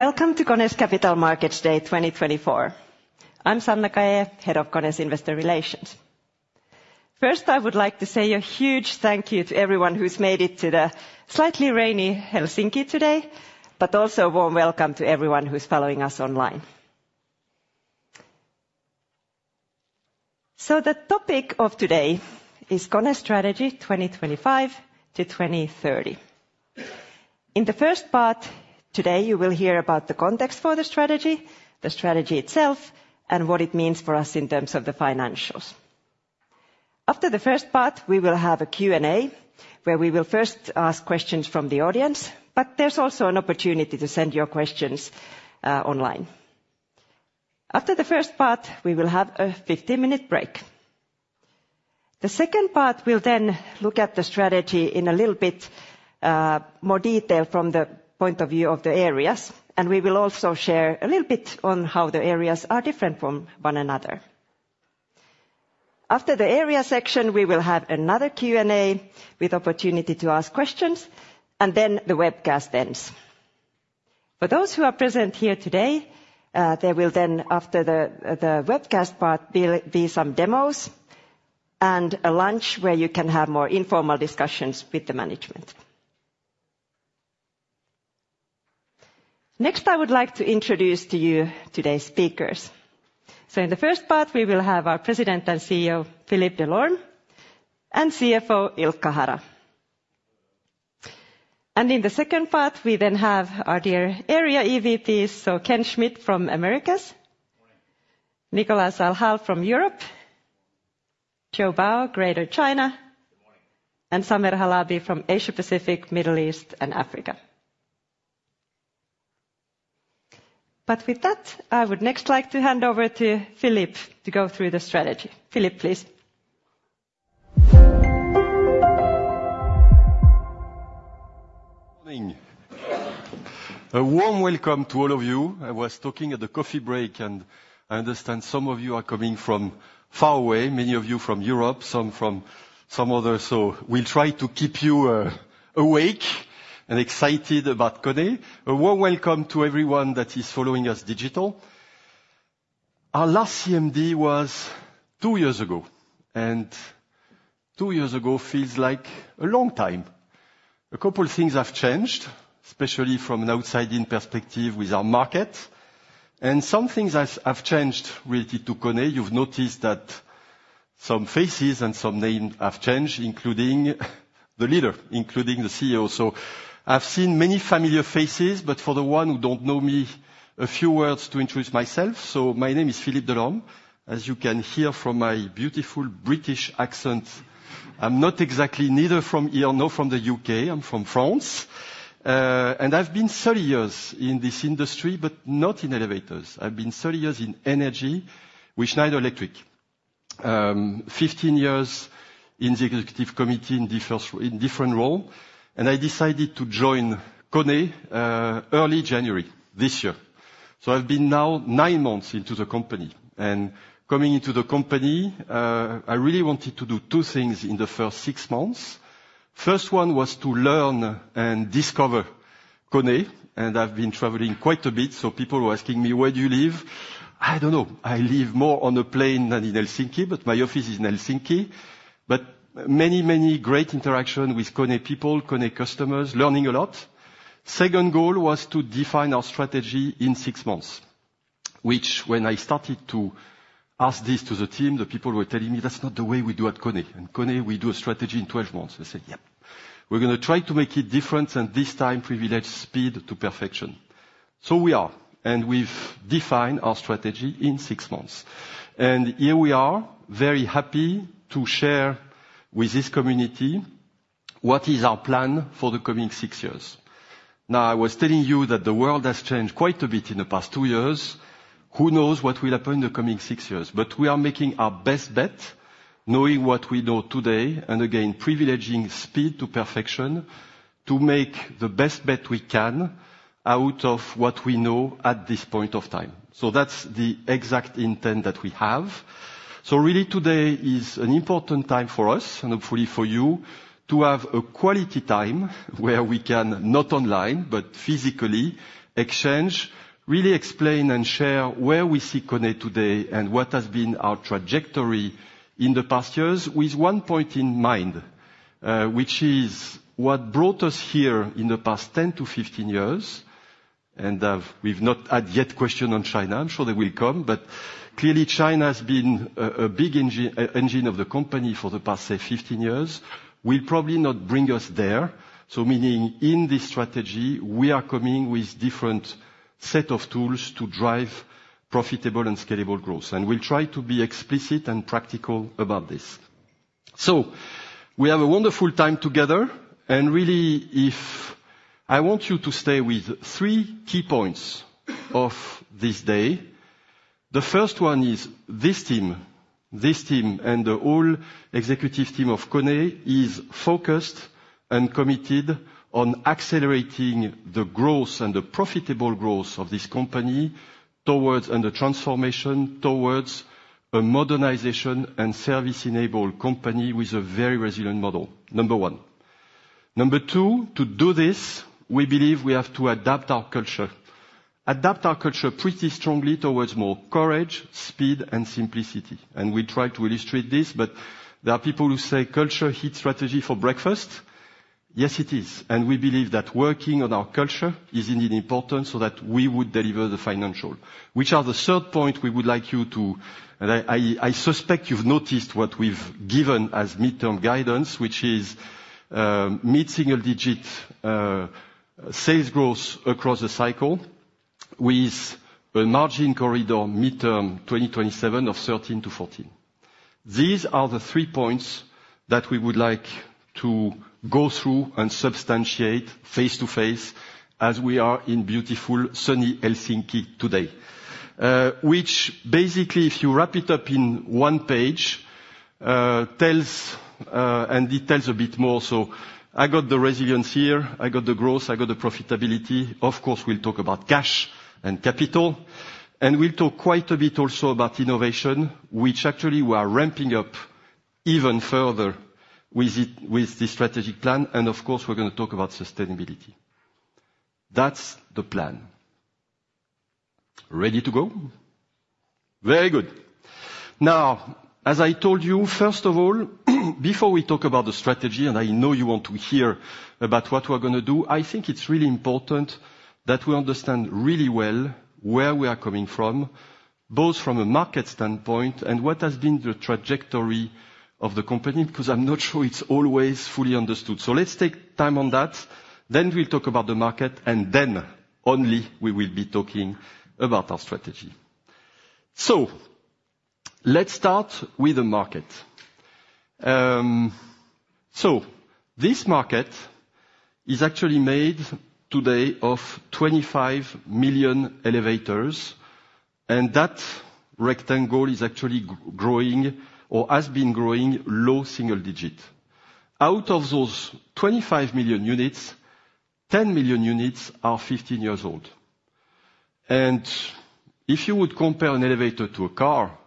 Welcome to KONE's Capital Markets Day 2024. I'm Sanna Kaje, Head of KONE's Investor Relations. First, I would like to say a huge thank you to everyone who's made it to the slightly rainy Helsinki today, but also a warm welcome to everyone who's following us online. So the topic of today is KONE Strategy 2025-2030. In the first part, today, you will hear about the context for the strategy, the strategy itself, and what it means for us in terms of the financials. After the first part, we will have a Q&A, where we will first ask questions from the audience, but there's also an opportunity to send your questions online. After the first part, we will have a 15-minute break. The second part, we'll then look at the strategy in a little bit more detail from the point of view of the areas, and we will also share a little bit on how the areas are different from one another. After the area section, we will have another Q&A with opportunity to ask questions, and then the webcast ends. For those who are present here today, there will then, after the webcast part, there will be some demos and a lunch where you can have more informal discussions with the management. Next, I would like to introduce to you today's speakers. So in the first part, we will have our President and CEO, Philippe Delorme, and CFO, Ilkka Hara. And in the second part, we then have our dear area EVPs, so Ken Schmid from Americas- Good morning. Nicolas Alchalel from Europe. Good morning. Joe Bao, Greater China. Good morning. And Samer Halabi from Asia-Pacific, Middle East, and Africa. But with that, I would next like to hand over to Philippe to go through the strategy. Philippe, please. Good morning. A warm welcome to all of you. I was talking at the coffee break, and I understand some of you are coming from far away, many of you from Europe, some from some other... So we'll try to keep you awake and excited about KONE. A warm welcome to everyone that is following us digital. Our last CMD was two years ago, and two years ago feels like a long time. A couple things have changed, especially from an outside-in perspective with our market, and some things have changed related to KONE. You've noticed that some faces and some names have changed, including the leader, including the CEO. So I've seen many familiar faces, but for the one who don't know me, a few words to introduce myself. So my name is Philippe Delorme. As you can hear from my beautiful British accent, I'm not exactly neither from here nor from the U.K. I'm from France, and I've been thirty years in this industry, but not in elevators. I've been thirty years in energy with Schneider Electric, fifteen years in the executive committee in different role, and I decided to join KONE, early January this year, so I've been now nine months into the company, and coming into the company, I really wanted to do two things in the first six months. First one was to learn and discover KONE, and I've been traveling quite a bit, so people were asking me: Where do you live? I don't know. I live more on a plane than in Helsinki, but my office is in Helsinki. But many, many great interaction with KONE people, KONE customers, learning a lot. Second goal was to define our strategy in six months, which when I started to ask this to the team, the people were telling me, "That's not the way we do at KONE. In KONE, we do a strategy in twelve months." I said, "Yeah, we're gonna try to make it different, and this time, privilege speed to perfection." So we are, and we've defined our strategy in six months, and here we are, very happy to share with this community what is our plan for the coming six years. Now, I was telling you that the world has changed quite a bit in the past two years. Who knows what will happen in the coming six years? But we are making our best bet, knowing what we know today, and again, privileging speed to perfection, to make the best bet we can out of what we know at this point of time. So that's the exact intent that we have. So really, today is an important time for us, and hopefully for you, to have a quality time where we can, not online, but physically exchange, really explain and share where we see KONE today and what has been our trajectory in the past years, with one point in mind, which is what brought us here in the past ten to fifteen years, and, we've not had yet question on China. I'm sure they will come, but clearly, China has been a big engine of the company for the past, say, fifteen years, will probably not bring us there. So meaning, in this strategy, we are coming with different set of tools to drive profitable and scalable growth, and we'll try to be explicit and practical about this. So we have a wonderful time together, and really, I want you to stay with three key points of this day. The first one is this team, this team and the whole executive team of KONE, is focused and committed on accelerating the growth and the profitable growth of this company towards and the transformation towards a modernization and service-enabled company with a very resilient model, number one. Number two, to do this, we believe we have to adapt our culture. Adapt our culture pretty strongly towards more courage, speed, and simplicity, and we try to illustrate this, but there are people who say culture eats strategy for breakfast. Yes, it is, and we believe that working on our culture is indeed important, so that we would deliver the financial. Which are the third point we would like you to—I suspect you've noticed what we've given as midterm guidance, which is, mid-single digit sales growth across the cycle, with a margin corridor midterm 2027 of 13%-14%. These are the three points that we would like to go through and substantiate face-to-face as we are in beautiful, sunny Helsinki today. Which basically, if you wrap it up in one page, tells and details a bit more, so I got the resilience here, I got the growth, I got the profitability. Of course, we'll talk about cash and capital, and we'll talk quite a bit also about innovation, which actually we are ramping up even further with it, with this strategic plan. And of course, we're gonna talk about sustainability. That's the plan. Ready to go? Very good. Now, as I told you, first of all, before we talk about the strategy, and I know you want to hear about what we're gonna do, I think it's really important that we understand really well where we are coming from, both from a market standpoint and what has been the trajectory of the company, because I'm not sure it's always fully understood. So let's take time on that, then we'll talk about the market, and then only we will be talking about our strategy. So let's start with the market. So this market is actually made today of 25 million elevators, and that rectangle is actually growing or has been growing low single-digit. Out of those 25 million units, 10 million units are 15 years old. And if you would compare an elevator to a car,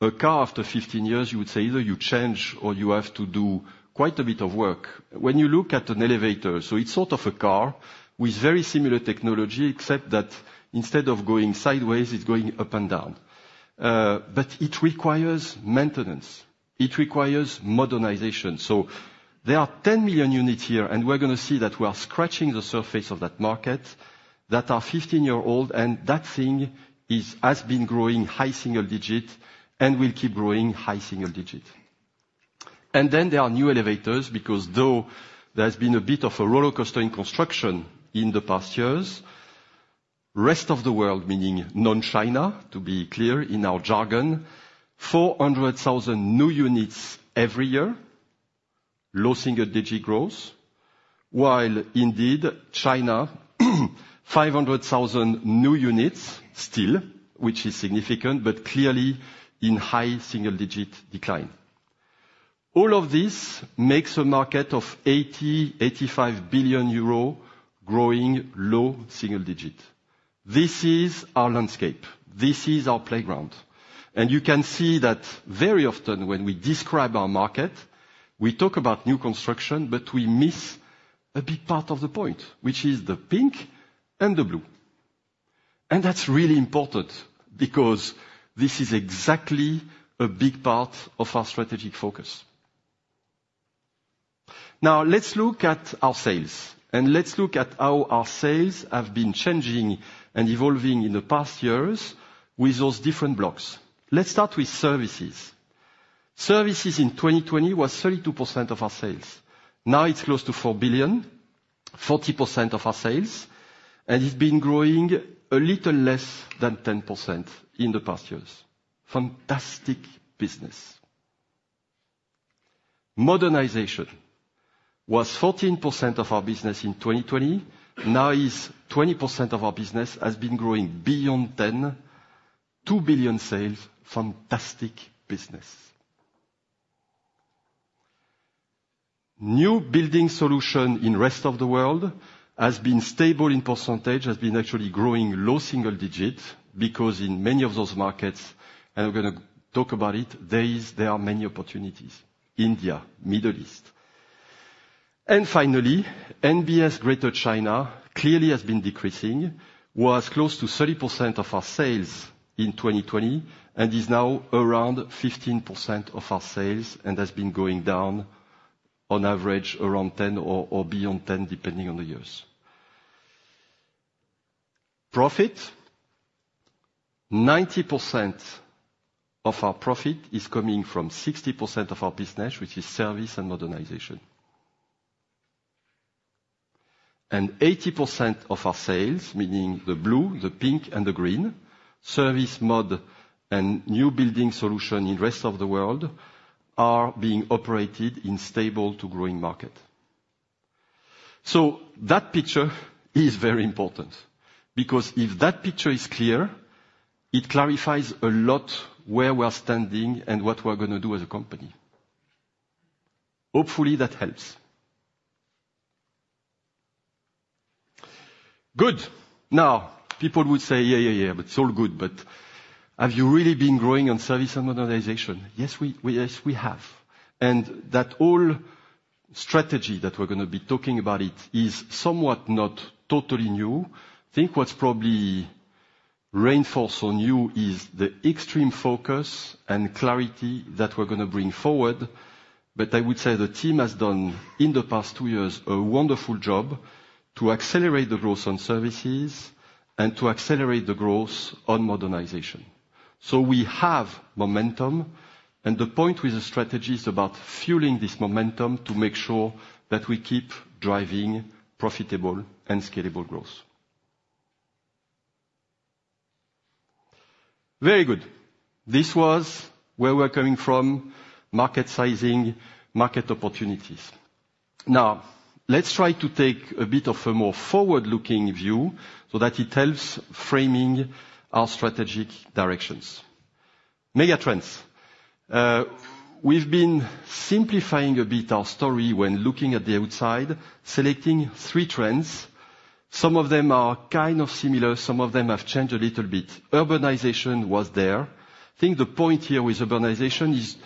a car after 15 years, you would say either you change or you have to do quite a bit of work. When you look at an elevator, so it's sort of a car with very similar technology, except that instead of going sideways, it's going up and down. But it requires maintenance, it requires modernization. So there are 10 million units here, and we're gonna see that we are scratching the surface of that market, that are 15-year-old, and that thing is, has been growing high single-digit and will keep growing high single-digit. And then there are new elevators, because though there has been a bit of a rollercoaster in construction in the past years, rest of the world, meaning non-China, to be clear in our jargon, 400,000 new units every year, low single digit growth, while indeed, China, 500,000 new units still, which is significant, but clearly in high single digit decline. All of this makes a market of 80-85 billion euro growing low single digit. This is our landscape, this is our playground. And you can see that very often when we describe our market, we talk about new construction, but we miss a big part of the point, which is the pink and the blue. And that's really important because this is exactly a big part of our strategic focus. Now, let's look at our sales, and let's look at how our sales have been changing and evolving in the past years with those different blocks. Let's start with services. Services in 2020 was 32% of our sales. Now, it's close to 4 billion, 40% of our sales, and it's been growing a little less than 10% in the past years. Fantastic business. Modernization was 14% of our business in 2020, now is 20% of our business, has been growing beyond 10, 2 billion sales. Fantastic business. New building solution in rest of the world has been stable in percentage, has been actually growing low single digit, because in many of those markets, and I'm gonna talk about it, there are many opportunities, India, Middle East. And finally, NBS Greater China clearly has been decreasing, was close to 30% of our sales in 2020, and is now around 15% of our sales, and has been going down on average around 10 or beyond 10, depending on the years. Profit, 90% of our profit is coming from 60% of our business, which is service and modernization. And 80% of our sales, meaning the blue, the pink, and the green, service, mod, and new building solution in rest of the world, are being operated in stable to growing market. So that picture is very important because if that picture is clear, it clarifies a lot where we're standing and what we're gonna do as a company. Hopefully, that helps.... Good! Now, people would say, "Yeah, yeah, yeah, but it's all good, but have you really been growing on service and modernization?" Yes, we have, and that whole strategy that we're gonna be talking about it is somewhat not totally new. Think what's probably reinforced on you is the extreme focus and clarity that we're gonna bring forward. But I would say the team has done, in the past two years, a wonderful job to accelerate the growth on services and to accelerate the growth on modernization. So we have momentum, and the point with the strategy is about fueling this momentum to make sure that we keep driving profitable and scalable growth. Very good. This was where we're coming from, market sizing, market opportunities. Now, let's try to take a bit of a more forward-looking view so that it helps framing our strategic directions. Mega trends. We've been simplifying a bit our story when looking at the outside, selecting three trends. Some of them are kind of similar, some of them have changed a little bit. Urbanization was there. I think the point here with urbanization is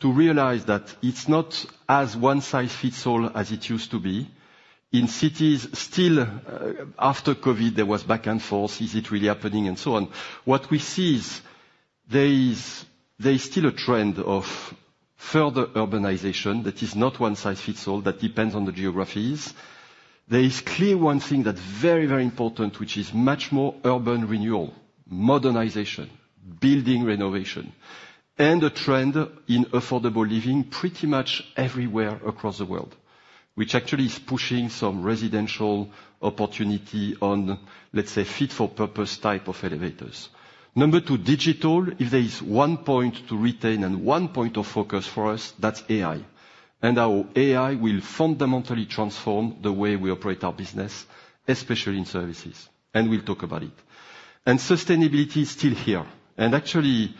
to realize that it's not as one size fits all, as it used to be. In cities, still, after COVID, there was back and forth, is it really happening, and so on. What we see is, there is still a trend of further urbanization that is not one size fits all, that depends on the geographies. There is clear one thing that's very, very important, which is much more urban renewal, modernization, building renovation, and a trend in affordable living pretty much everywhere across the world. Which actually is pushing some residential opportunity on, let's say, fit-for-purpose type of elevators. Number two, digital. If there is one point to retain and one point of focus for us, that's AI. And our AI will fundamentally transform the way we operate our business, especially in services, and we'll talk about it. And sustainability is still here, and actually,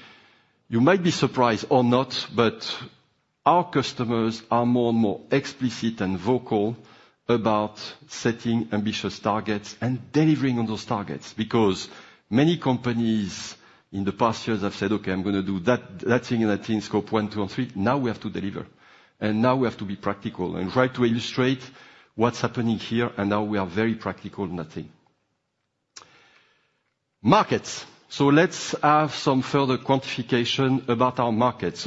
you might be surprised or not, but our customers are more and more explicit and vocal about setting ambitious targets and delivering on those targets. Because many companies in the past years have said, "Okay, I'm gonna do that, that thing and that thing, scope one, two, and three." Now we have to deliver, and now we have to be practical and try to illustrate what's happening here, and now we are very practical on that thing. Markets. So let's have some further quantification about our market.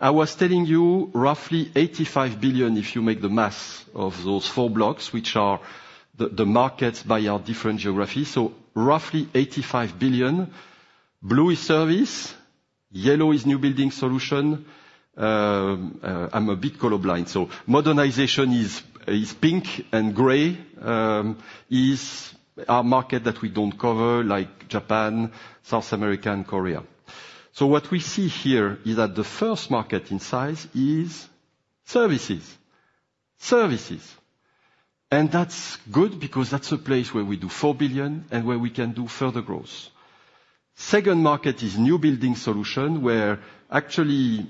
I was telling you, roughly 85 billion, if you make the math of those four blocks, which are the markets by our different geographies. Roughly 85 billion. Blue is service, yellow is new building solution. I'm a bit color blind, so modernization is pink, and gray is our market that we don't cover, like Japan, South America, and Korea. What we see here is that the first market in size is services. And that's good, because that's a place where we do 4 billion and where we can do further growth. Second market is new building solution, where actually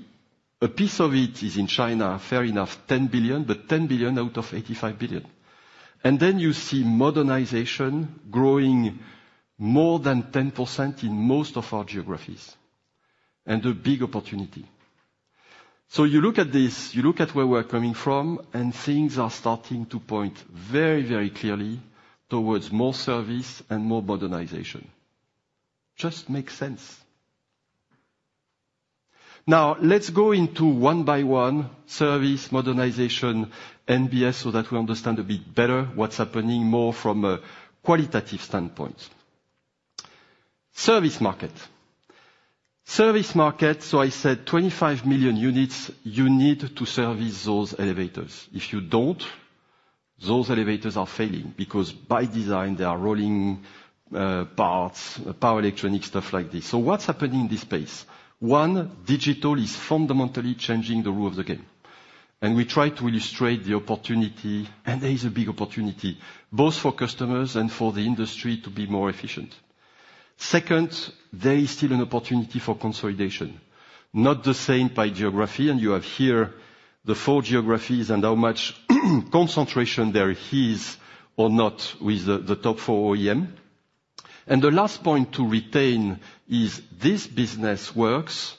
a piece of it is in China, fair enough, 10 billion, but 10 billion out of 85 billion. And then you see modernization growing more than 10% in most of our geographies, and a big opportunity. So you look at this, you look at where we're coming from, and things are starting to point very, very clearly towards more service and more modernization. Just makes sense. Now, let's go into one by one, service, modernization, NBS, so that we understand a bit better what's happening more from a qualitative standpoint. Service market. Service market, so I said twenty-five million units, you need to service those elevators. If you don't, those elevators are failing, because by design, there are rolling, parts, power electronic stuff like this. So what's happening in this space? One, digital is fundamentally changing the rule of the game, and we try to illustrate the opportunity, and there is a big opportunity, both for customers and for the industry to be more efficient. Second, there is still an opportunity for consolidation, not the same by geography, and you have here the four geographies and how much concentration there is or not with the top four OEM. And the last point to retain is, this business works.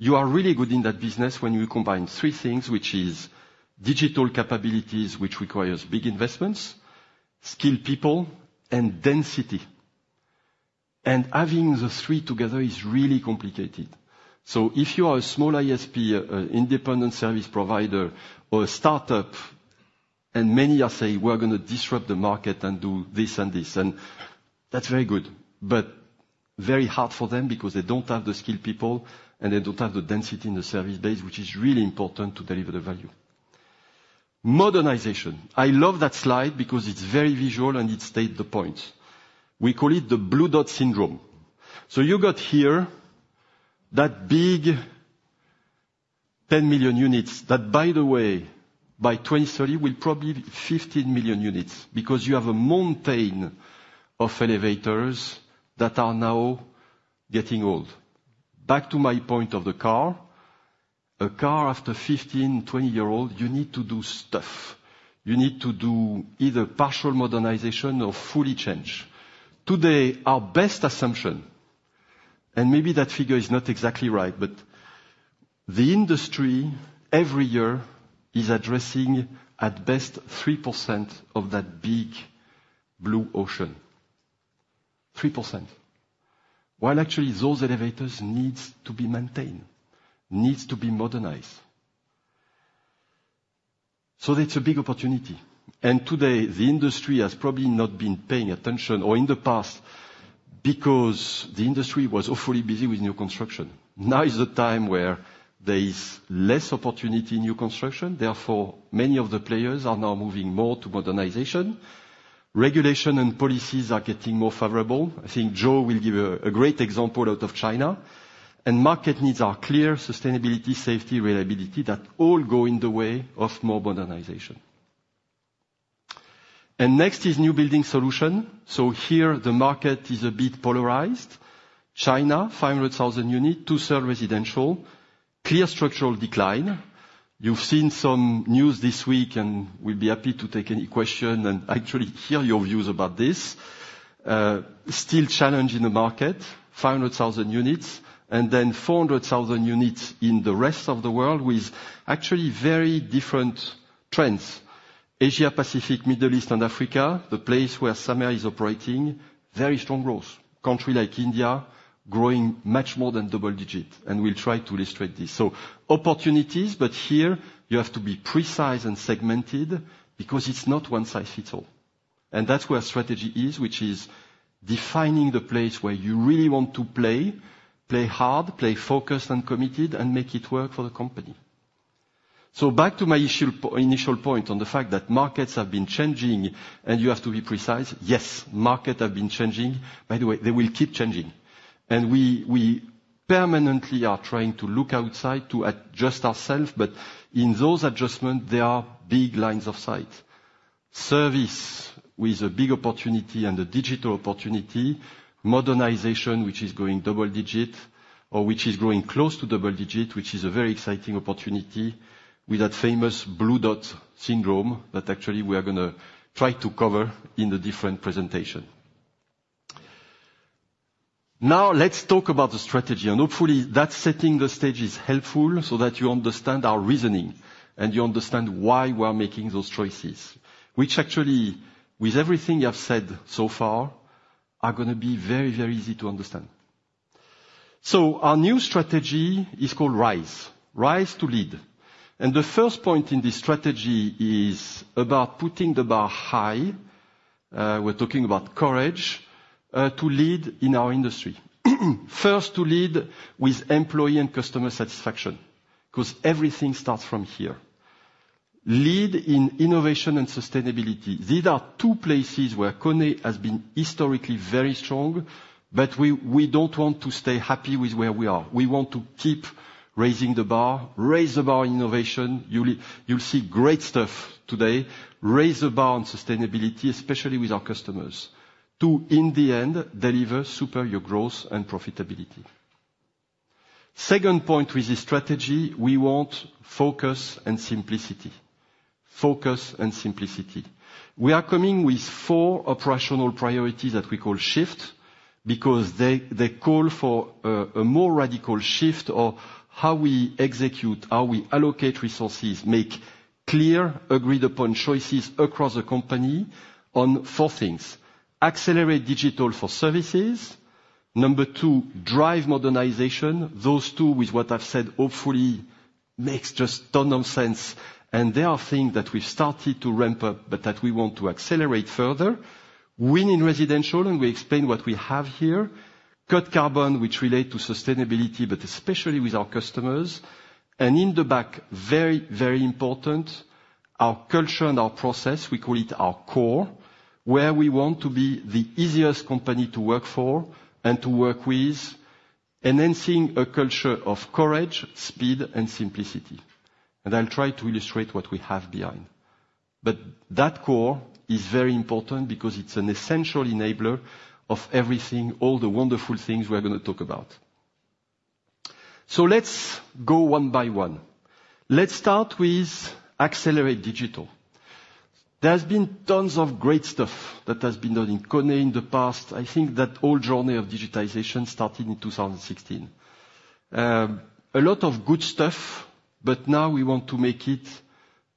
You are really good in that business when you combine three things, which is digital capabilities, which requires big investments, skilled people, and density. And having the three together is really complicated. So if you are a small ISP, independent service provider or a startup, and many are saying, "We're gonna disrupt the market and do this and this," and that's very good, but very hard for them because they don't have the skilled people, and they don't have the density in the service days, which is really important to deliver the value. Modernization. I love that slide because it's very visual and it states the points. We call it the Blue Dot syndrome. So you got here that big 10 million units, that, by the way, by 2030, will probably be 15 million units, because you have a mountain of elevators that are now getting old. Back to my point of the car. A car after 15, 20 years old, you need to do stuff. You need to do either partial modernization or fully change. Today, our best assumption, and maybe that figure is not exactly right, but the industry every year is addressing at best 3% of that big blue ocean. 3%, while actually those elevators need to be maintained, need to be modernized. It's a big opportunity, and today, the industry has probably not been paying attention, or in the past, because the industry was awfully busy with new construction. Now is the time where there is less opportunity in new construction, therefore, many of the players are now moving more to modernization. Regulation and policies are getting more favorable. I think Joe will give a great example out of China, and market needs are clear, sustainability, safety, reliability, that all go in the way of more modernization. Next is new building solution. Here, the market is a bit polarized. China, five hundred thousand units, two-thirds residential, clear structural decline. You've seen some news this week, and we'll be happy to take any question and actually hear your views about this. Still challenge in the market, 500,000 units, and then 400,000 units in the rest of the world, with actually very different trends. Asia Pacific, Middle East and Africa, the place where Samer is operating, very strong growth. A country like India, growing much more than double digit, and we'll try to illustrate this. So opportunities, but here you have to be precise and segmented because it's not one size fits all. And that's where strategy is, which is defining the place where you really want to play, play hard, play focused and committed, and make it work for the company. So back to my initial point on the fact that markets have been changing, and you have to be precise. Yes, markets have been changing. By the way, they will keep changing, and we permanently are trying to look outside to adjust ourselves, but in those adjustments, there are big lines of sight. Service with a big opportunity and a digital opportunity, modernization, which is going double digit, or which is growing close to double digit, which is a very exciting opportunity with that famous Blue Dot syndrome, that actually we are gonna try to cover in a different presentation. Now, let's talk about the strategy, and hopefully, that setting the stage is helpful so that you understand our reasoning and you understand why we're making those choices, which actually, with everything I've said so far, are gonna be very, very easy to understand. So our new strategy is called Rise to Lead, and the first point in this strategy is about putting the bar high. We're talking about courage to lead in our industry. First, to lead with employee and customer satisfaction, 'cause everything starts from here. Lead in innovation and sustainability. These are two places where KONE has been historically very strong, but we don't want to stay happy with where we are. We want to keep raising the bar. Raise the bar in innovation. You'll see great stuff today. Raise the bar on sustainability, especially with our customers, to in the end deliver superior growth and profitability. Second point with this strategy, we want focus and simplicity. Focus and simplicity. We are coming with four operational priorities that we call shift, because they call for a more radical shift of how we execute, how we allocate resources, make clear, agreed-upon choices across the company on four things: accelerate digital for services, number two, drive modernization. Those two, with what I've said, hopefully makes just a ton of sense, and they are things that we've started to ramp up, but that we want to accelerate further. Win in residential, and we explain what we have here. Cut Carbon, which relate to sustainability, but especially with our customers. And in the back, very, very important, our culture and our process, we call it our core, where we want to be the easiest company to work for and to work with, enhancing a culture of courage, speed, and simplicity. And I'll try to illustrate what we have behind. But that core is very important because it's an essential enabler of everything, all the wonderful things we are gonna talk about, so let's go one by one. Let's start with accelerate digital. There's been tons of great stuff that has been done in KONE in the past. I think that whole journey of digitization started in two thousand and sixteen. A lot of good stuff, but now we want to make it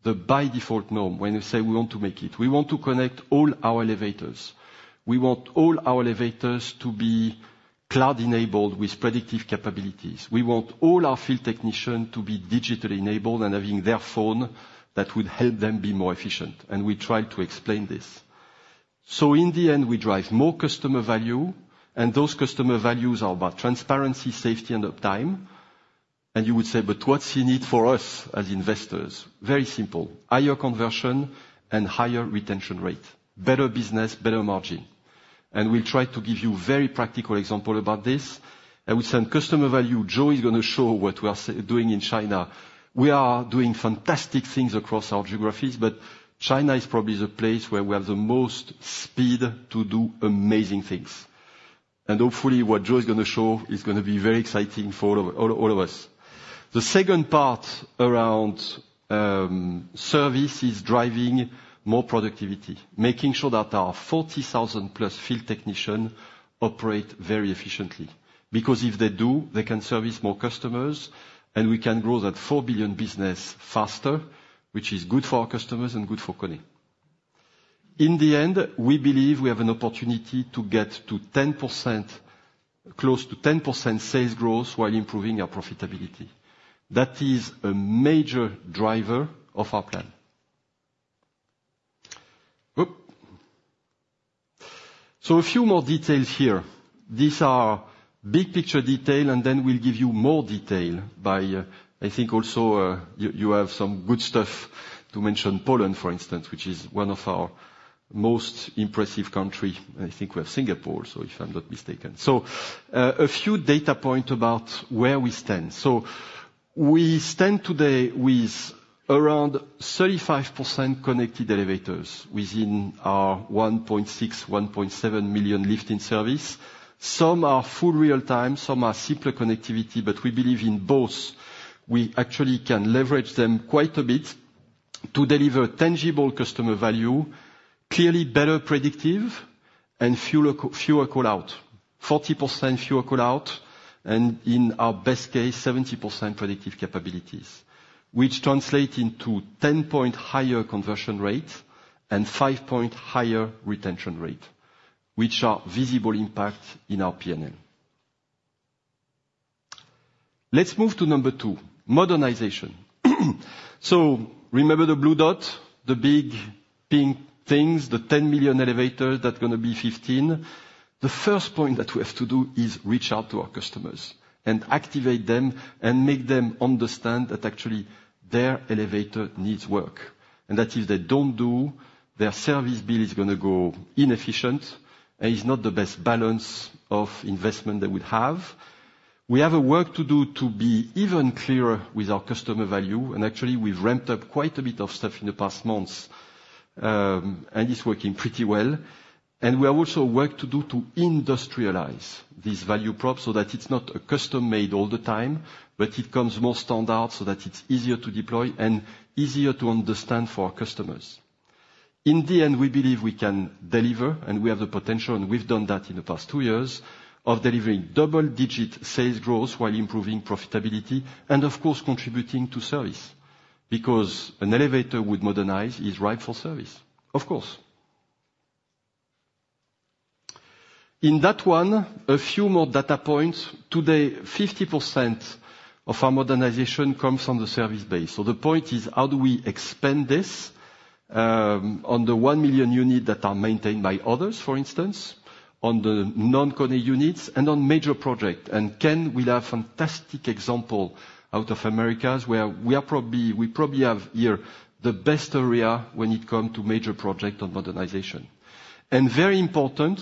the by default norm. When you say we want to make it, we want to connect all our elevators. We want all our elevators to be cloud-enabled with predictive capabilities. We want all our field technician to be digitally enabled and having their phone that would help them be more efficient, and we try to explain this, so in the end, we drive more customer value, and those customer values are about transparency, safety, and uptime. You would say, "But what's in it for us as investors?" Very simple, higher conversion and higher retention rate. Better business, better margin. We'll try to give you very practical example about this. I would say on customer value, Joe is gonna show what we are doing in China. We are doing fantastic things across our geographies, but China is probably the place where we have the most speed to do amazing things. And hopefully what Joe is going to show is going to be very exciting for all of us. The second part around service is driving more productivity, making sure that our 40,000 plus field technician Operate very efficiently, because if they do, they can service more customers and we can grow that 4 billion business faster, which is good for our customers and good for KONE. In the end, we believe we have an opportunity to get to 10%, close to 10% sales growth while improving our profitability. That is a major driver of our plan. Oop! So a few more details here. These are big picture detail, and then we'll give you more detail by, I think also, you have some good stuff to mention, Poland, for instance, which is one of our most impressive country. I think we have Singapore, so if I'm not mistaken. So, a few data point about where we stand. So we stand today with around 35% connected elevators within our 1.6-1.7 million lift in service. Some are full real-time, some are simpler connectivity, but we believe in both. We actually can leverage them quite a bit to deliver tangible customer value, clearly better predictive and fewer call out. 40% fewer call out, and in our best case, 70% predictive capabilities, which translate into 10-point higher conversion rate and 5-point higher retention rate, which are visible impact in our P&L. Let's move to number two, modernization. So remember the Blue Dot, the big pink things, the 10 million elevator, that gonna be 15? The first point that we have to do is reach out to our customers and activate them, and make them understand that actually their elevator needs work, and that if they don't do, their service bill is gonna go inefficient, and it's not the best balance of investment that we have. We have a work to do to be even clearer with our customer value, and actually, we've ramped up quite a bit of stuff in the past months, and it's working pretty well. And we have also work to do to industrialize this value prop, so that it's not a custom-made all the time, but it comes more standard so that it's easier to deploy and easier to understand for our customers. In the end, we believe we can deliver, and we have the potential, and we've done that in the past two years of delivering double-digit sales growth while improving profitability, and of course, contributing to service, because an elevator with modernize is right for service, of course. In that one, a few more data points. Today, 50% of our modernization comes from the service base. The point is, how do we expand this on the one million units that are maintained by others, for instance, on the non-KONE units and on major projects? Ken, we have a fantastic example out of Americas, where we probably have here the best area when it comes to major projects in modernization. Very important,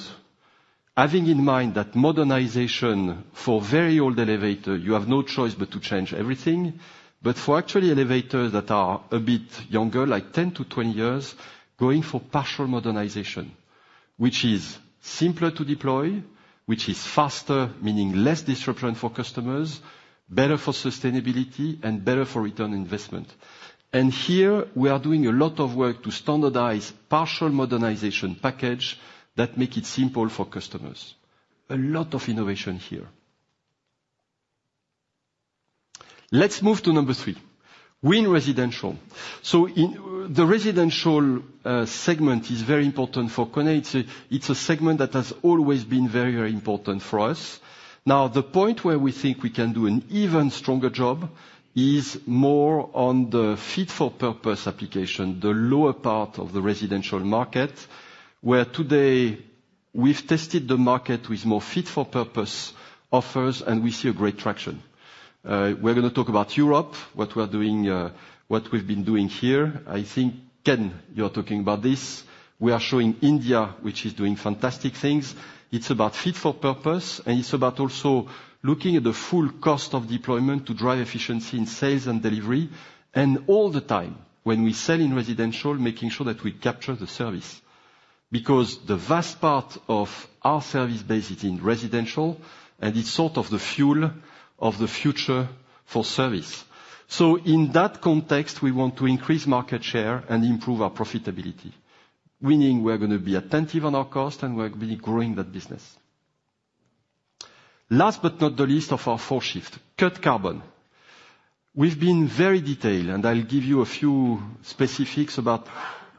having in mind that modernization for very old elevators, you have no choice but to change everything, but actually for elevators that are a bit younger, like 10 to 20 years, going for partial modernization, which is simpler to deploy, which is faster, meaning less disruption for customers, better for sustainability and better for return on investment. Here, we are doing a lot of work to standardize partial modernization packages that make it simple for customers. A lot of innovation here. Let's move to number 3: Win Residential. So in the residential segment is very important for KONE. It's a segment that has always been very, very important for us. Now, the point where we think we can do an even stronger job is more on the fit-for-purpose application, the lower part of the residential market, where today we've tested the market with more fit-for-purpose offers, and we see a great traction. We're gonna talk about Europe, what we're doing, what we've been doing here. I think, Ken, you're talking about this. We are showing India, which is doing fantastic things. It's about fit for purpose, and it's about also looking at the full cost of deployment to drive efficiency in sales and delivery, and all the time when we sell in residential, making sure that we capture the service, because the vast part of our service base is in residential, and it's sort of the fuel of the future for service. So in that context, we want to increase market share and improve our profitability. Winning, we're gonna be attentive on our cost, and we're gonna be growing that business. Last but not the least of our four shift, Cut Carbon. We've been very detailed, and I'll give you a few specifics about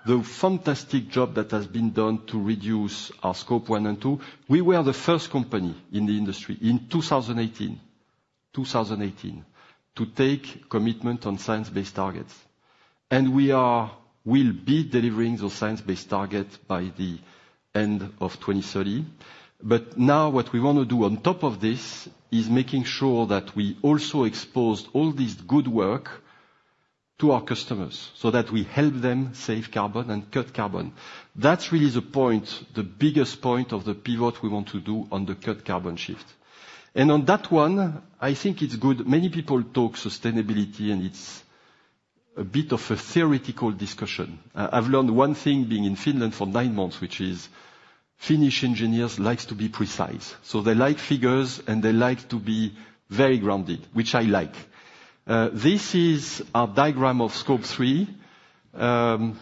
the fantastic job that has been done to reduce our Scope 1 and 2. We were the first company in the industry in 2018 to take commitment on Science-Based Targets. We'll be delivering those Science-Based Targets by the end of 2030. But now what we want to do on top of this is making sure that we also expose all this good work to our customers, so that we help them save carbon and Cut Carbon. That's really the point, the biggest point of the pivot we want to do on the Cut Carbon shift. On that one, I think it's good. Many people talk sustainability, and it's a bit of a theoretical discussion. I've learned one thing being in Finland for nine months, which is Finnish engineers likes to be precise, so they like figures, and they like to be very grounded, which I like. This is a diagram of Scope 3.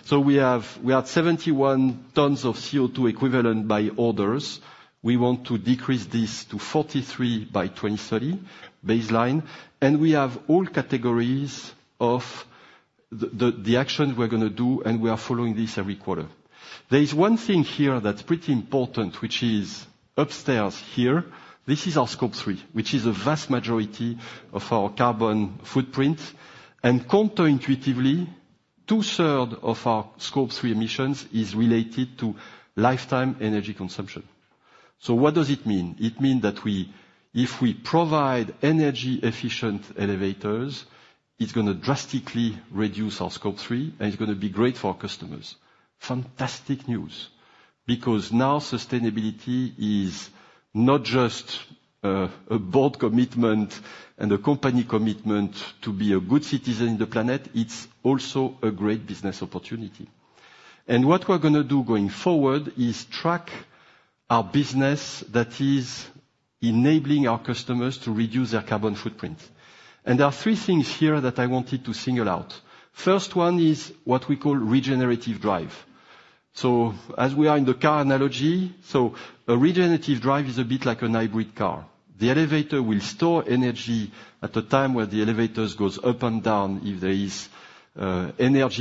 So we had 71 tons of CO2 equivalent by orders. We want to decrease this to forty-three by twenty thirty baseline, and we have all categories of the action we're gonna do, and we are following this every quarter. There is one thing here that's pretty important, which is upstairs here. This is our Scope 3, which is a vast majority of our carbon footprint, and counterintuitively, two-thirds of our Scope 3 emissions is related to lifetime energy consumption. So what does it mean? It mean that we if we provide energy-efficient elevators, it's gonna drastically reduce our Scope 3, and it's gonna be great for our customers. Fantastic news, because now sustainability is not just a board commitment and a company commitment to be a good citizen in the planet, it's also a great business opportunity. What we're gonna do going forward is track our business that is enabling our customers to reduce their carbon footprint. There are three things here that I wanted to single out. First one is what we call regenerative drive. As we are in the car analogy, a regenerative drive is a bit like a hybrid car. The elevator will store energy at the time where the elevators goes up and down if there is energy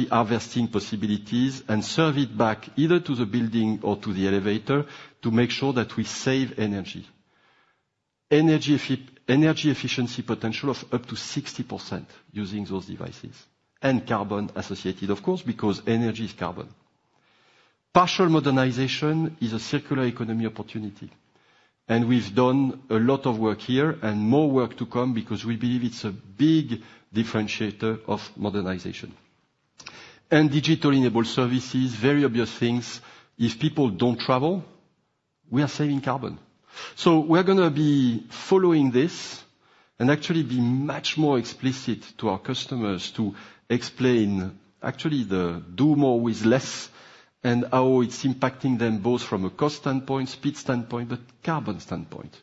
harvesting possibilities, and serve it back either to the building or to the elevator to make sure that we save energy. Energy efficiency potential of up to 60% using those devices, and carbon associated, of course, because energy is carbon. Partial Modernization is a circular economy opportunity, and we've done a lot of work here, and more work to come because we believe it's a big differentiator of modernization, and digital enabled services, very obvious things. If people don't travel, we are saving carbon, so we're gonna be following this and actually be much more explicit to our customers to explain actually the do more with less, and how it's impacting them, both from a cost standpoint, speed standpoint, but carbon standpoint,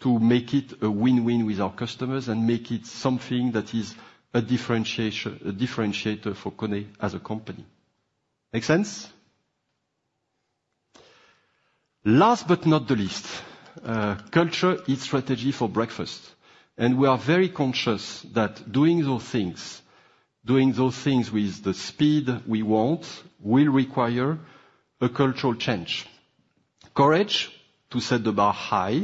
to make it a win-win with our customers and make it something that is a differentiation, a differentiator for KONE as a company. Make sense? Last, but not the least, culture eats strategy for breakfast, and we are very conscious that doing those things with the speed we want will require a cultural change. Courage to set the bar high,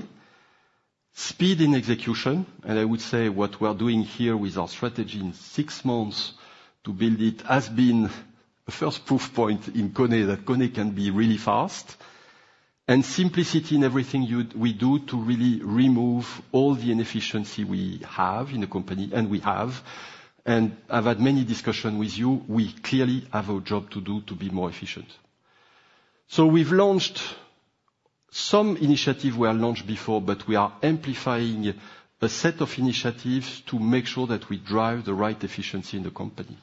speed in execution, and I would say what we're doing here with our strategy in six months to build it has been a first proof point in KONE that KONE can be really fast. Simplicity in everything we do to really remove all the inefficiency we have in the company, and I've had many discussions with you. We clearly have a job to do to be more efficient. We've launched some initiatives we launched before, but we are amplifying a set of initiatives to make sure that we drive the right efficiency in the company,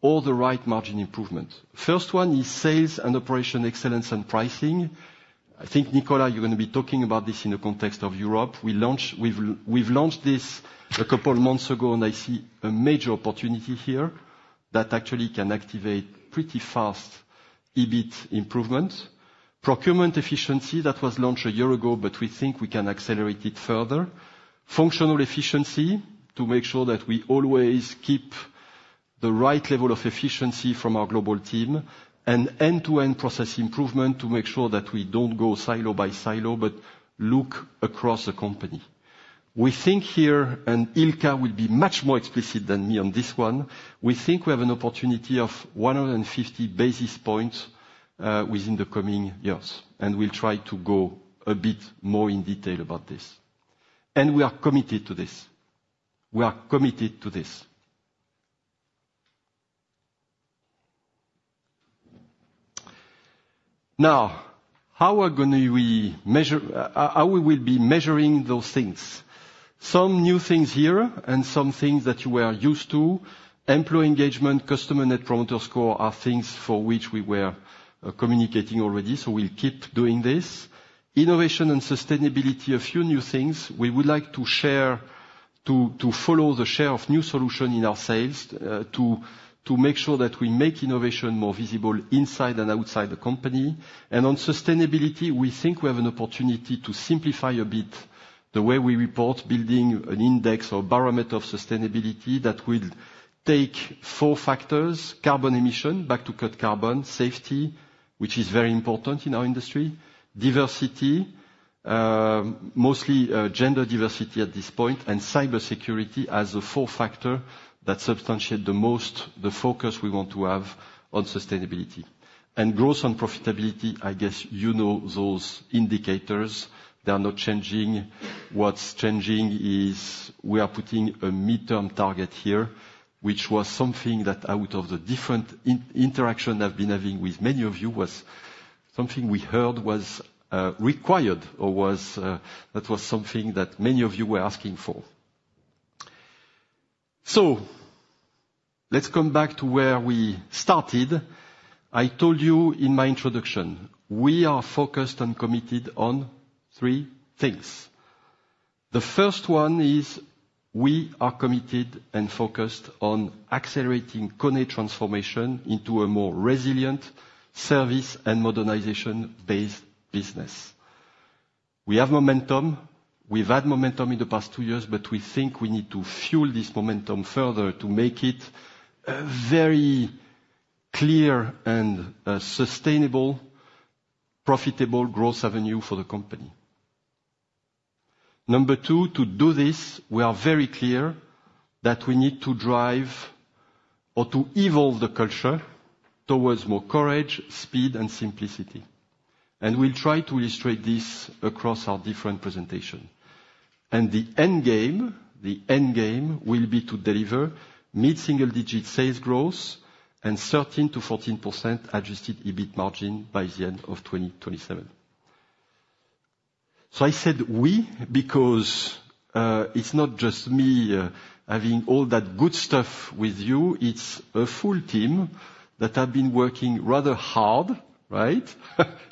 or the right margin improvement. First one is Sales and Operational Excellence and pricing. I think, Nicolas, you're gonna be talking about this in the context of Europe. We've launched this a couple of months ago, and I see a major opportunity here that actually can activate pretty fast EBIT improvements. Procurement efficiency, that was launched a year ago, but we think we can accelerate it further. Functional efficiency, to make sure that we always keep the right level of efficiency from our global team, and end-to-end process improvement, to make sure that we don't go silo by silo, but look across the company. We think here, and Ilkka will be much more explicit than me on this one, we think we have an opportunity of 150 basis points within the coming years, and we'll try to go a bit more in detail about this. And we are committed to this. We are committed to this. Now, how are we gonna measure how we will be measuring those things? Some new things here, and some things that you are used to. Employee engagement, customer Net Promoter Score, are things for which we were communicating already, so we'll keep doing this. Innovation and sustainability, a few new things. We would like to share, to follow the share of new solution in our sales, to make sure that we make innovation more visible inside and outside the company. And on sustainability, we think we have an opportunity to simplify a bit the way we report, building an index or barometer of sustainability that will take four factors: carbon emission, back to Cut Carbon, safety, which is very important in our industry, diversity, mostly gender diversity at this point, and cybersecurity as a fourth factor that substantiates the most the focus we want to have on sustainability. Growth and profitability, I guess you know those indicators. They are not changing. What's changing is we are putting a midterm target here, which was something that out of the different interactions I've been having with many of you, was something we heard was required or that was something that many of you were asking for. So let's come back to where we started. I told you in my introduction, we are focused and committed on three things. The first one is, we are committed and focused on accelerating KONE transformation into a more resilient service and modernization-based business. We have momentum. We've had momentum in the past two years, but we think we need to fuel this momentum further to make it a very clear and sustainable, profitable growth avenue for the company. Number 2, to do this, we are very clear that we need to drive or to evolve the culture towards more courage, speed, and simplicity. And we'll try to illustrate this across our different presentation. And the end game, the end game will be to deliver mid-single-digit sales growth and 13%-14% adjusted EBIT margin by the end of 2027. So I said we, because, it's not just me, having all that good stuff with you, it's a full team that have been working rather hard, right?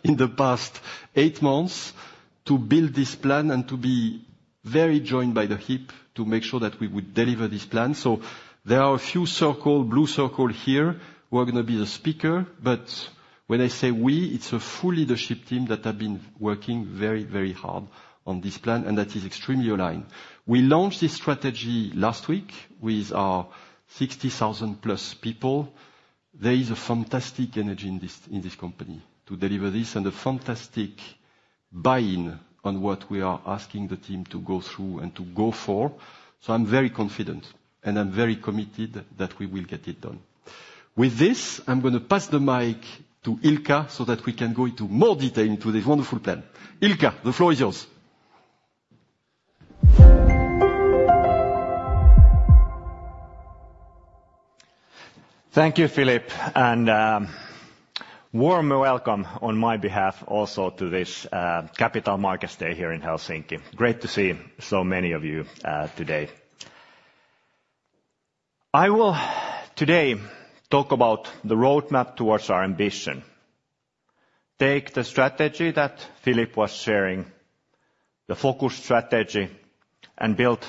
In the past eight months to build this plan and to be very joined by the hip to make sure that we would deliver this plan. So there are a few circle, blue circle here, who are gonna be the speaker. But when I say we, it's a full leadership team that have been working very, very hard on this plan, and that is extremely aligned. We launched this strategy last week with our sixty thousand plus people. There is a fantastic energy in this, in this company to deliver this, and a fantastic buy-in on what we are asking the team to go through and to go for. So I'm very confident, and I'm very committed that we will get it done. With this, I'm gonna pass the mic to Ilkka so that we can go into more detail into this wonderful plan. Ilkka, the floor is yours. Thank you, Philippe, and warm welcome on my behalf also to this capital markets day here in Helsinki. Great to see so many of you today. I will today talk about the roadmap towards our ambition. Take the strategy that Philippe was sharing, the focus strategy, and build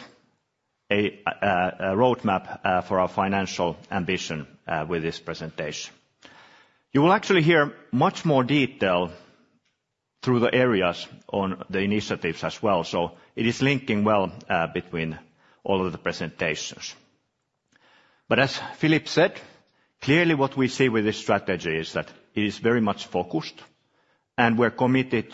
a roadmap for our financial ambition with this presentation. You will actually hear much more detail through the areas on the initiatives as well, so it is linking well between all of the presentations. But as Philippe said, clearly what we see with this strategy is that it is very much focused, and we're committed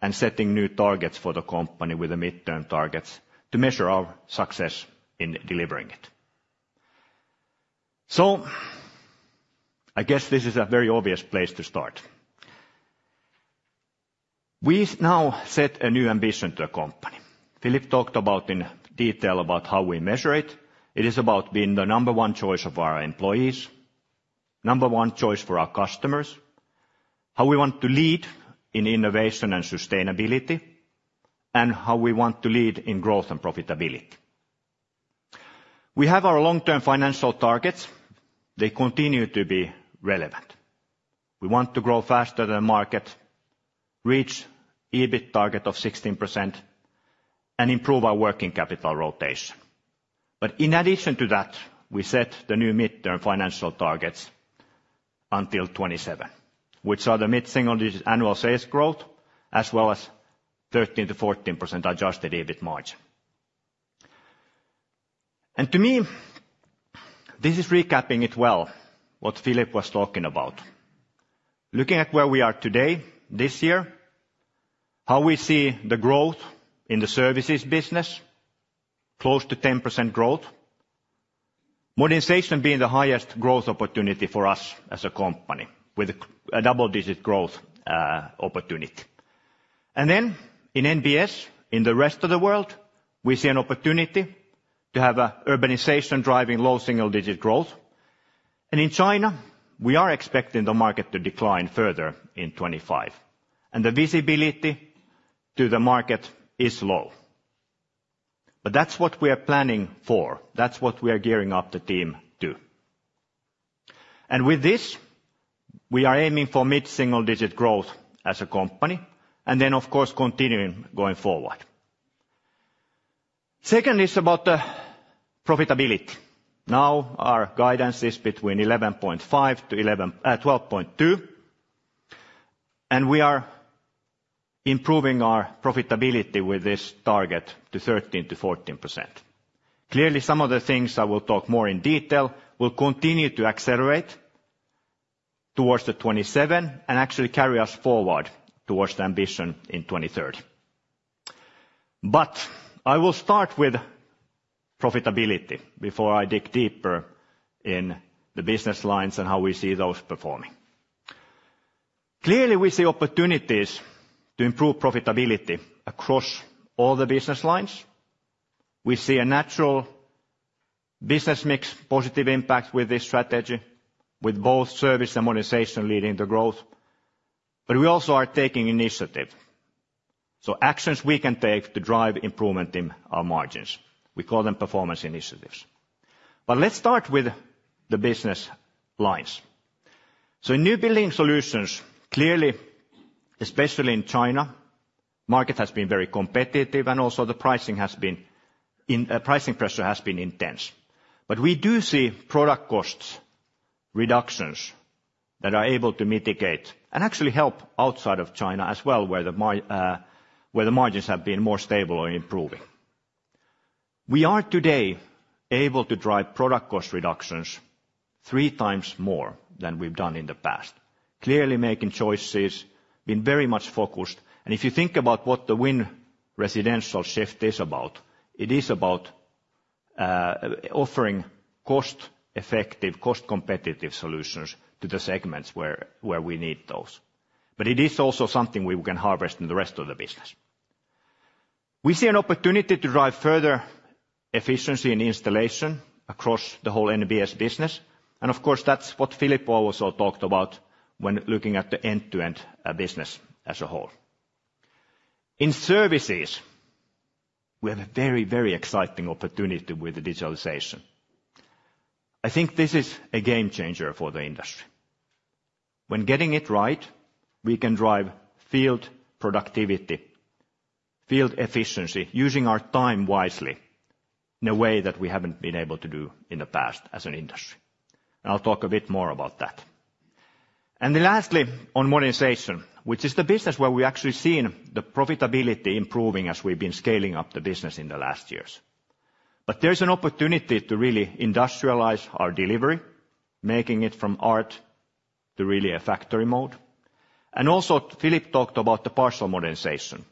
and setting new targets for the company with the midterm targets to measure our success in delivering it. So I guess this is a very obvious place to start. We now set a new ambition to the company. Philippe talked about in detail how we measure it. It is about being the number one choice of our employees, number one choice for our customers, how we want to lead in innovation and sustainability, and how we want to lead in growth and profitability. We have our long-term financial targets. They continue to be relevant. We want to grow faster than market, reach EBIT target of 16%, and improve our working capital rotation. But in addition to that, we set the new midterm financial targets until 2027, which are the mid-single digit annual sales growth, as well as 13%-14% adjusted EBIT margin. To me, this is recapping it well, what Philippe was talking about. Looking at where we are today, this year, how we see the growth in the services business, close to 10% growth, modernization being the highest growth opportunity for us as a company, with a double-digit growth opportunity. And then in NBS, in the rest of the world, we see an opportunity to have a urbanization driving low double-digit growth. And in China, we are expecting the market to decline further in 2025, and the visibility to the market is low. But that's what we are planning for. That's what we are gearing up the team to. And with this, we are aiming for mid-single-digit growth as a company, and then, of course, continuing going forward. Second is about the profitability. Now, our guidance is between 11.5 to 12.2, and we are improving our profitability with this target to 13%-14%. Clearly, some of the things I will talk more in detail will continue to accelerate towards 2027 and actually carry us forward towards the ambition in 2030. But I will start with profitability before I dig deeper in the business lines and how we see those performing. Clearly, we see opportunities to improve profitability across all the business lines. We see a business mix, positive impact with this strategy, with both Service and Modernization leading the growth, but we also are taking initiative. So actions we can take to drive improvement in our margins, we call them performance initiatives. But let's start with the business lines. So in New Building Solutions, clearly, especially in China, market has been very competitive, and also the pricing has been in, pricing pressure has been intense. But we do see product costs reductions that are able to mitigate, and actually help outside of China as well, where the margins have been more stable or improving. We are today able to drive product cost reductions three times more than we've done in the past. Clearly making choices, being very much focused, and if you think about what the Win Residential shift is about, it is about offering cost-effective, cost-competitive solutions to the segments where we need those. But it is also something we can harvest in the rest of the business. We see an opportunity to drive further efficiency and installation across the whole NBS business, and of course, that's what Philippe also talked about when looking at the end-to-end business as a whole. In services, we have a very, very exciting opportunity with the digitalization. I think this is a game changer for the industry. When getting it right, we can drive field productivity, field efficiency, using our time wisely, in a way that we haven't been able to do in the past as an industry. I'll talk a bit more about that. Then lastly, on modernization, which is the business where we actually seen the profitability improving as we've been scaling up the business in the last years. There's an opportunity to really industrialize our delivery, making it from art to really a factory mode. Also, Philippe talked about the partial modernization.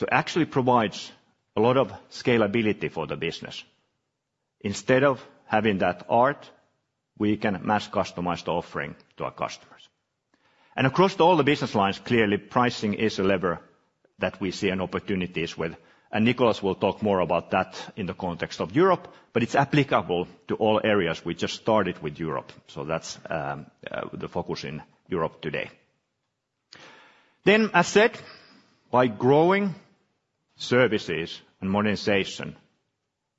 It actually provides a lot of scalability for the business. Instead of having that art, we can mass customize the offering to our customers. And across all the business lines, clearly, pricing is a lever that we see opportunities with, and Nicolas will talk more about that in the context of Europe, but it's applicable to all areas. We just started with Europe, so that's the focus in Europe today. Then, as said, by growing services and monetization,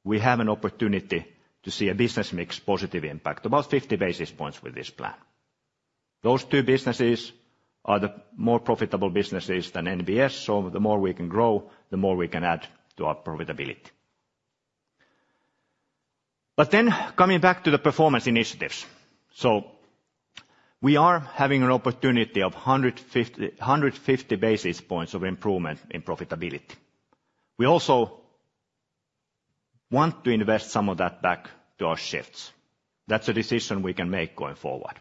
we have an opportunity to see a business mix positive impact, about 50 basis points with this plan. Those two businesses are the more profitable businesses than NBS, so the more we can grow, the more we can add to our profitability. But then coming back to the performance initiatives. So we are having an opportunity of 150, 150 basis points of improvement in profitability. We also want to invest some of that back to our shifts. That's a decision we can make going forward.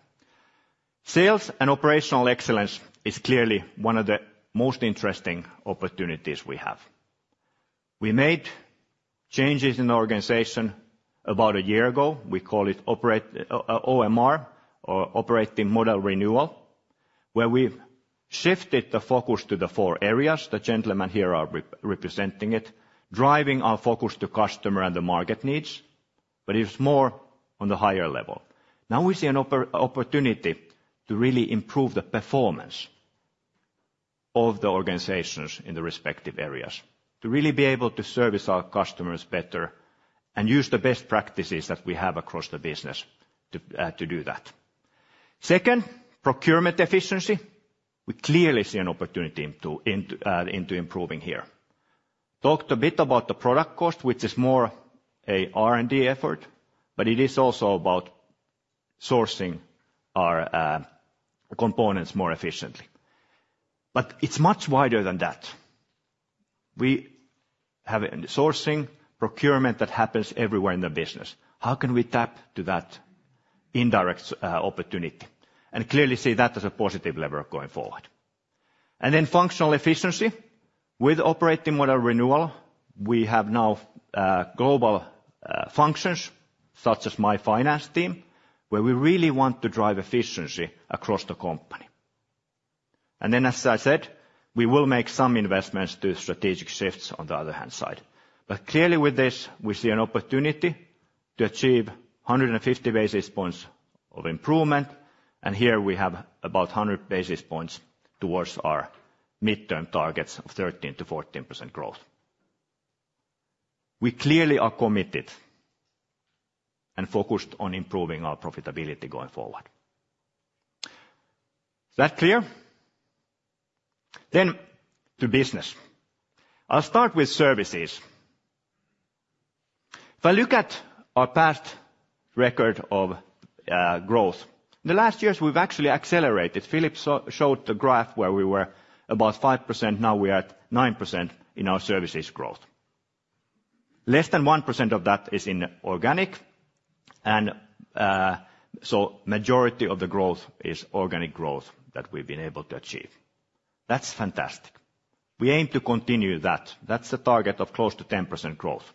Sales and Operational Excellence is clearly one of the most interesting opportunities we have. We made changes in the organization about a year ago. We call it Operate, OMR, or Operating Model Renewal, where we've shifted the focus to the four areas, the gentlemen here are representing it, driving our focus to customer and the market needs, but it's more on the higher level. Now, we see an opportunity to really improve the performance of the organizations in the respective areas, to really be able to service our customers better and use the best practices that we have across the business to do that. Second, procurement efficiency. We clearly see an opportunity into improving here. Talked a bit about the product cost, which is more a R&D effort, but it is also about sourcing our components more efficiently. But it's much wider than that. We have it in the sourcing, procurement that happens everywhere in the business. How can we tap to that indirect opportunity? And clearly see that as a positive lever going forward. And then functional efficiency. With operating model renewal, we have now global functions, such as my finance team, where we really want to drive efficiency across the company. And then, as I said, we will make some investments to strategic shifts on the other hand side. But clearly with this, we see an opportunity to achieve 150 basis points of improvement, and here we have about 100 basis points towards our midterm targets of 13%-14% growth. We clearly are committed and focused on improving our profitability going forward. Is that clear? Then, to business. I'll start with services. If I look at our past record of growth, the last years we've actually accelerated. Philippe showed the graph where we were about 5%, now we are at 9% in our services growth. Less than 1% of that is inorganic, and so majority of the growth is organic growth that we've been able to achieve. That's fantastic. We aim to continue that. That's the target of close to 10% growth.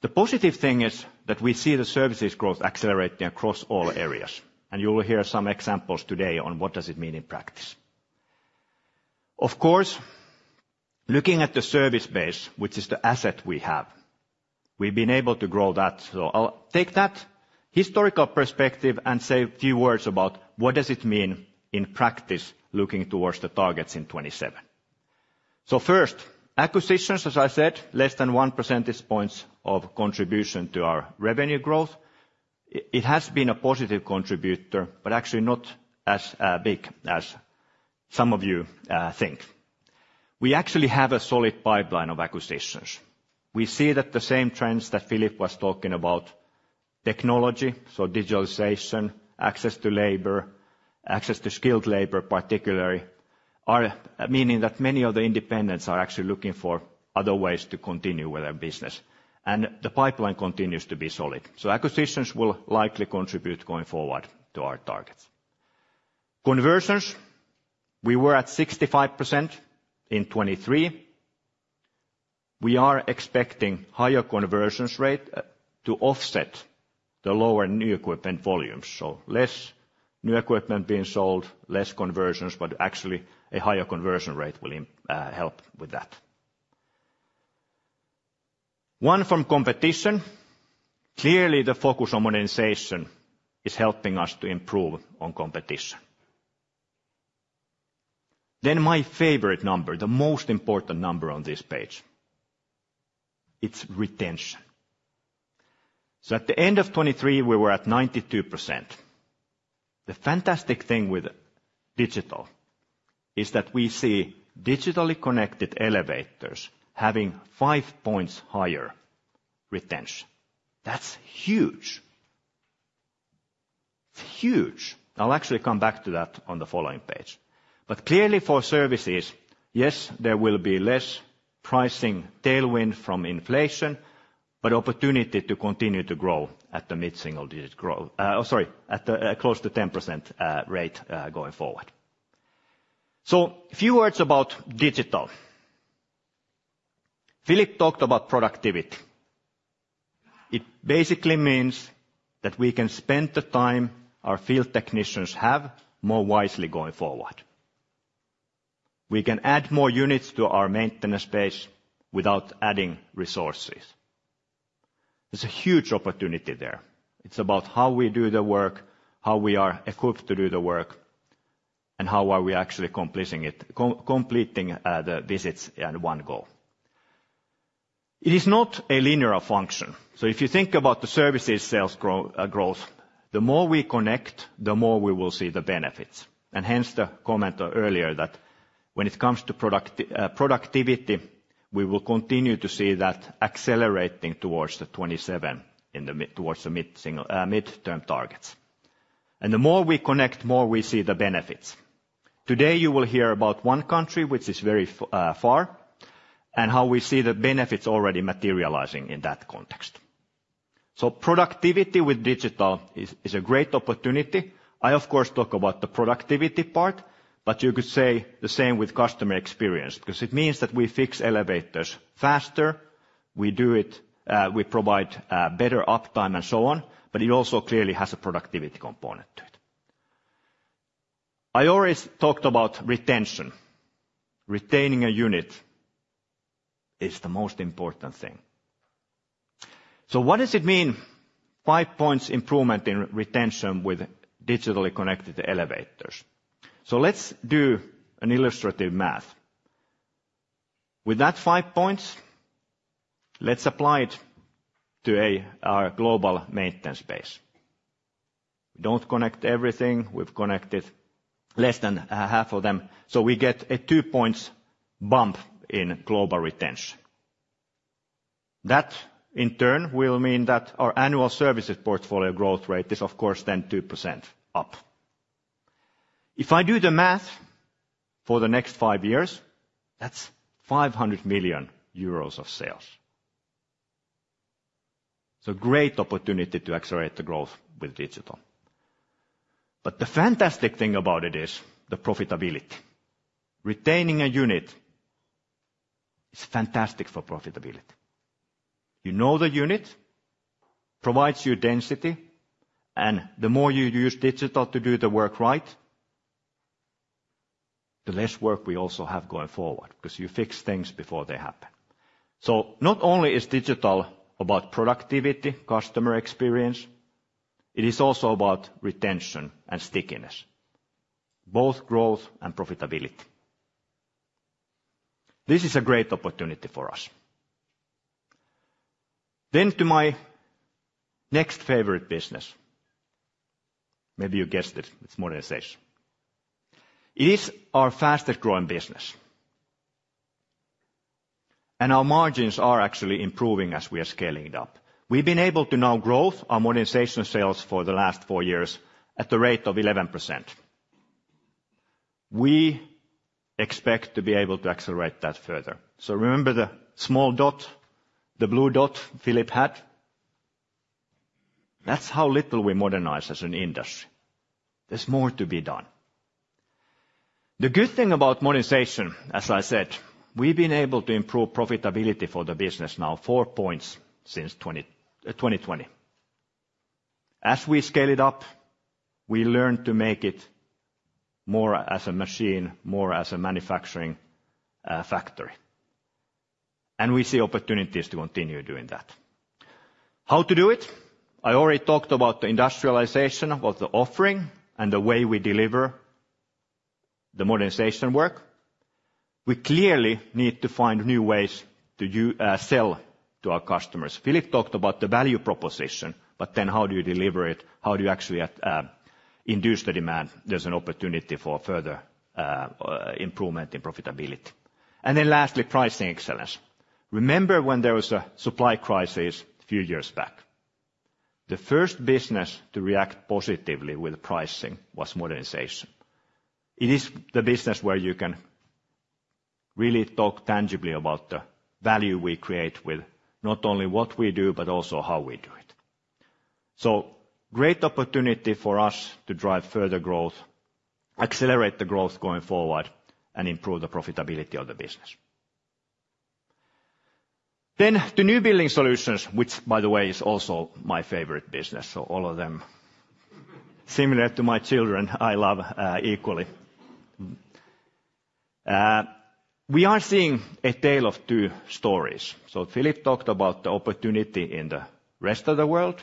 The positive thing is that we see the services growth accelerating across all areas, and you will hear some examples today on what does it mean in practice. Of course, looking at the service base, which is the asset we have, we've been able to grow that. So I'll take that historical perspective and say a few words about what does it mean in practice, looking towards the targets in 2027. First, acquisitions, as I said, less than one percentage points of contribution to our revenue growth. It has been a positive contributor, but actually not as big as some of you think. We actually have a solid pipeline of acquisitions. We see that the same trends that Philippe was talking about, technology, so digitalization, access to labor, access to skilled labor, particularly, are meaning that many of the independents are actually looking for other ways to continue with their business, and the pipeline continues to be solid. Acquisitions will likely contribute going forward to our targets. Conversions, we were at 65% in 2023. We are expecting higher conversions rate to offset the lower new equipment volumes, so less new equipment being sold, less conversions, but actually a higher conversion rate will help with that. Won from competition. Clearly, the focus on modernization is helping us to improve on competition. Then my favorite number, the most important number on this page, it's retention. So at the end of 2023, we were at 92%. The fantastic thing with digital is that we see digitally connected elevators having five points higher retention. That's huge. Huge! I'll actually come back to that on the following page. But clearly, for services, yes, there will be less pricing tailwind from inflation, but opportunity to continue to grow at the mid-single digit growth... close to 10% rate going forward. So a few words about digital. Philippe talked about productivity. It basically means that we can spend the time our field technicians have more wisely going forward. We can add more units to our maintenance space without adding resources. There's a huge opportunity there. It's about how we do the work, how we are equipped to do the work, and how we are actually completing it, completing the visits in one go. It is not a linear function. So if you think about the services sales growth, the more we connect, the more we will see the benefits. And hence, the comment earlier that when it comes to productivity, we will continue to see that accelerating towards 2027 in the mid, towards the mid-single midterm targets. And the more we connect, more we see the benefits. Today, you will hear about one country, which is very far, and how we see the benefits already materializing in that context. So productivity with digital is a great opportunity. I, of course, talk about the productivity part, but you could say the same with customer experience, because it means that we fix elevators faster, we do it, we provide better uptime and so on, but it also clearly has a productivity component to it. I always talked about retention. Retaining a unit is the most important thing. So what does it mean, five points improvement in retention with digitally connected elevators? So let's do an illustrative math. With that five points, let's apply it to our global maintenance base. We don't connect everything. We've connected less than half of them, so we get a two points bump in global retention. That, in turn, will mean that our annual services portfolio growth rate is, of course, then 2% up. If I do the math for the next five years, that's 500 million euros of sales. So great opportunity to accelerate the growth with digital. But the fantastic thing about it is the profitability. Retaining a unit is fantastic for profitability. You know the unit, provides you density, and the more you use digital to do the work right, the less work we also have going forward, because you fix things before they happen. So not only is digital about productivity, customer experience, it is also about retention and stickiness, both growth and profitability. This is a great opportunity for us. Then to my next favorite business, maybe you guessed it, it's modernization. It is our fastest growing business, and our margins are actually improving as we are scaling it up. We've been able to now grow our modernization sales for the last four years at the rate of 11%. We expect to be able to accelerate that further. So remember the small dot, the Blue Dot Philippe had? That's how little we modernize as an industry. There's more to be done. The good thing about modernization, as I said, we've been able to improve profitability for the business now four points since 2020. As we scale it up, we learn to make it more as a machine, more as a manufacturing factory. And we see opportunities to continue doing that. How to do it? I already talked about the industrialization of the offering and the way we deliver the modernization work. We clearly need to find new ways to sell to our customers. Philippe talked about the value proposition, but then how do you deliver it? How do you actually induce the demand? There's an opportunity for further improvement in profitability. And then lastly, pricing excellence. Remember when there was a supply crisis a few years back? The first business to react positively with pricing was modernization. It is the business where you can really talk tangibly about the value we create with not only what we do, but also how we do it. So great opportunity for us to drive further growth, accelerate the growth going forward, and improve the profitability of the business. Then the new building solutions, which by the way, is also my favorite business, so all of them similar to my children, I love equally. We are seeing a tale of two stories. So Philippe talked about the opportunity in the rest of the world,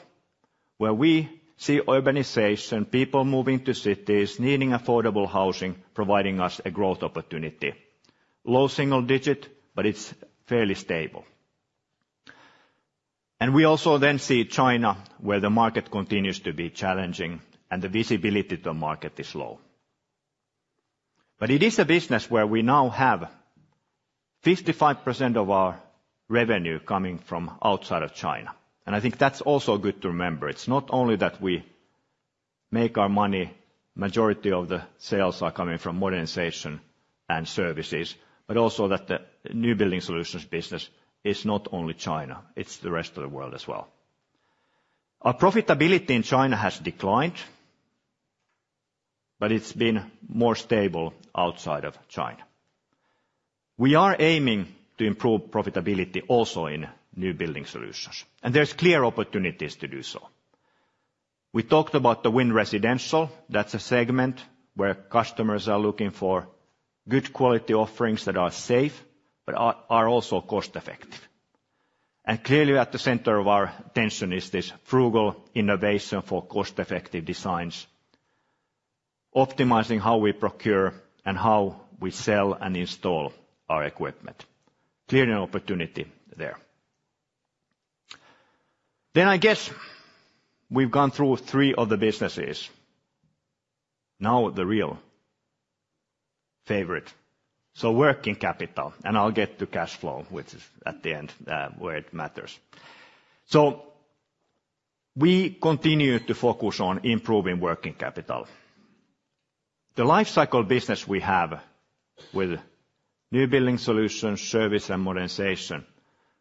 where we see urbanization, people moving to cities, needing affordable housing, providing us a growth opportunity. Low single digit, but it's fairly stable. And we also then see China, where the market continues to be challenging and the visibility to the market is low. But it is a business where we now have 55% of our revenue coming from outside of China, and I think that's also good to remember. It's not only that we make our money, majority of the sales are coming from modernization and services, but also that the new building solutions business is not only China, it's the rest of the world as well. Our profitability in China has declined, but it's been more stable outside of China. We are aiming to improve profitability also in new building solutions, and there's clear opportunities to do so. We talked about the low-end residential. That's a segment where customers are looking for good quality offerings that are safe, but are also cost effective, and clearly, at the center of our attention is this frugal innovation for cost-effective designs, optimizing how we procure and how we sell and install our equipment. Clearly an opportunity there, then, I guess we've gone through three of the businesses. Now, the real favorite, so working capital, and I'll get to cash flow, which is at the end, where it matters, so we continue to focus on improving working capital. The life cycle business we have with new building solutions, service, and modernization,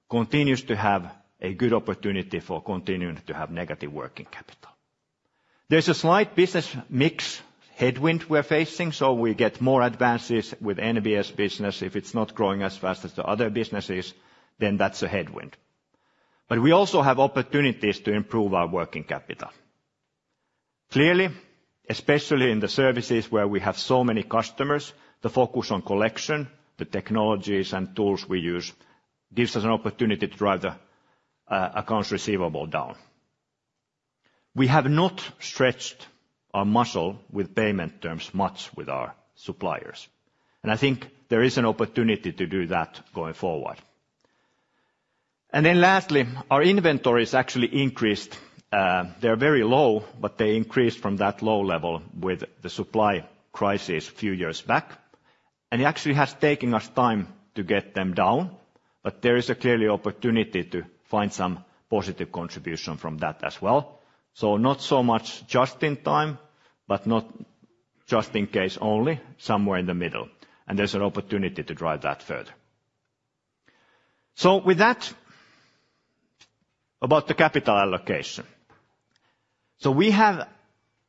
continues to have a good opportunity for continuing to have negative working capital. There's a slight business mix headwind we're facing, so we get more advances with NBS business. If it's not growing as fast as the other businesses, then that's a headwind. But we also have opportunities to improve our working capital. Clearly, especially in the services where we have so many customers, the focus on collection, the technologies and tools we use, gives us an opportunity to drive the accounts receivable down. We have not stretched our muscle with payment terms much with our suppliers, and I think there is an opportunity to do that going forward, and then lastly, our inventories actually increased. They're very low, but they increased from that low level with the supply crisis a few years back, and it actually has taken us time to get them down, but there is a clear opportunity to find some positive contribution from that as well. Not so much just in time, but not just in case only, somewhere in the middle, and there's an opportunity to drive that further. With that, about the capital allocation. We have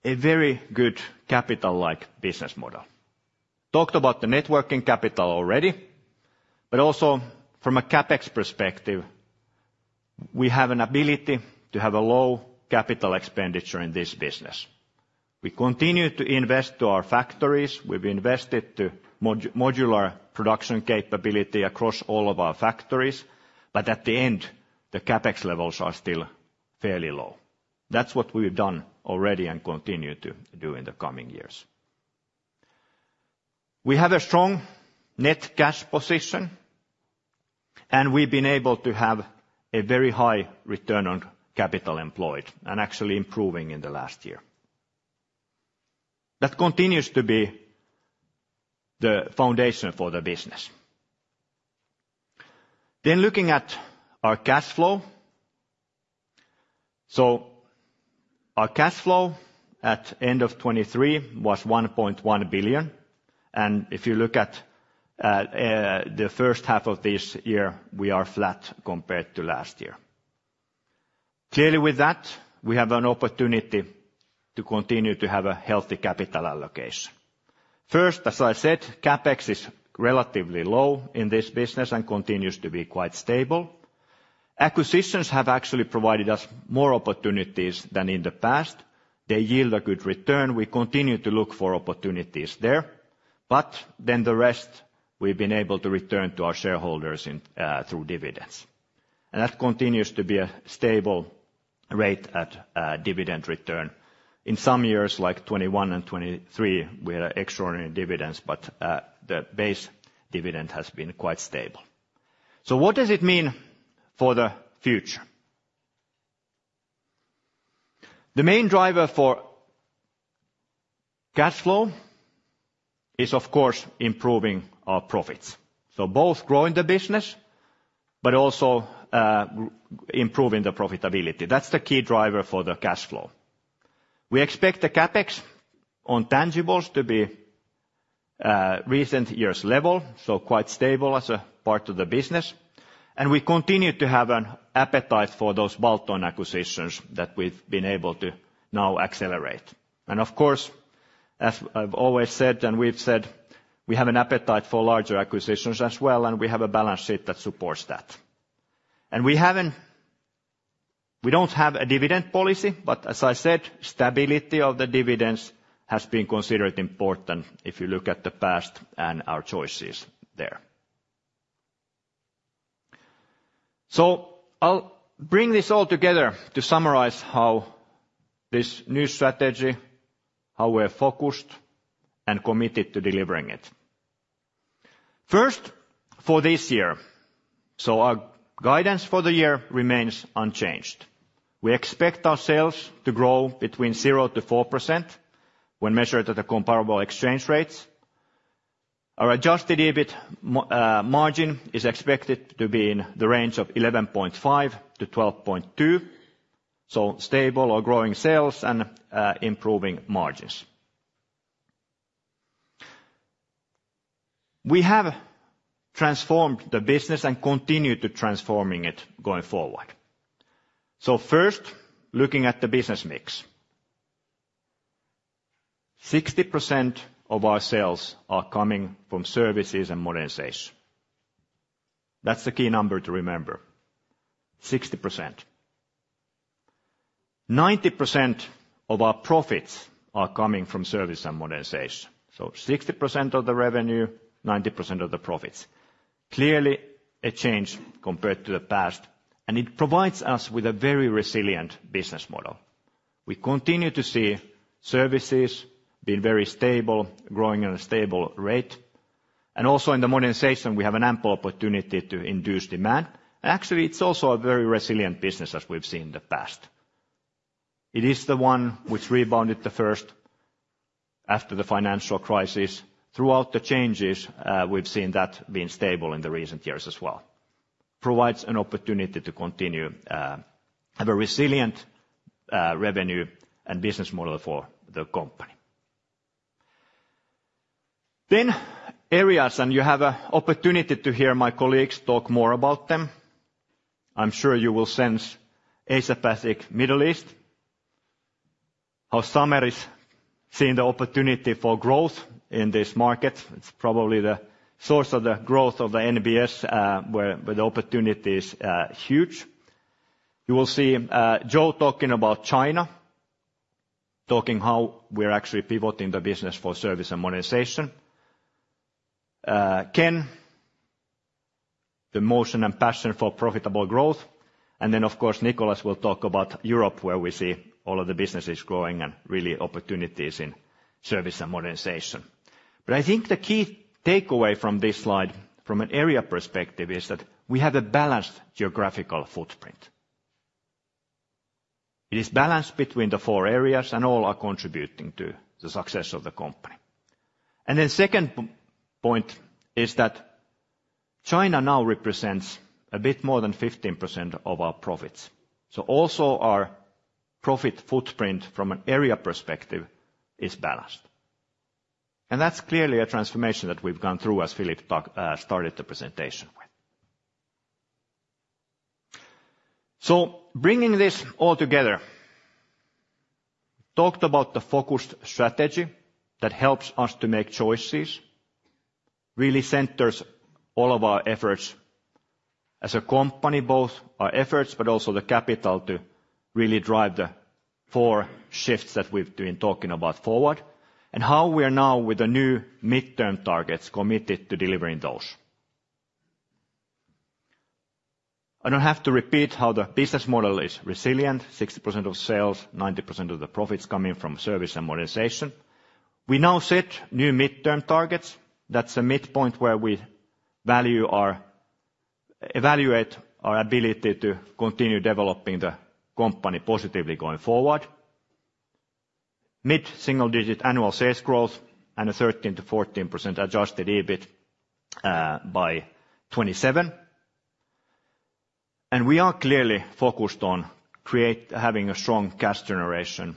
a very good capital-light business model. Talked about the working capital already, but also from a CapEx perspective, we have an ability to have a low capital expenditure in this business. We continue to invest in our factories. We've invested in modular production capability across all of our factories, but at the end, the CapEx levels are still fairly low. That's what we've done already and continue to do in the coming years. We have a strong net cash position, and we've been able to have a very high return on capital employed and actually improving in the last year. That continues to be the foundation for the business. Looking at our cash flow. Our cash flow at end of 2023 was 1.1 billion, and if you look at the first half of this year, we are flat compared to last year. Clearly, with that, we have an opportunity to continue to have a healthy capital allocation. First, as I said, CapEx is relatively low in this business and continues to be quite stable. Acquisitions have actually provided us more opportunities than in the past. They yield a good return. We continue to look for opportunities there, but then the rest, we've been able to return to our shareholders in through dividends. And that continues to be a stable rate at dividend return. In some years, like 2021 and 2023, we had extraordinary dividends, but the base dividend has been quite stable. What does it mean for the future? The main driver for cash flow is, of course, improving our profits, so both growing the business but also, improving the profitability. That's the key driver for the cash flow. We expect the CapEx on tangibles to be, recent years level, so quite stable as a part of the business, and we continue to have an appetite for those bolt-on acquisitions that we've been able to now accelerate, and of course, as I've always said, and we've said, we have an appetite for larger acquisitions as well, and we have a balance sheet that supports that, and we don't have a dividend policy, but as I said, stability of the dividends has been considered important if you look at the past and our choices there, so I'll bring this all together to summarize how this new strategy, how we're focused and committed to delivering it. First, for this year, so our guidance for the year remains unchanged. We expect our sales to grow between 0% to 4% when measured at the comparable exchange rates. Our Adjusted EBIT margin is expected to be in the range of 11.5% to 12.2%, so stable or growing sales and improving margins. We have transformed the business and continue to transforming it going forward. So first, looking at the business mix. 60% of our sales are coming from services and modernization. That's the key number to remember, 60%. 90% of our profits are coming from service and modernization, so 60% of the revenue, 90% of the profits. Clearly, a change compared to the past, and it provides us with a very resilient business model. We continue to see services being very stable, growing at a stable rate, and also in the modernization, we have an ample opportunity to induce demand. Actually, it's also a very resilient business, as we've seen in the past. It is the one which rebounded the first after the financial crisis. Throughout the changes, we've seen that being stable in the recent years as well. Provides an opportunity to continue have a resilient revenue and business model for the company. Then areas, and you have a opportunity to hear my colleagues talk more about them. I'm sure you will sense Asia Pacific, Middle East, how Samer is seeing the opportunity for growth in this market. It's probably the source of the growth of the NBS, where the opportunity is huge. You will see, Joe talking about China, talking how we're actually pivoting the business for service and modernization. Ken, the motion and passion for profitable growth, and then, of course, Nicolas will talk about Europe, where we see all of the businesses growing and really opportunities in service and modernization. But I think the key takeaway from this slide, from an area perspective, is that we have a balanced geographical footprint. It is balanced between the four areas, and all are contributing to the success of the company. And then second point is that China now represents a bit more than 15% of our profits. So also, our profit footprint from an area perspective is balanced. And that's clearly a transformation that we've gone through, as Philippe talked started the presentation with. So, bringing this all together, talked about the focused strategy that helps us to make choices, really centers all of our efforts as a company, both our efforts, but also the capital to really drive the four shifts that we've been talking about forward, and how we are now, with the new midterm targets, committed to delivering those. I don't have to repeat how the business model is resilient, 60% of sales, 90% of the profits coming from service and modernization. We now set new midterm targets. That's a midpoint where we evaluate our ability to continue developing the company positively going forward. Mid-single-digit annual sales growth and a 13%-14% adjusted EBIT by 2027. And we are clearly focused on create, having a strong cash generation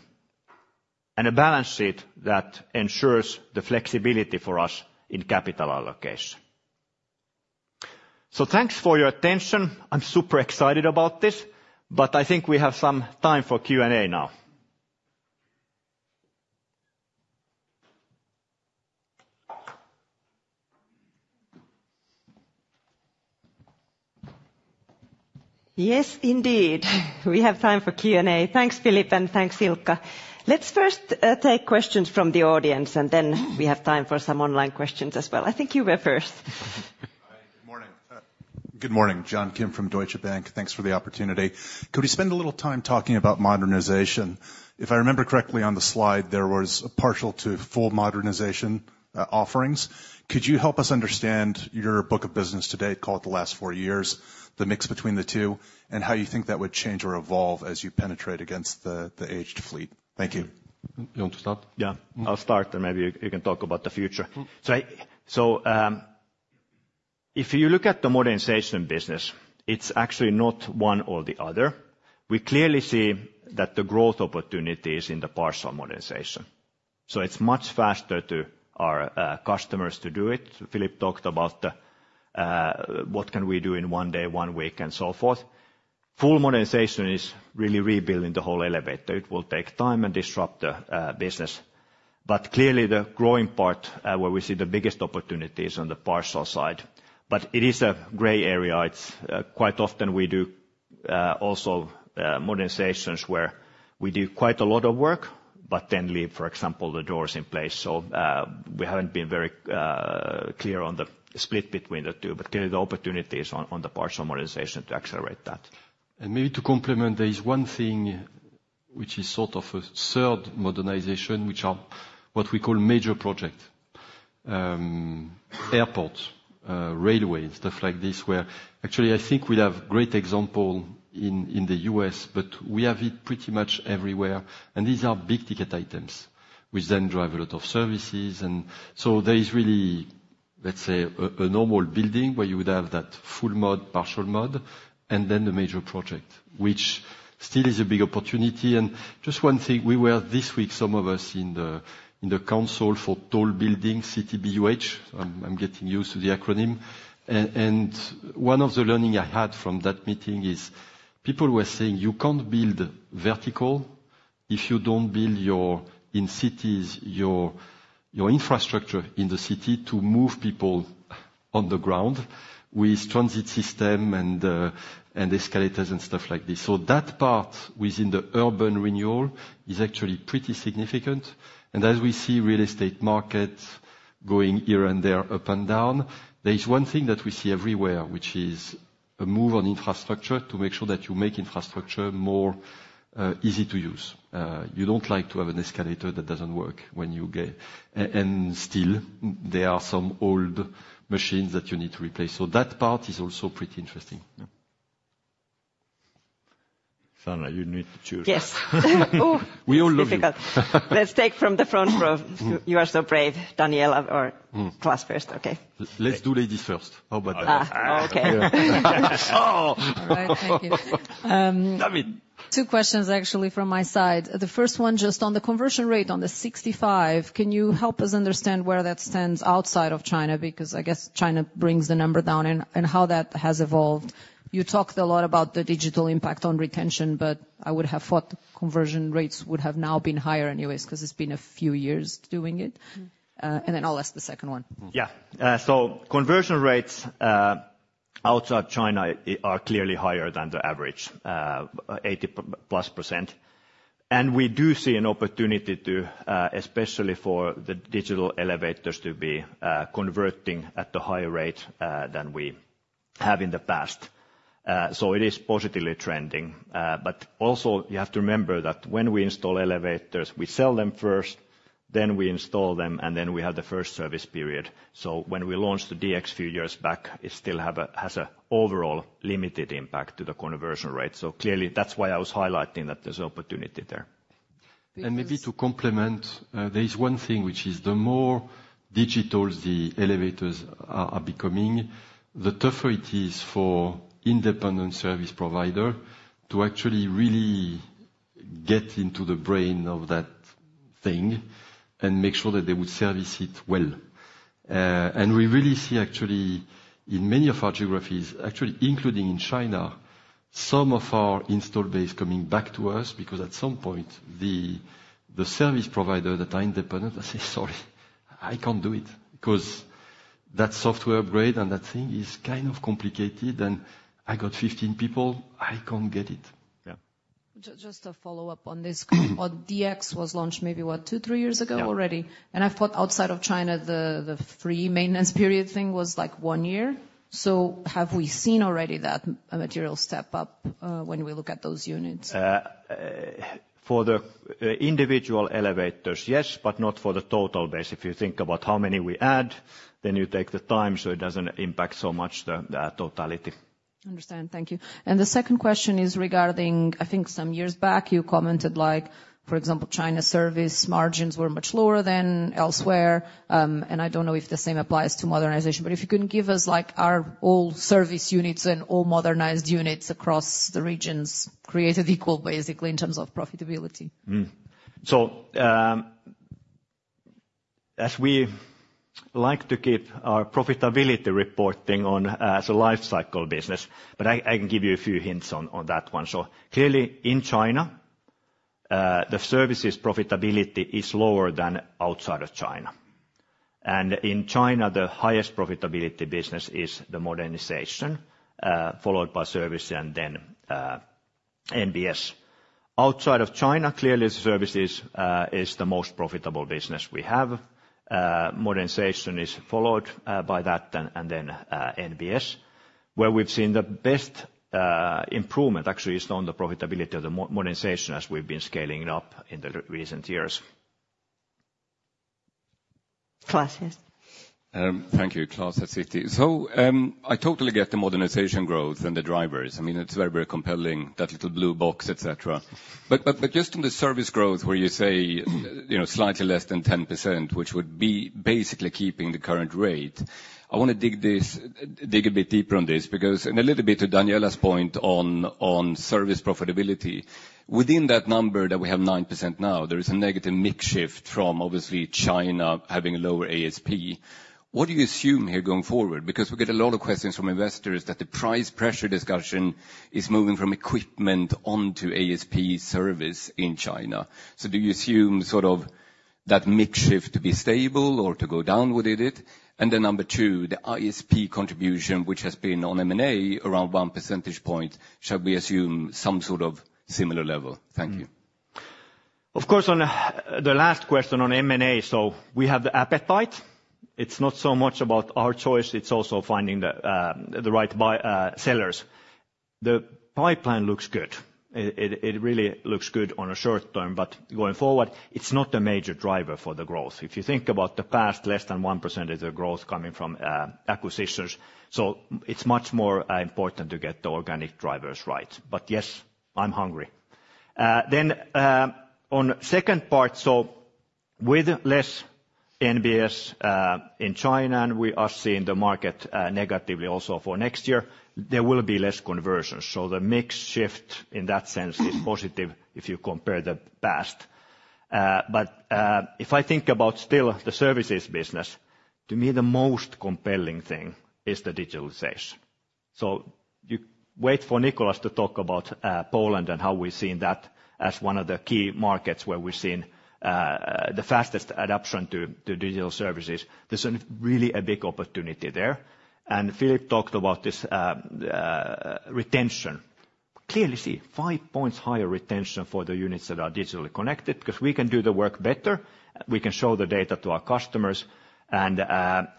and a balance sheet that ensures the flexibility for us in capital allocation. So thanks for your attention. I'm super excited about this, but I think we have some time for Q&A now. Yes, indeed. We have time for Q&A. Thanks, Philippe, and thanks, Ilkka. Let's first take questions from the audience, and then we have time for some online questions as well. I think you were first. Hi, good morning. Good morning, John Kim from Deutsche Bank. Thanks for the opportunity. Could we spend a little time talking about modernization? If I remember correctly, on the slide, there was a partial to full modernization offerings. Could you help us understand your book of business today, call it the last four years, the mix between the two, and how you think that would change or evolve as you penetrate against the aged fleet? Thank you. You want to start? Yeah. I'll start, and maybe you, you can talk about the future If you look at the modernization business, it's actually not one or the other. We clearly see that the growth opportunity is in the partial modernization, so it's much faster to our customers to do it. Philippe talked about what can we do in one day, one week, and so forth. Full modernization is really rebuilding the whole elevator. It will take time and disrupt the business. But clearly, the growing part where we see the biggest opportunity is on the partial side. But it is a gray area. It's quite often we do also modernizations where we do quite a lot of work but then leave, for example, the doors in place. So, we haven't been very clear on the split between the two, but clearly, the opportunity is on the partial modernization to accelerate that. And maybe to complement, there is one thing which is sort of a third modernization, which are what we call major project. Airports, railways, stuff like this, where... Actually, I think we have great example in the U.S., but we have it pretty much everywhere, and these are big-ticket items, which then drive a lot of services. And so there is really, let's say, a normal building, where you would have that full mod, partial mod, and then the major project, which still is a big opportunity. And just one thing, we were this week some of us in the Council on Tall Buildings and Urban Habitat, CTBUH. I'm getting used to the acronym, and one of the learning I had from that meeting is people were saying, "You can't build vertical if you don't build your infrastructure in cities to move people on the ground with transit system and escalators and stuff like this." So that part within the urban renewal is actually pretty significant. As we see real estate market going here and there, up and down, there is one thing that we see everywhere, which is a move on infrastructure to make sure that you make infrastructure more easy to use. You don't like to have an escalator that doesn't work when you get, and still, there are some old machines that you need to replace, so that part is also pretty interesting. Yeah. Sanna, you need to choose. Yes. Ooh! We all love you. Difficult. Let's take from the front row. You are so brave, Daniela, or-... Klas first, okay. Let's do ladies first. How about that? Ah, okay. Oh! All right. Thank you. Damn it! Two questions, actually, from my side. The first one, just on the conversion rate, on the 65, can you help us understand where that stands outside of China? Because I guess China brings the number down, and how that has evolved. You talked a lot about the digital impact on retention, but I would have thought conversion rates would have now been higher anyways, 'cause it's been a few years doing it. And then I'll ask the second one. Yeah. So conversion rates outside China are clearly higher than the average 80% plus. And we do see an opportunity to especially for the digital elevators to be converting at the higher rate than we have in the past. So it is positively trending. But also, you have to remember that when we install elevators, we sell them first, then we install them, and then we have the first service period. So when we launched the DX a few years back, it still has a overall limited impact to the conversion rate. So clearly, that's why I was highlighting that there's opportunity there. Maybe to complement, there is one thing, which is the more digital the elevators are becoming, the tougher it is for independent service provider to actually really get into the brain of that thing and make sure that they would service it well. And we really see, actually, in many of our geographies, actually, including in China, some of our installed base coming back to us, because at some point, the service provider that are independent, they say, "Sorry, I can't do it, 'cause that software upgrade and that thing is kind of complicated, and I got 15 people, I can't get it. Yeah. Just to follow up on this. DX was launched maybe, what, two, three years ago already? Yeah. And I thought outside of China, the free maintenance period thing was, like, one year. So have we seen already that a material step up when we look at those units? For the individual elevators, yes, but not for the total base. If you think about how many we add, then you take the time, so it doesn't impact so much the totality. Understand. Thank you. And the second question is regarding, I think some years back, you commented, like, for example, China service margins were much lower than elsewhere. And I don't know if the same applies to modernization, but if you can give us, like, are all service units and all modernized units across the regions created equal, basically, in terms of profitability? As we like to keep our profitability reporting on as a life cycle business, but I can give you a few hints on that one. So clearly, in China, the services profitability is lower than outside of China. And in China, the highest profitability business is the modernization, followed by service and then NBS. Outside of China, clearly, services is the most profitable business we have. Modernization is followed by that, and then NBS. Where we've seen the best improvement, actually, is on the profitability of the modernization as we've been scaling it up in the recent years. Clas, yes? Thank you. Clas at Citi. So, I totally get the modernization growth and the drivers. I mean, it's very, very compelling, that little blue box, et cetera. But just on the service growth, where you say, you know, slightly less than 10%, which would be basically keeping the current rate. I wanna dig a bit deeper on this, because, and a little bit to Daniela's point on service profitability, within that number that we have 9% now, there is a negative mix shift from, obviously, China having a lower ASP. What do you assume here going forward? Because we get a lot of questions from investors that the price pressure discussion is moving from equipment onto ASP service in China. So do you assume, sort of, that mix shift to be stable or to go down with it? Then number two, the ISP contribution, which has been on M&A around one percentage point, shall we assume some sort of similar level? Thank you. Of course, on the last question on M&A, so we have the appetite. It's not so much about our choice, it's also finding the right buy, sellers. The pipeline looks good. It really looks good on a short term, but going forward, it's not a major driver for the growth. If you think about the past, less than 1% is the growth coming from acquisitions, so it's much more important to get the organic drivers right. But yes, I'm hungry. Then, on second part, so with less NBS in China, and we are seeing the market negatively also for next year, there will be less conversions. So the mix shift in that sense is positive if you compare the past. But if I think about still the services business, to me, the most compelling thing is the digitalization. So you wait for Nicolas to talk about Poland and how we're seeing that as one of the key markets where we've seen the fastest adoption to digital services. There's really a big opportunity there. And Philippe talked about this retention. Clearly, see five points higher retention for the units that are digitally connected, 'cause we can do the work better, we can show the data to our customers, and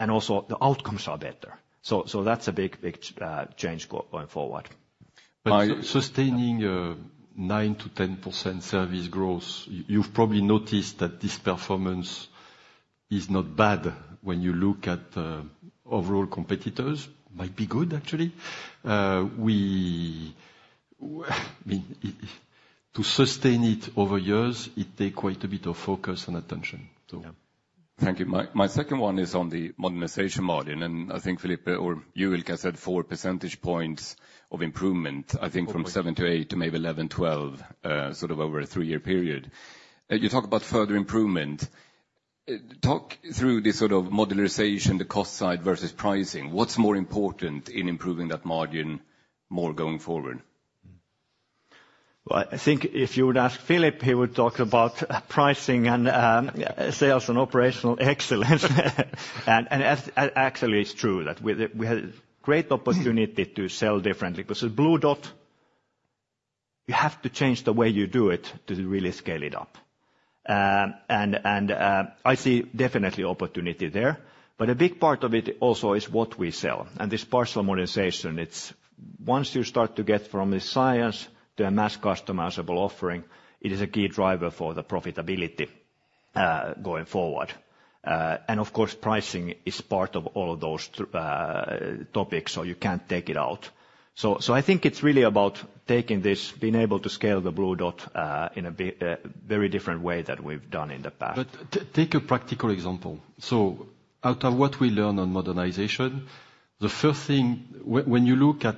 also the outcomes are better. So that's a big change going forward. But sustaining 9%-10% service growth, you've probably noticed that this performance is not bad when you look at overall competitors. Might be good, actually. I mean, to sustain it over years, it take quite a bit of focus and attention, so. Yeah. Thank you. My second one is on the modernization margin, and I think Philippe or you, Ilkka, said four percentage points of improvement. I think from seven to eight to maybe eleven, twelve, sort of over a three-year period. You talk about further improvement. Talk through the sort of modularization, the cost side versus pricing. What's more important in improving that margin more going forward? I think if you would ask Philippe, he would talk about pricing and Sales and Operational Excellence. Actually, it's true that we had a great opportunity to sell differently. 'Cause the Blue Dot, you have to change the way you do it to really scale it up. I see definitely opportunity there, but a big part of it also is what we sell. And this partial modernization, it's once you start to get from a science to a mass customizable offering, it is a key driver for the profitability going forward. And of course, pricing is part of all of those topics, so you can't take it out. I think it's really about taking this, being able to scale the Blue Dot in a very different way than we've done in the past. But take a practical example. So out of what we learn on modernization, the first thing, when you look at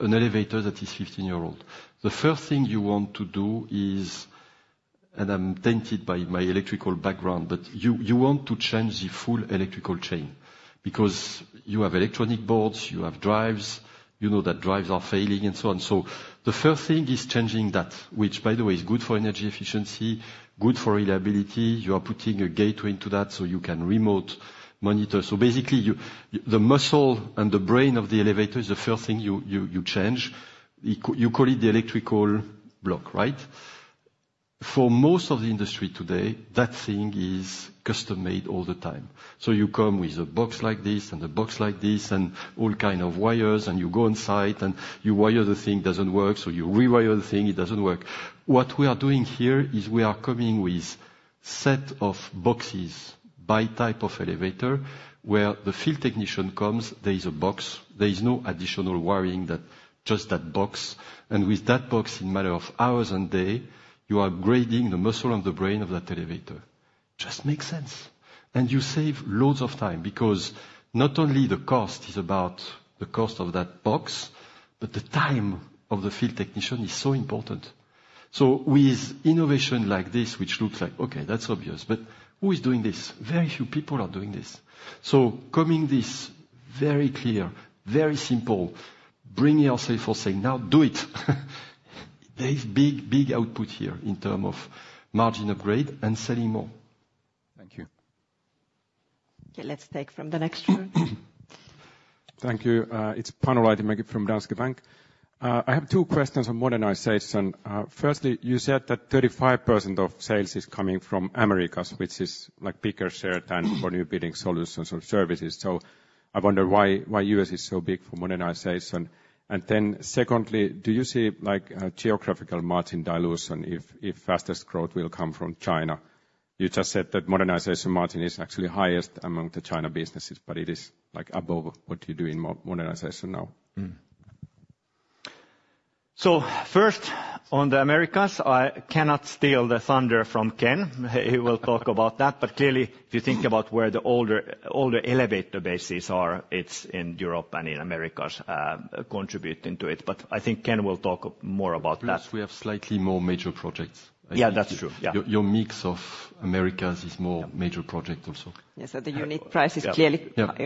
an elevator that is 15 years old, the first thing you want to do is, and I'm tainted by my electrical background, but you want to change the full electrical chain because you have electronic boards, you have drives, you know that drives are failing, and so on. So the first thing is changing that, which, by the way, is good for energy efficiency, good for reliability. You are putting a gateway into that, so you can remote monitor. So basically, the muscle and the brain of the elevator is the first thing you change. You call it the electrical block, right? For most of the industry today, that thing is custom-made all the time. So you come with a box like this and a box like this, and all kind of wires, and you go inside, and you wire the thing, it doesn't work, so you re-wire the thing, it doesn't work. What we are doing here is we are coming with set of boxes by type of elevator, where the field technician comes, there is a box. There is no additional wiring, that, just that box. And with that box, in matter of hours and day, you are upgrading the muscle and the brain of that elevator. Just makes sense, and you save loads of time, because not only the cost is about the cost of that box, but the time of the field technician is so important. So with innovation like this, which looks like, okay, that's obvious, but who is doing this? Very few people are doing this. So, coming to this very clear, very simple, bringing ourselves to saying, "Now do it!" There is big, big output here in terms of margin upgrade and selling more. Thank you. Okay, let's take from the next one. Thank you. It's Panu Laitinmäki from Danske Bank. I have two questions on modernization. Firstly, you said that 35% of sales is coming from Americas, which is, like, bigger share than new building solutions or services, so I wonder why U.S. is so big for modernization. And then secondly, do you see, like, a geographical margin dilution if fastest growth will come from China? You just said that modernization margin is actually highest among the China businesses, but it is, like, above what you do in modernization now. So first, on the Americas, I cannot steal the thunder from Ken. He will talk about that. But clearly, if you think about where the older, older elevator bases are, it's in Europe and in Americas, contributing to it, but I think Ken will talk more about that. Plus, we have slightly more major projects. Yeah, that's true. Yeah. Your mix of Americas is more major project also. Yes, so the unique price is clearly- Yeah higher in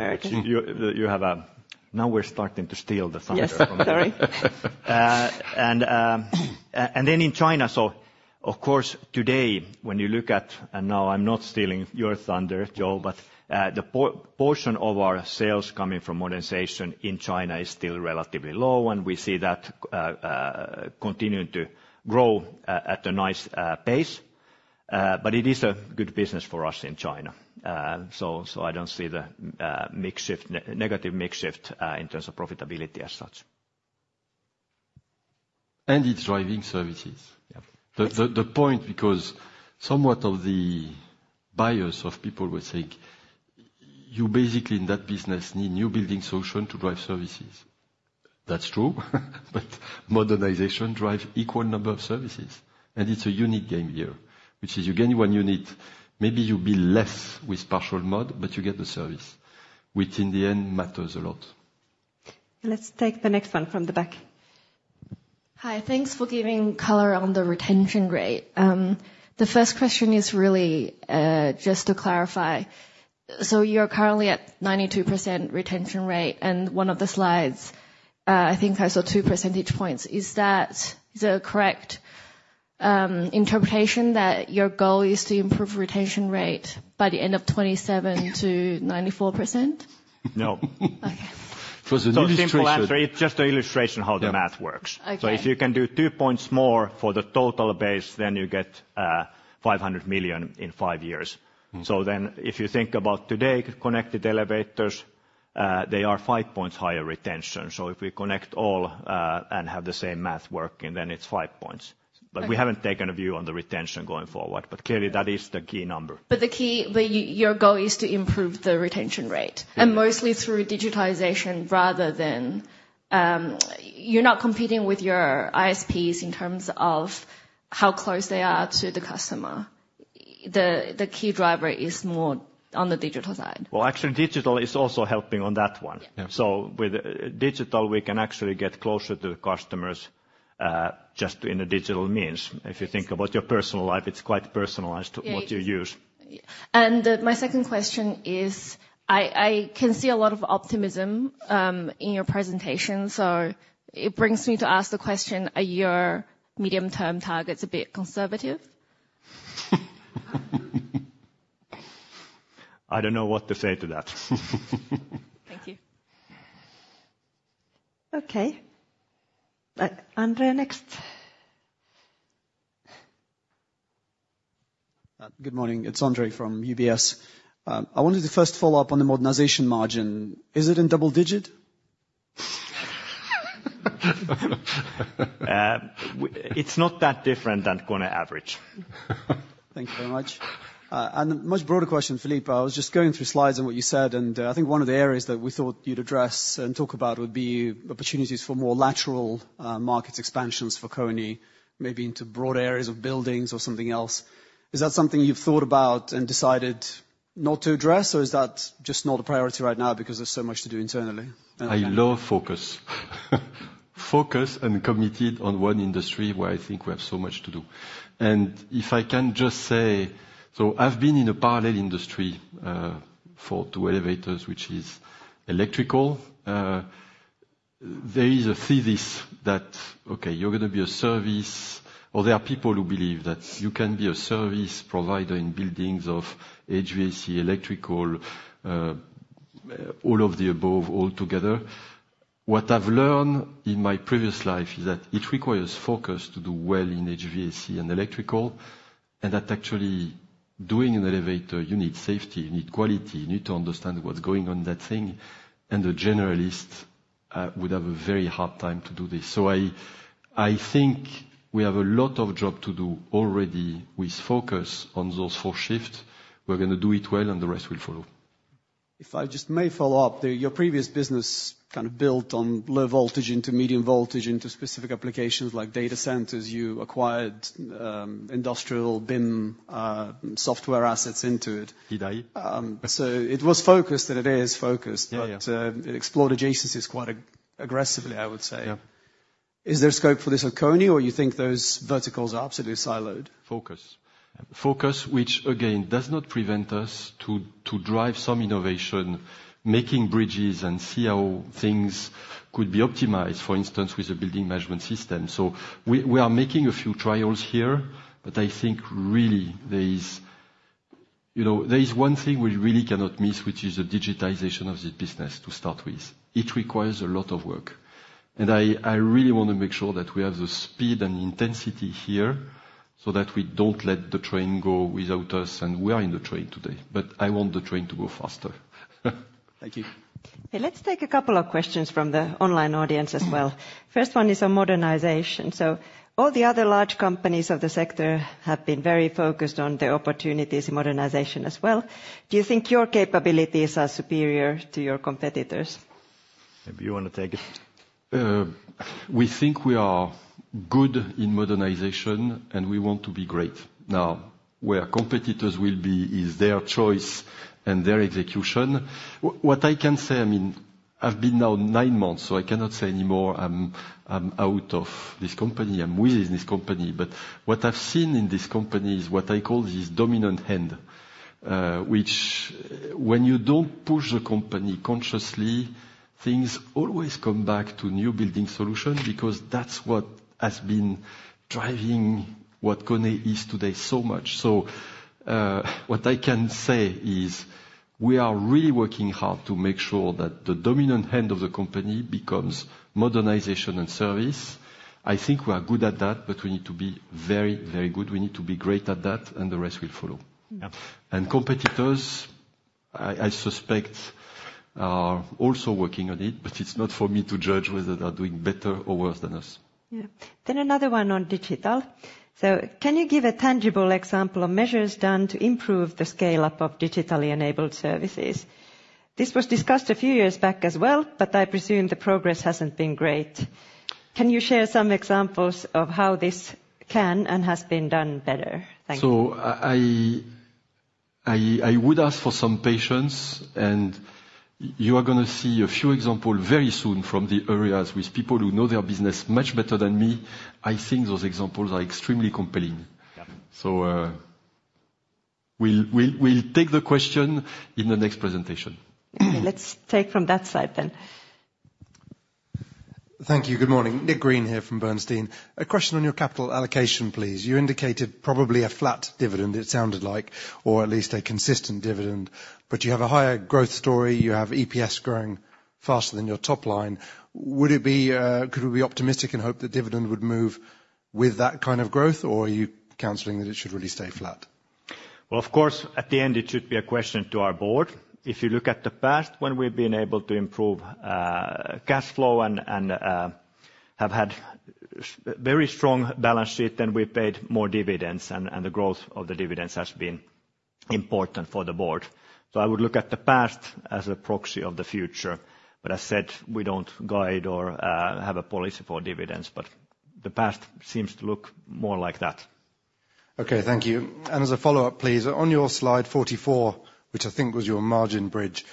Americas. Clearly higher, which you have a... Now we're starting to steal the thunder. Yes, sorry. And then in China, so of course, today, when you look at—and now I'm not stealing your thunder, Joe, but the portion of our sales coming from modernization in China is still relatively low, and we see that continuing to grow at a nice pace. But it is a good business for us in China. So I don't see the negative mix shift in terms of profitability as such. And it's driving services. Yep. The point, because some of the buyers or people will think you basically, in that business, need New Building Solutions to drive services. That's true, but Modernization drive equal number of services, and it's a unique game here, which is you gain one unit, maybe you build less with partial mod, but you get the service, which in the end matters a lot. Let's take the next one from the back. Hi. Thanks for giving color on the retention rate. The first question is really just to clarify: So you're currently at 92% retention rate, and one of the slides, I think I saw two percentage points. Is that the correct interpretation, that your goal is to improve retention rate by the end of 2027 to 94%? No. Okay. It was an illustration. So, simple answer, it's just an illustration how the math works. Okay. If you can do two points more for the total base, then you get 500 million in five years. Mm-hmm. So then, if you think about today, connected elevators, they are five points higher retention. So if we connect all, and have the same math working, then it's five points. Okay. But we haven't taken a view on the retention going forward. But clearly, that is the key number. But the key, your goal is to improve the retention rate- Mm-hmm. -and mostly through digitization rather than, you're not competing with your ISPs in terms of how close they are to the customer. The key driver is more on the digital side? Actually, digital is also helping on that one. Yeah. So with digital, we can actually get closer to the customers, just in a digital means. Yes. If you think about your personal life, it's quite personalized- Yeah What you use. My second question is, I can see a lot of optimism in your presentation, so it brings me to ask the question: Are your medium-term targets a bit conservative? I don't know what to say to that. Thank you. Okay. Andre, next. Good morning. It's Andre from UBS. I wanted to first follow up on the modernization margin. Is it in double digit? It's not that different than KONE average. Thank you very much. And much broader question, Philippe. I was just going through slides and what you said, and, I think one of the areas that we thought you'd address and talk about would be opportunities for more lateral market expansions for KONE, maybe into broad areas of buildings or something else. Is that something you've thought about and decided not to address, or is that just not a priority right now because there's so much to do internally? I love focus. Focus and committed on one industry where I think we have so much to do. And if I can just say. So I've been in a parallel industry to elevators, which is electrical. There is a thesis that, okay, you're gonna be a service, or there are people who believe that you can be a service provider in buildings of HVAC, electrical, all of the above, all together. What I've learned in my previous life is that it requires focus to do well in HVAC and electrical, and that actually, doing an elevator, you need safety, you need quality, you need to understand what's going on in that thing, and a generalist would have a very hard time to do this. So I, I think we have a lot of job to do already with focus on those four shifts. We're gonna do it well, and the rest will follow. If I just may follow up, your previous business kind of built on low voltage into medium voltage into specific applications like data centers. You acquired industrial BIM software assets into it. Did I? It was focused, and it is focused- Yeah, yeah... but it explored adjacencies quite aggressively, I would say... Is there scope for this at KONE, or you think those verticals are absolutely siloed? Focus. Focus, which again does not prevent us to drive some innovation, making bridges and see how things could be optimized, for instance, with a building management system. So we are making a few trials here, but I think really there is, you know, one thing we really cannot miss, which is the digitization of the business to start with. It requires a lot of work, and I really want to make sure that we have the speed and intensity here so that we don't let the train go without us, and we are in the train today. But I want the train to go faster. Thank you. Let's take a couple of questions from the online audience as well. First one is on modernization. So all the other large companies of the sector have been very focused on the opportunities in modernization as well. Do you think your capabilities are superior to your competitors? Maybe you want to take it? We think we are good in modernization, and we want to be great. Now, where competitors will be is their choice and their execution. What I can say, I mean, I've been now nine months, so I cannot say anymore I'm out of this company, I'm with this company. But what I've seen in this company is what I call this dominant hand, which when you don't push the company consciously, things always come back to new building solution, because that's what has been driving what KONE is today so much. So, what I can say is we are really working hard to make sure that the dominant hand of the company becomes modernization and service. I think we are good at that, but we need to be very, very good. We need to be great at that, and the rest will follow. Yeah. Competitors, I suspect, are also working on it, but it's not for me to judge whether they are doing better or worse than us. Yeah, then another one on digital, so can you give a tangible example of measures done to improve the scale-up of digitally enabled services? This was discussed a few years back as well, but I presume the progress hasn't been great. Can you share some examples of how this can and has been done better? Thank you. So I would ask for some patience, and you are going to see a few example very soon from the areas with people who know their business much better than me. I think those examples are extremely compelling. Yeah. So, we'll take the question in the next presentation. Let's take from that side then. Thank you. Good morning. Nick Green here from Bernstein. A question on your capital allocation, please. You indicated probably a flat dividend, it sounded like, or at least a consistent dividend, but you have a higher growth story, you have EPS growing faster than your top line. Would it be... Could we be optimistic and hope the dividend would move with that kind of growth, or are you counseling that it should really stay flat? Of course, at the end, it should be a question to our board. If you look at the past, when we've been able to improve cash flow and have had very strong balance sheet, then we paid more dividends, and the growth of the dividends has been important for the board. I would look at the past as a proxy of the future. I said, we don't guide or have a policy for dividends, but the past seems to look more like that. Okay, thank you. And as a follow-up, please, on your slide forty-four, which I think was your margin bridge,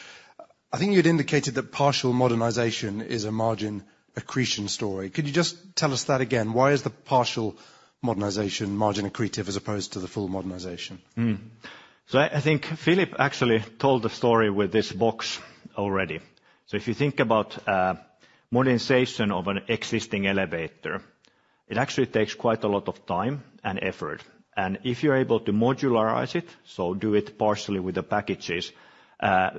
I think you had indicated that partial modernization is a margin accretion story. Could you just tell us that again? Why is the partial modernization margin accretive as opposed to the full modernization? I think Philippe actually told the story with this box already. So if you think about modernization of an existing elevator, it actually takes quite a lot of time and effort. And if you're able to modularize it, so do it partially with the packages,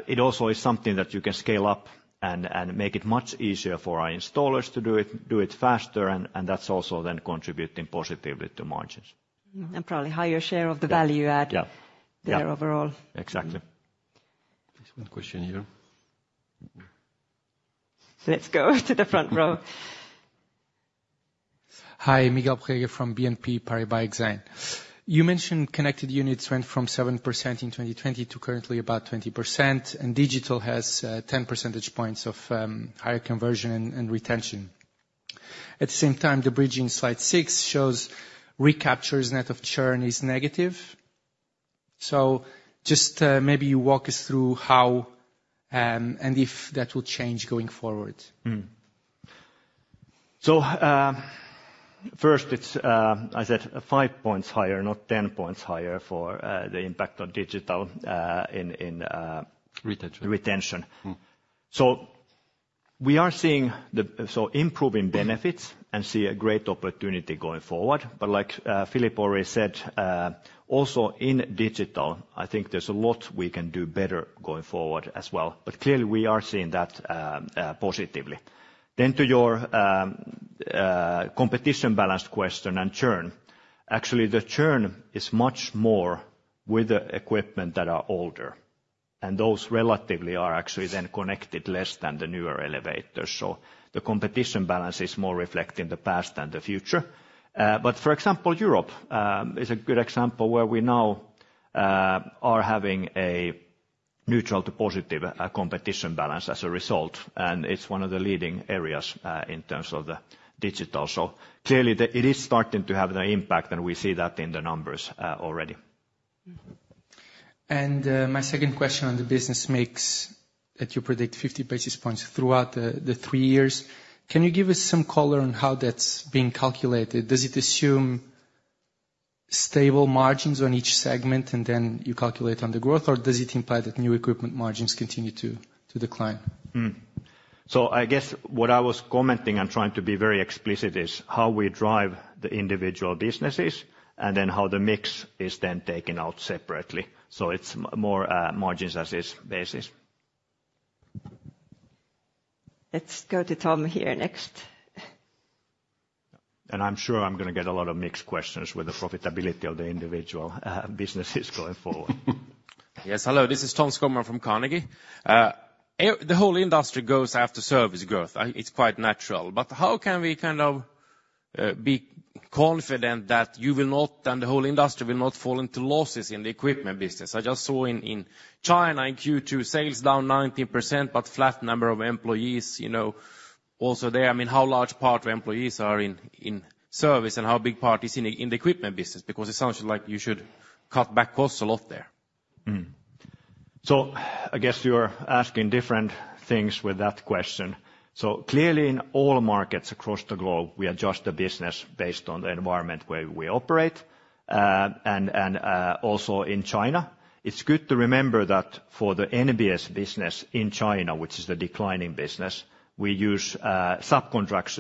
it also is something that you can scale up and make it much easier for our installers to do it faster, and that's also then contributing positively to margins. Mm-hmm, and probably higher share of the value add- Yeah, yeah... there overall. Exactly. There's one question here. Let's go to the front row. Hi, Miguel Borrega from BNP Paribas Exane. You mentioned connected units went from 7% in 2020 to currently about 20%, and digital has ten percentage points of higher conversion and retention. At the same time, the bridging Slide 6 shows recaptures net of churn is negative. So just maybe you walk us through how and if that will change going forward. So, first, it's, I said five points higher, not ten points higher for the impact on digital, in. Retention -retention. Mm. So we are seeing the improving benefits and see a great opportunity going forward. But like Philippe already said, also in digital, I think there's a lot we can do better going forward as well. But clearly, we are seeing that positively. Then to your competition balance question and churn. Actually, the churn is much more with the equipment that are older, and those relatively are actually then connected less than the newer elevators. So the competition balance is more reflect in the past than the future. But for example, Europe is a good example where we now are having a neutral to positive competition balance as a result, and it's one of the leading areas in terms of the digital. So clearly, it is starting to have an impact, and we see that in the numbers, already. Mm-hmm. My second question on the business mix that you predict fifty basis points throughout the three years. Can you give us some color on how that's being calculated? Does it assume stable margins on each segment, and then you calculate on the growth, or does it imply that new equipment margins continue to decline? So I guess what I was commenting and trying to be very explicit is how we drive the individual businesses, and then how the mix is then taken out separately. So it's more, margins as is basis. Let's go to Tom here next. I'm sure I'm gonna get a lot of mixed questions with the profitability of the individual businesses going forward. Yes, hello, this is Tom Skogman from Carnegie. The whole industry goes after service growth, it's quite natural. But how can we kind of be confident that you will not, and the whole industry will not fall into losses in the equipment business? I just saw in China, in Q2, sales down 19%, but flat number of employees, you know, also there. I mean, how large part of employees are in service, and how big part is in the equipment business? Because it sounds like you should cut back costs a lot there. So I guess you are asking different things with that question. So clearly, in all markets across the globe, we adjust the business based on the environment where we Operate, and also in China. It's good to remember that for the NBS business in China, which is the declining business, we use subcontractors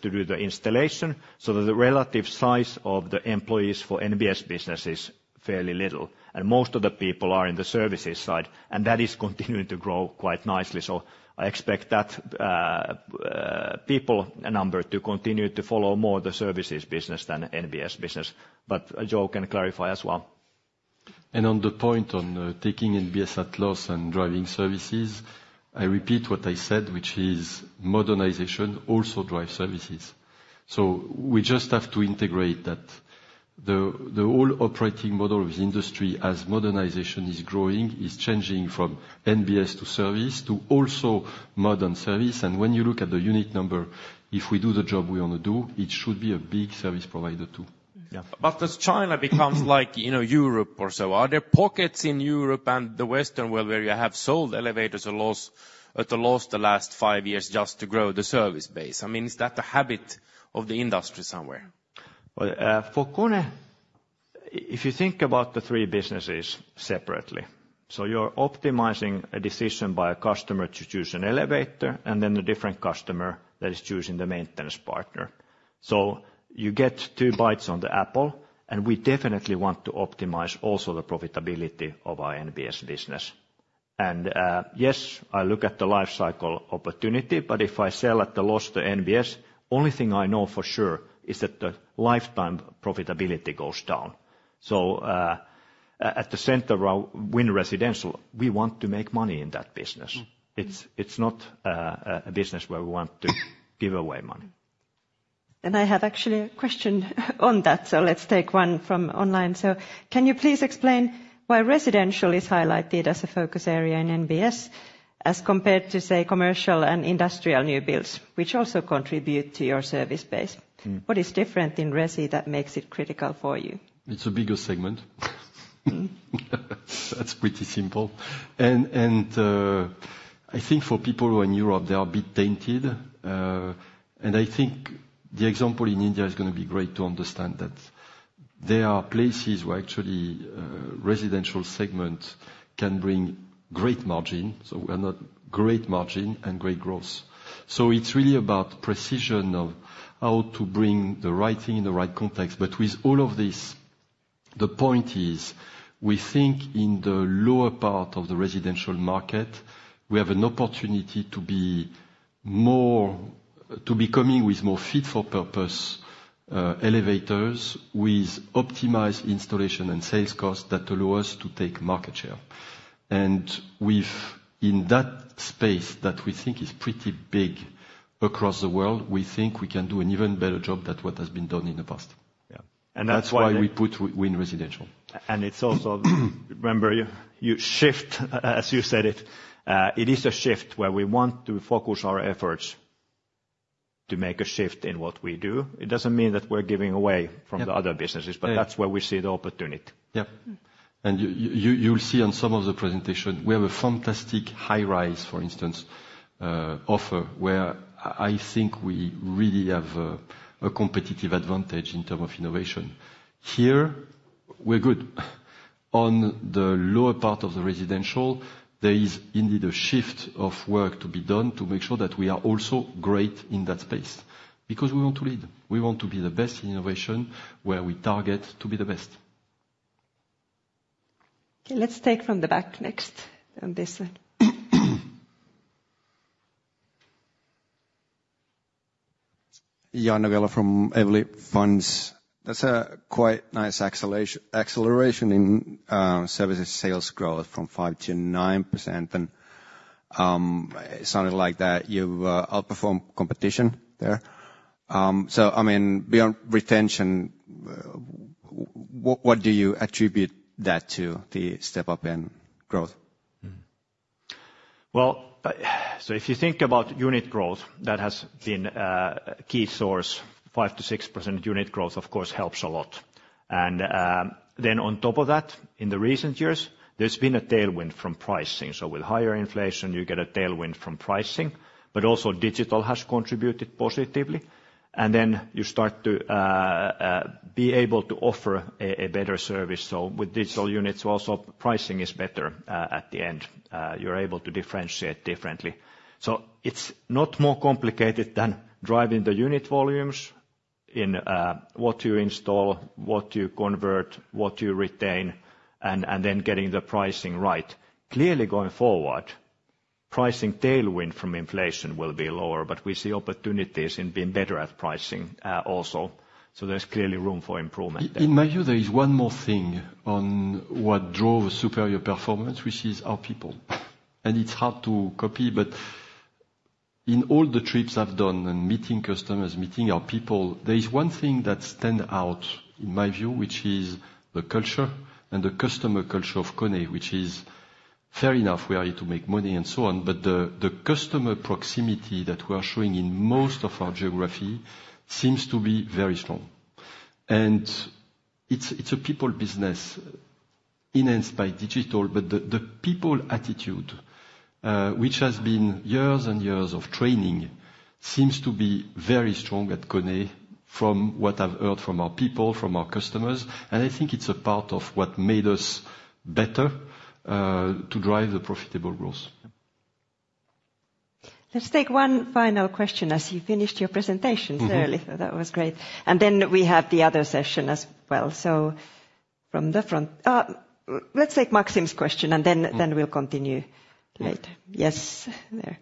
to do the installation. So the relative size of the employees for NBS business is fairly little, and most of the people are in the services side, and that is continuing to grow quite nicely. So I expect that people, a number, to continue to follow more the services business than NBS business. But Joe can clarify as well. And on the point on taking NBS at loss and driving services, I repeat what I said, which is modernization also drives services. So we just have to integrate that. The whole operating model of industry as modernization is growing is changing from NBS to service to also modern service. And when you look at the unit number, if we do the job we want to do, it should be a big service provider, too. Yeah. But does China becomes like, you know, Europe or so? Are there pockets in Europe and the Western world where you have sold elevators at a loss, at a loss the last five years just to grow the service base? I mean, is that a habit of the industry somewhere? For KONE, if you think about the three businesses separately, so you're optimizing a decision by a customer to choose an elevator, and then a different customer that is choosing the maintenance partner. So you get two bites on the apple, and we definitely want to optimize also the profitability of our NBS business, and yes, I look at the life cycle opportunity, but if I sell at the loss to NBS, only thing I know for sure is that the lifetime profitability goes down, so at the center of new residential, we want to make money in that business. Mm, mm. It's not a business where we want to give away money. I have actually a question on that, so let's take one from online. Can you please explain why residential is highlighted as a focus area in NBS, as compared to, say, commercial and industrial new builds, which also contribute to your service base? Mm. What is different in resi that makes it critical for you? It's a bigger segment. That's pretty simple. And I think for people who are in Europe, they are a bit tainted. And I think the example in India is gonna be great to understand that there are places where actually residential segment can bring great margin, so we are not... Great margin and great growth. So it's really about precision of how to bring the right thing in the right context, but with all of this, the point is, we think in the lower part of the residential market, we have an opportunity to be more, to be coming with more fit-for-purpose elevators, with optimized installation and sales costs that allow us to take market share. Within that space, that we think is pretty big across the world, we think we can do an even better job than what has been done in the past. Yeah. And that's why- That's why we put Win Residential. And it's also, remember, you shift, as you said it, it is a shift where we want to focus our efforts to make a shift in what we do. It doesn't mean that we're giving away- Yeah... from the other businesses- Yeah... but that's where we see the opportunity. Yeah. Mm. You'll see on some of the presentation, we have a fantastic high rise, for instance, offer, where I think we really have a competitive advantage in term of innovation. Here, we're good. On the lower part of the residential, there is indeed a shift of work to be done to make sure that we are also great in that space, because we want to lead. We want to be the best in innovation, where we target to be the best. Okay, let's take from the back next, on this side. Joonas Novella from Evli. That's quite a nice acceleration in services sales growth from 5%-9%, and it sounded like you outperform competition there, so I mean, beyond retention, what do you attribute that to, the step up in growth? Well, so if you think about unit growth, that has been a key source, 5%-6% unit growth, of course, helps a lot, and then on top of that, in the recent years, there's been a tailwind from pricing, so with higher inflation, you get a tailwind from pricing, but also digital has contributed positively, and then you start to be able to offer a better service, so with digital units, also, pricing is better at the end. You're able to differentiate differently, so it's not more complicated than driving the unit volumes in what you install, what you convert, what you retain, and then getting the pricing right. Clearly, going forward, pricing tailwind from inflation will be lower, but we see opportunities in being better at pricing, also, so there's clearly room for improvement there. In my view, there is one more thing on what drove superior performance, which is our people. And it's hard to copy, but in all the trips I've done, and meeting customers, meeting our people, there is one thing that stand out in my view, which is the culture and the customer culture of KONE, which is fair enough, we are here to make money and so on, but the customer proximity that we are showing in most of our geography seems to be very strong. And it's a people business enhanced by digital, but the people attitude, which has been years and years of training, seems to be very strong at KONE from what I've heard from our people, from our customers, and I think it's a part of what made us better to drive the profitable growth. Let's take one final question as you finished your presentation, so early. So that was great. And then we have the other session as well. So from the front... Let's take Maxim's question, and then we'll continue later. Yes, there.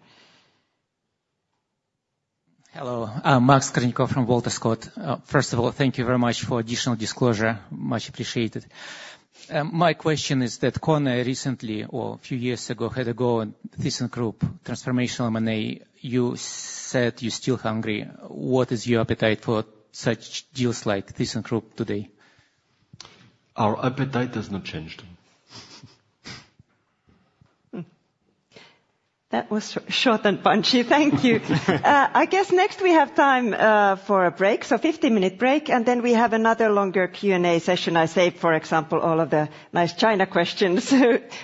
Hello, I'm Maxim Skorniakov from Walter Scott. First of all, thank you very much for additional disclosure. Much appreciated. My question is that KONE recently, or a few years ago, had a go in thyssenKrupp transformational M&A. You said you're still hungry. What is your appetite for such deals like thyssenKrupp today? Our appetite has not changed. That was short and punchy. Thank you. I guess next, we have time for a break, so 50-minute break, and then we have another longer Q&A session. I save, for example, all of the nice China questions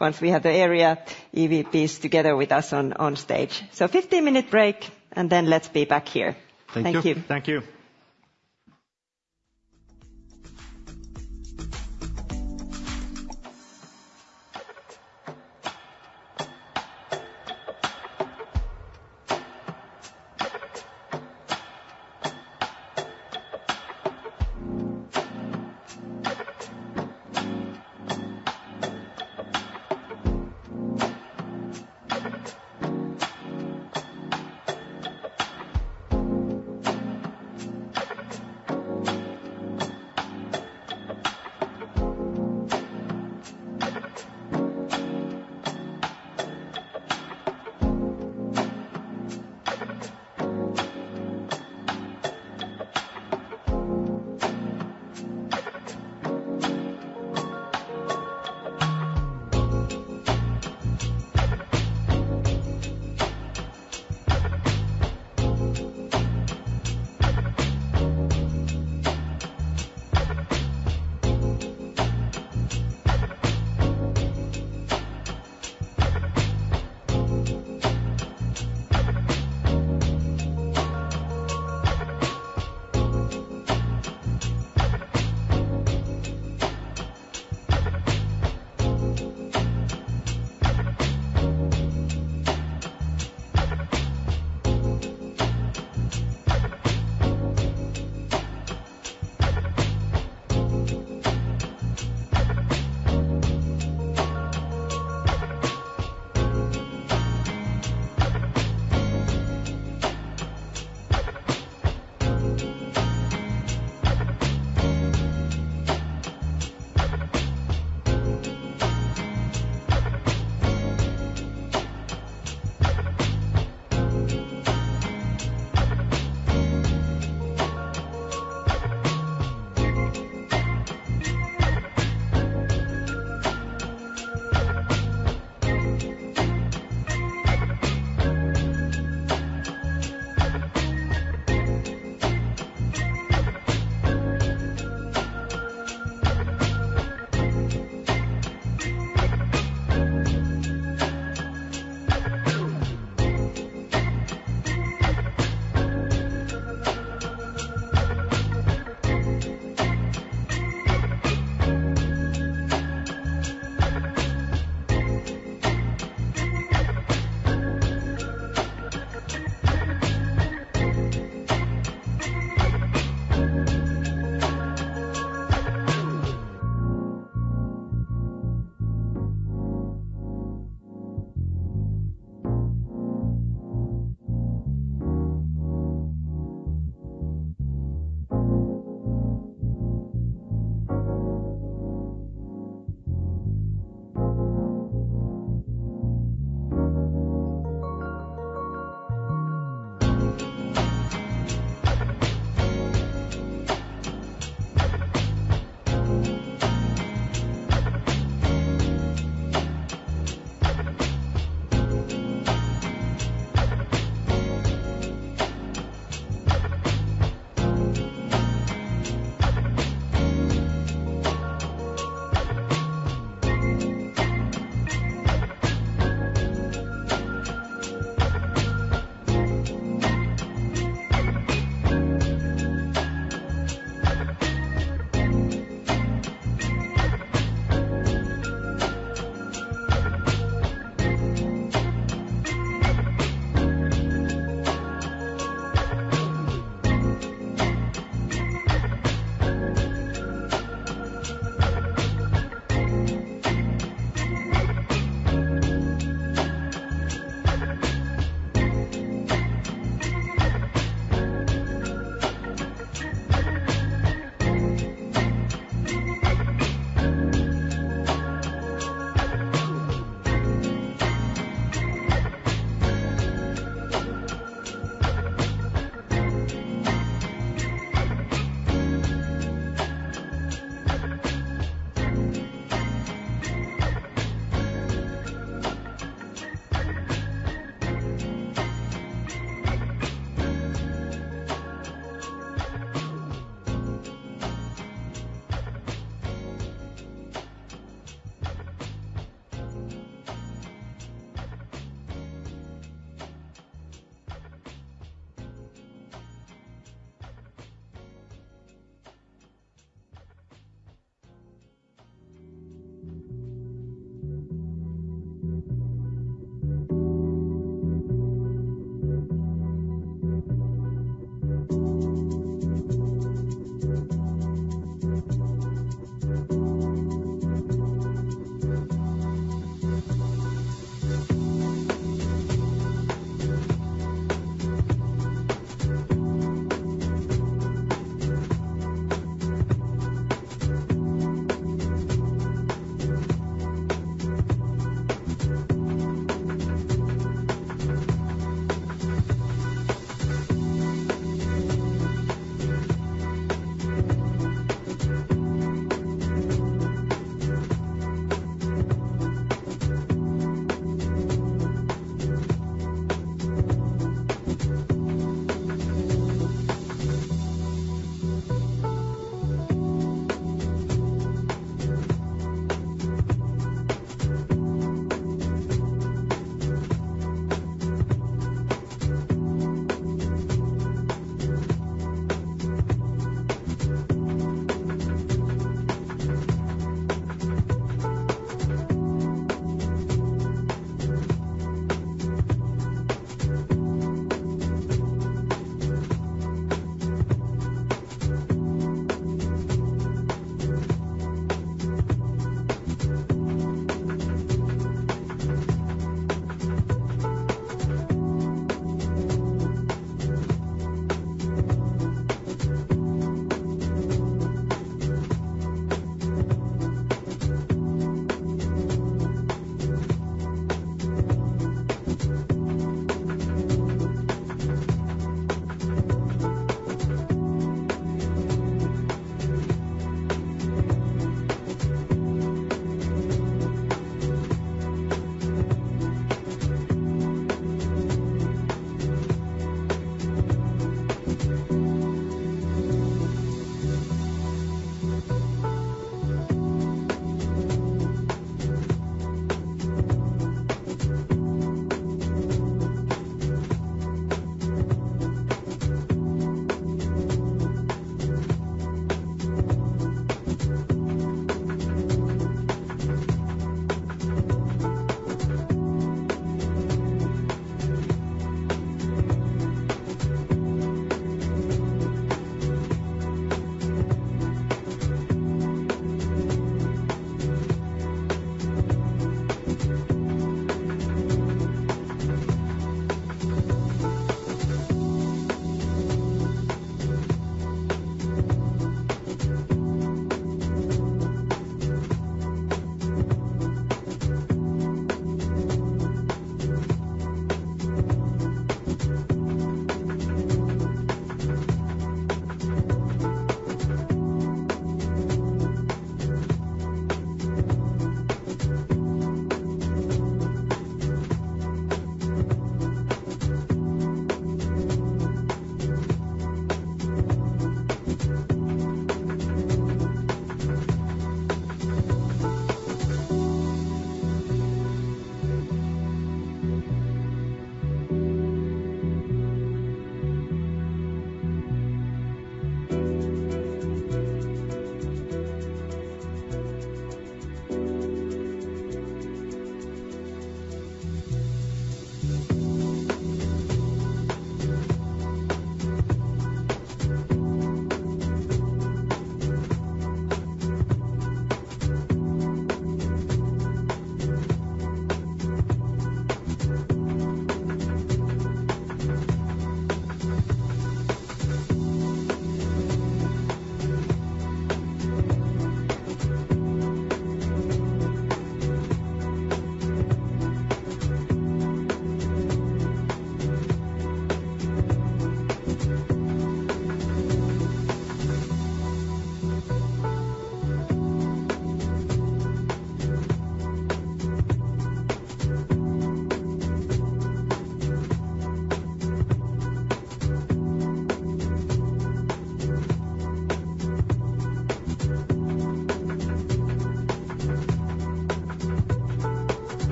once we have the area EVPs together with us on stage. So 50-minute break, and then let's be back here. Thank you. Thank you. Thank you.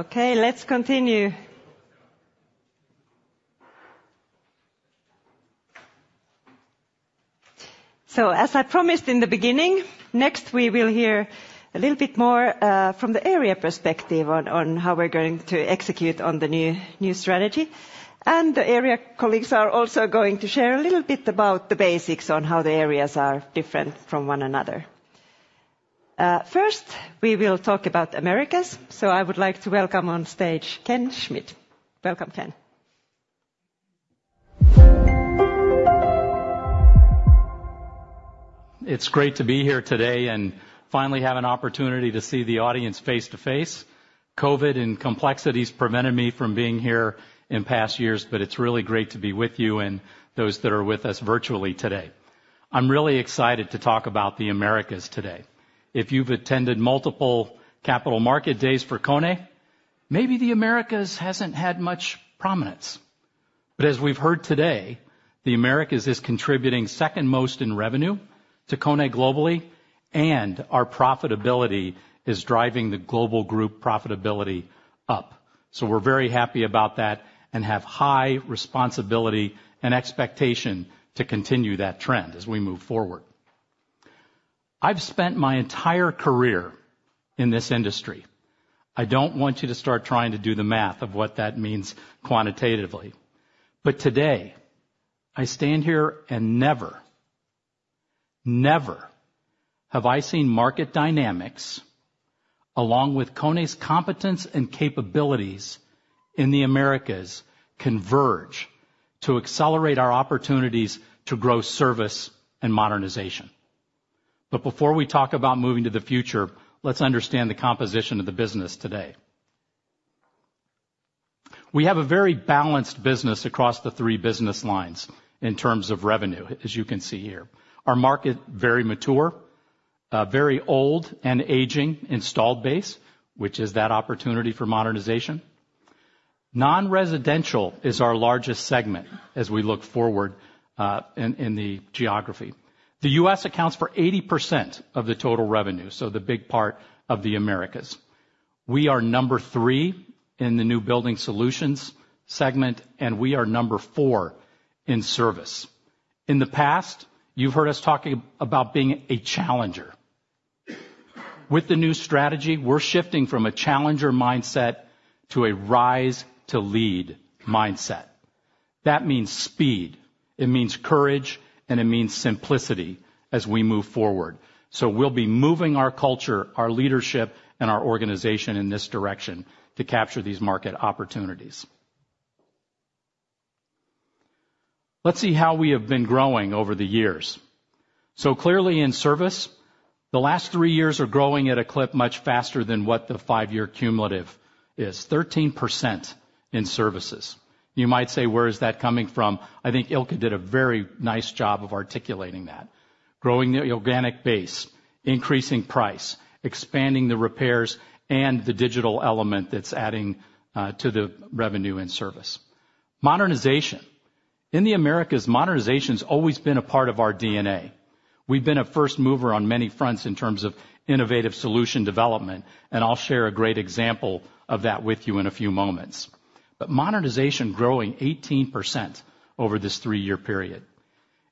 Okay, let's continue. So as I promised in the beginning, next, we will hear a little bit more from the area perspective on how we're going to execute on the new strategy. And the area colleagues are also going to share a little bit about the basics on how the areas are different from one another. First, we will talk about Americas, so I would like to welcome on stage, Ken Schmid. Welcome, Ken. It's great to be here today and finally have an opportunity to see the audience face-to-face. COVID and complexities prevented me from being here in past years, but it's really great to be with you and those that are with us virtually today. I'm really excited to talk about the Americas today. If you've attended multiple capital market days for KONE, maybe the Americas hasn't had much prominence. But as we've heard today, the Americas is contributing second most in revenue to KONE globally, and our profitability is driving the global group profitability up. So we're very happy about that and have high responsibility and expectation to continue that trend as we move forward. I've spent my entire career in this industry. I don't want you to start trying to do the math of what that means quantitatively, but today, I stand here and never, never have I seen market dynamics, along with KONE's competence and capabilities in the Americas, converge to accelerate our opportunities to grow service and modernization. But before we talk about moving to the future, let's understand the composition of the business today. We have a very balanced business across the three business lines in terms of revenue, as you can see here. Our market, very mature, very old and aging installed base, which is that opportunity for modernization. Non-residential is our largest segment as we look forward, in the geography. The U.S. accounts for 80% of the total revenue, so the big part of the Americas. We are number three in the new building solutions segment, and we are number four in service. In the past, you've heard us talking about being a challenger. With the new strategy, we're shifting from a challenger mindset to a Rise to lead mindset. That means speed, it means courage, and it means simplicity as we move forward. So we'll be moving our culture, our leadership, and our organization in this direction to capture these market opportunities. Let's see how we have been growing over the years. So clearly, in Service, the last three years are growing at a clip much faster than what the five-year cumulative is, 13% in Service. You might say, where is that coming from? I think Ilkka did a very nice job of articulating that. Growing the organic base, increasing price, expanding the repairs, and the digital element that's adding to the revenue and Service. Modernization. In the Americas, modernization's always been a part of our DNA. We've been a first mover on many fronts in terms of innovative solution development, and I'll share a great example of that with you in a few moments. But modernization growing 18% over this three-year period.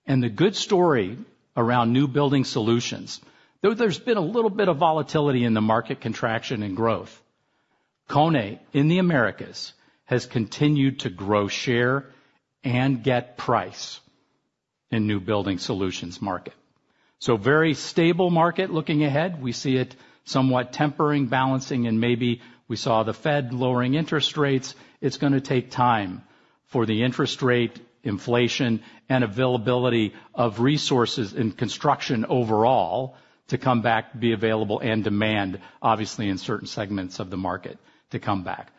And the good story around new building solutions, though there's been a little bit of volatility in the market contraction and growth, KONE, in the Americas, has continued to grow, share, and get price in new building solutions market. So very stable market looking ahead. We see it somewhat tempering, balancing, and maybe we saw the Fed lowering interest rates. It's gonna take time for the interest rate, inflation, and availability of resources in construction overall to come back, be available and demand, obviously, in certain segments of the market to come back.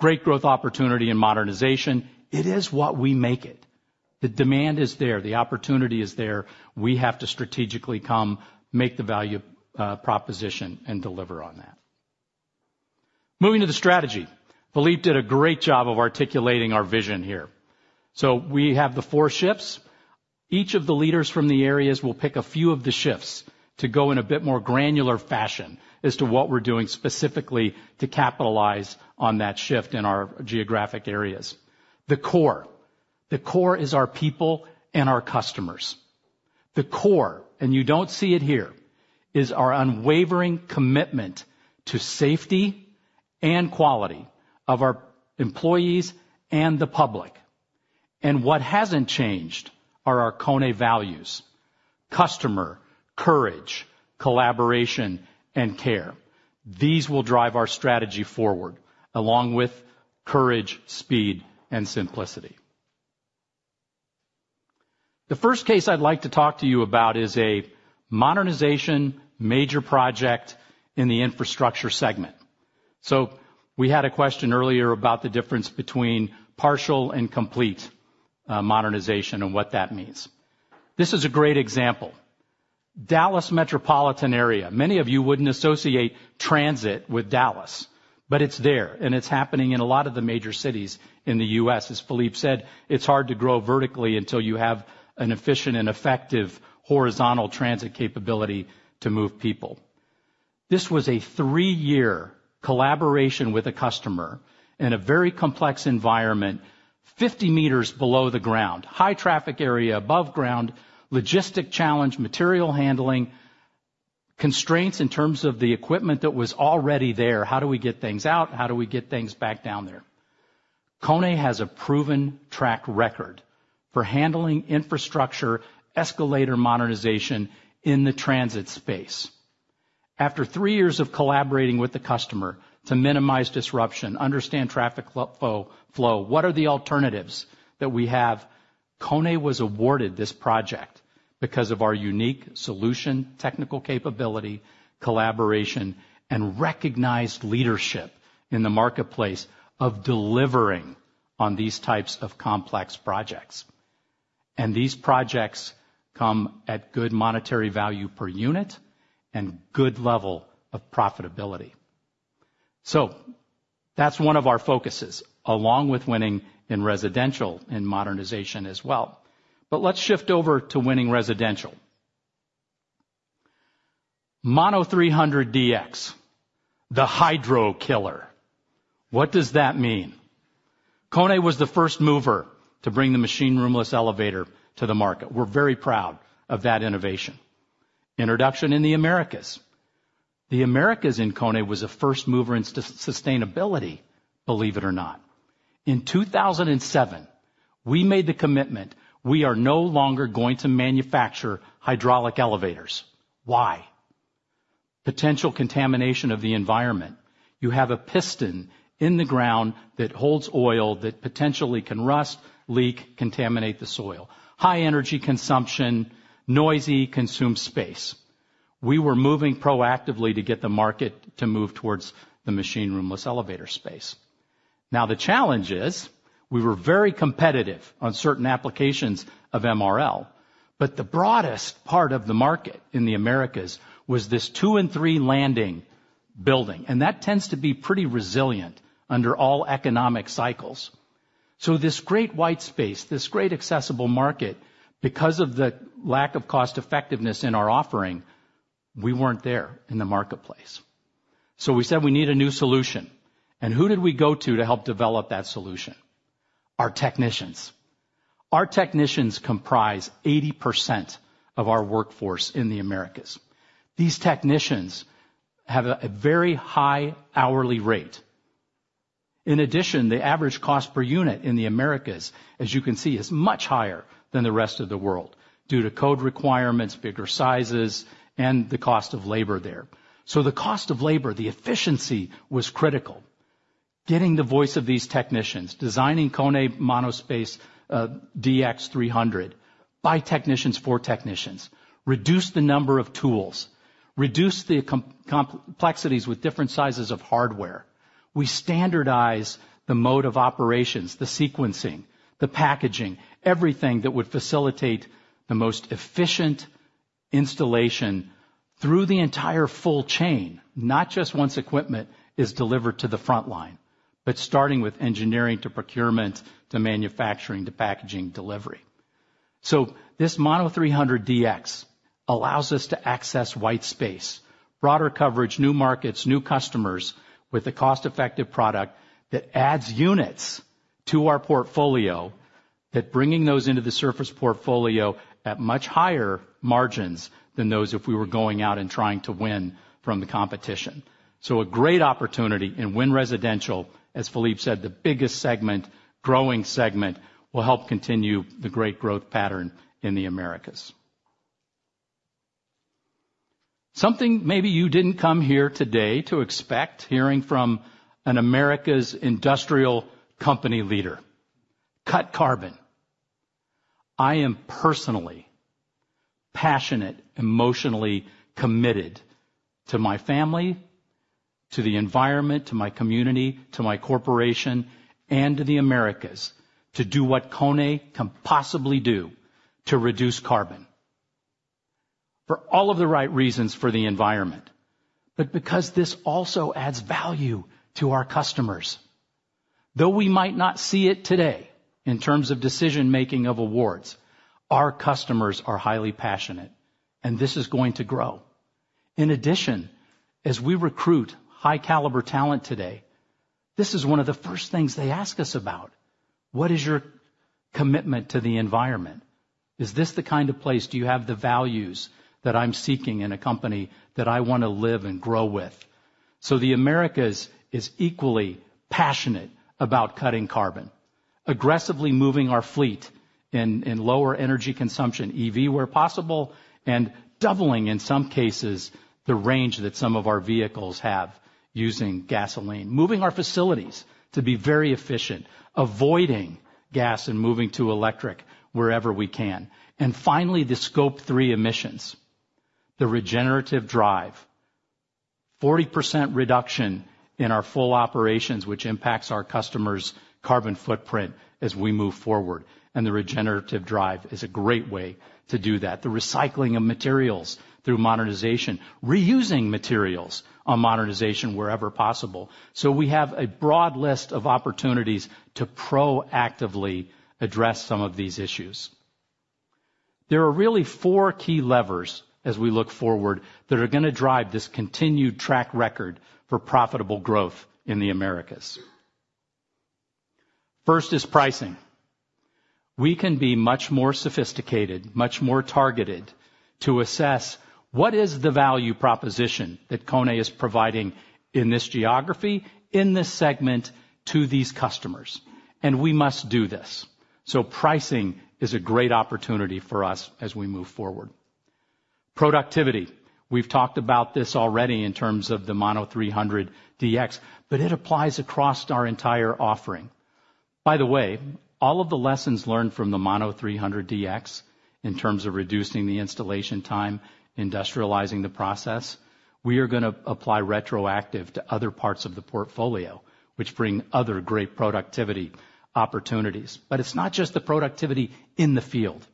Great growth opportunity in modernization. It is what we make it. The demand is there, the opportunity is there. We have to strategically come, make the value, proposition, and deliver on that. Moving to the strategy, Philippe did a great job of articulating our vision here, so we have the four shifts. Each of the leaders from the areas will pick a few of the shifts to go in a bit more granular fashion as to what we're doing specifically to capitalize on that shift in our geographic areas. The core. The core is our people and our customers. The core, and you don't see it here, is our unwavering commitment to safety and quality of our employees and the public, and what hasn't changed are our KONE values: customer, courage, collaboration, and care. These will drive our strategy forward, along with courage, speed, and simplicity. The first case I'd like to talk to you about is a modernization major project in the infrastructure segment. So we had a question earlier about the difference between partial and complete, uh, modernization and what that means. This is a great example. Dallas Metropolitan area. Many of you wouldn't associate transit with Dallas, but it's there, and it's happening in a lot of the major cities in the U.S. As Philippe said, it's hard to grow vertically until you have an efficient and effective horizontal transit capability to move people. This was a three-year collaboration with a customer in a very complex environment, fifty meters below the ground, high traffic area above ground, logistic challenge, material handling, constraints in terms of the equipment that was already there. How do we get things out? How do we get things back down there? KONE has a proven track record for handling infrastructure, escalator modernization in the transit space. After three years of collaborating with the customer to minimize disruption, understand traffic flow, what are the alternatives that we have? KONE was awarded this project because of our unique solution, technical capability, collaboration, and recognized leadership in the marketplace of delivering on these types of complex projects, and these projects come at good monetary value per unit and good level of profitability. That's one of our focuses, along with winning in residential and modernization as well. Let's shift over to winning residential. Mono 300 DX, the hydro killer. What does that mean? KONE was the first mover to bring the machine room-less elevator to the market. We're very proud of that innovation. Introduction in the Americas. The Americas in KONE was a first mover in sustainability, believe it or not. In two thousand and seven, we made the commitment. We are no longer going to manufacture hydraulic elevators. Why? Potential contamination of the environment. You have a piston in the ground that holds oil, that potentially can rust, leak, contaminate the soil. High energy consumption, noisy, consumes space. We were moving proactively to get the market to move towards the machine room-less elevator space. Now, the challenge is, we were very competitive on certain applications of MRL, but the broadest part of the market in the Americas was this two and three landing building, and that tends to be pretty resilient under all economic cycles. So this great white space, this great accessible market, because of the lack of cost effectiveness in our offering, we weren't there in the marketplace. So we said, "We need a new solution," and who did we go to, to help develop that solution? Our technicians. Our technicians comprise 80% of our workforce in the Americas. These technicians have a very high hourly rate. In addition, the average cost per unit in the Americas, as you can see, is much higher than the rest of the world due to code requirements, bigger sizes, and the cost of labor there. So the cost of labor, the efficiency, was critical. Getting the voice of these technicians, designing KONE MonoSpace 300 DX, by technicians, for technicians, reduced the number of tools, reduced the complexities with different sizes of hardware. We standardize the mode of operations, the sequencing, the packaging, everything that would facilitate the most efficient installation through the entire full chain, not just once equipment is delivered to the frontline, but starting with engineering, to procurement, to manufacturing, to packaging, delivery. So this Mono 300 DX allows us to access white space, broader coverage, new markets, new customers, with a cost-effective product that adds units to our portfolio, that bringing those into the service portfolio at much higher margins than those if we were going out and trying to win from the competition. So a great opportunity in new residential, as Philippe said, the biggest segment, growing segment, will help continue the great growth pattern in the Americas. Something maybe you didn't come here today to expect, hearing from an Americas industrial company leader: Cut Carbon. I am personally passionate, emotionally committed, to my family, to the environment, to my community, to my corporation, and to the Americas, to do what KONE can possibly do to reduce carbon for all of the right reasons for the environment, but because this also adds value to our customers. Though we might not see it today in terms of decision-making of awards, our customers are highly passionate, and this is going to grow. In addition, as we recruit high-caliber talent today, this is one of the first things they ask us about: "What is your commitment to the environment? Is this the kind of place... Do you have the values that I'm seeking in a company that I want to live and grow with?" So the Americas is equally passionate about cutting carbon, aggressively moving our fleet in lower energy consumption, EV where possible, and doubling, in some cases, the range that some of our vehicles have using gasoline. Moving our facilities to be very efficient, avoiding gas and moving to electric wherever we can. And finally, the scope 3 emissions, the regenerative drive. 40% reduction in our full operations, which impacts our customers' carbon footprint as we move forward, and the regenerative drive is a great way to do that. The recycling of materials through modernization, reusing materials on modernization wherever possible. So we have a broad list of opportunities to proactively address some of these issues. There are really four key levers as we look forward, that are gonna drive this continued track record for profitable growth in the Americas. First is pricing. We can be much more sophisticated, much more targeted, to assess what is the value proposition that KONE is providing in this geography, in this segment, to these customers, and we must do this. So pricing is a great opportunity for us as we move forward. Productivity. We've talked about this already in terms of the Mono 300 DX, but it applies across our entire offering. By the way, all of the lessons learned from the MonoSpace 300 DX in terms of reducing the installation time, industrializing the process, we are gonna apply retroactive to other parts of the portfolio, which bring other great productivity opportunities. But it's not just the productivity in the field,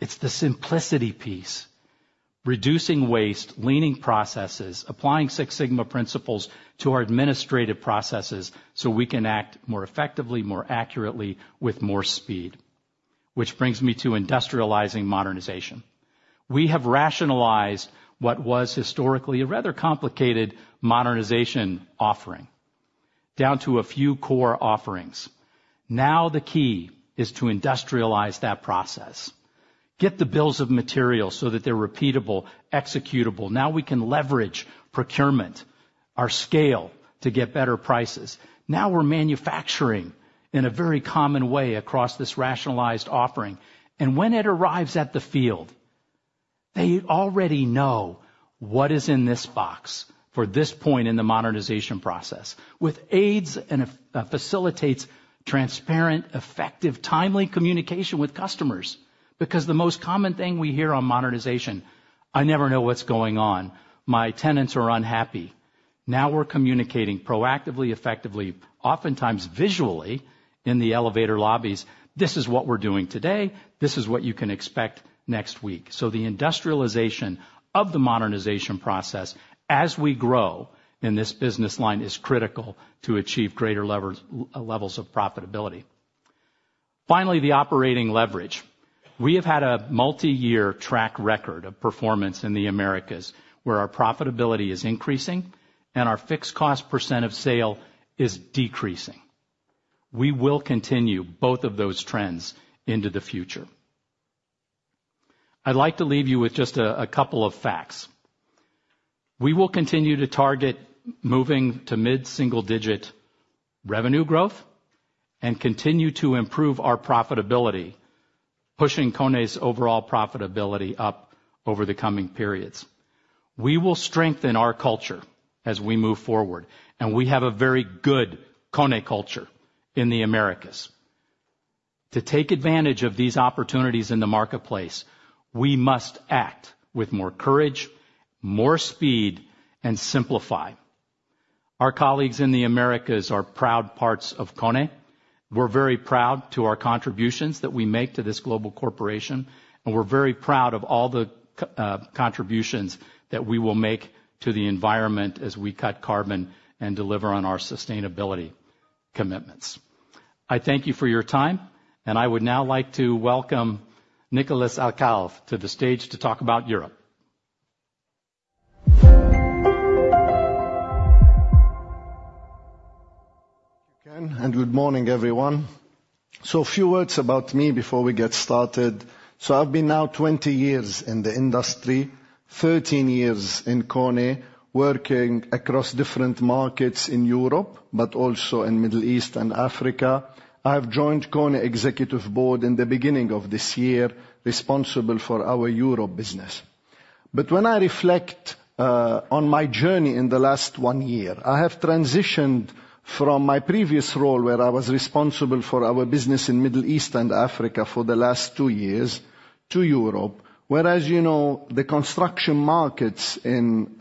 it's the simplicity piece. Reducing waste, lean processes, applying Six Sigma principles to our administrative processes so we can act more effectively, more accurately, with more speed. Which brings me to industrializing modernization. We have rationalized what was historically a rather complicated modernization offering, down to a few core offerings. Now, the key is to industrialize that process, get the bills of materials so that they're repeatable, executable. Now we can leverage procurement, our scale, to get better prices. Now we're manufacturing in a very common way across this rationalized offering, and when it arrives at the field, they already know what is in this box for this point in the modernization process, with aids and facilitates transparent, effective, timely communication with customers. Because the most common thing we hear on modernization: "I never know what's going on. My tenants are unhappy." Now we're communicating proactively, effectively, oftentimes visually, in the elevator lobbies, this is what we're doing today, this is what you can expect next week. So the industrialization of the modernization process as we grow in this business line is critical to achieve greater levels of profitability. Finally, the operating leverage. We have had a multi-year track record of performance in the Americas, where our profitability is increasing and our fixed cost percent of sale is decreasing. We will continue both of those trends into the future. I'd like to leave you with just a couple of facts. We will continue to target moving to mid-single digit revenue growth, and continue to improve our profitability, pushing KONE's overall profitability up over the coming periods. We will strengthen our culture as we move forward, and we have a very good KONE culture in the Americas. To take advantage of these opportunities in the marketplace, we must act with more courage, more speed, and simplify. Our colleagues in the Americas are proud parts of KONE. We're very proud to our contributions that we make to this global corporation, and we're very proud of all the contributions that we will make to the environment as we Cut Carbon and deliver on our sustainability commitments. I thank you for your time, and I would now like to welcome Nicolas Alchalel to the stage to talk about Europe. Thank you, Ken, and good morning, everyone. A few words about me before we get started. I've been now twenty years in the industry, thirteen years in KONE, working across different markets in Europe, but also in Middle East and Africa. I've joined KONE executive board in the beginning of this year, responsible for our Europe business. But when I reflect on my journey in the last one year, I have transitioned from my previous role, where I was responsible for our business in Middle East and Africa for the last two years, to Europe. Whereas, you know, the construction markets in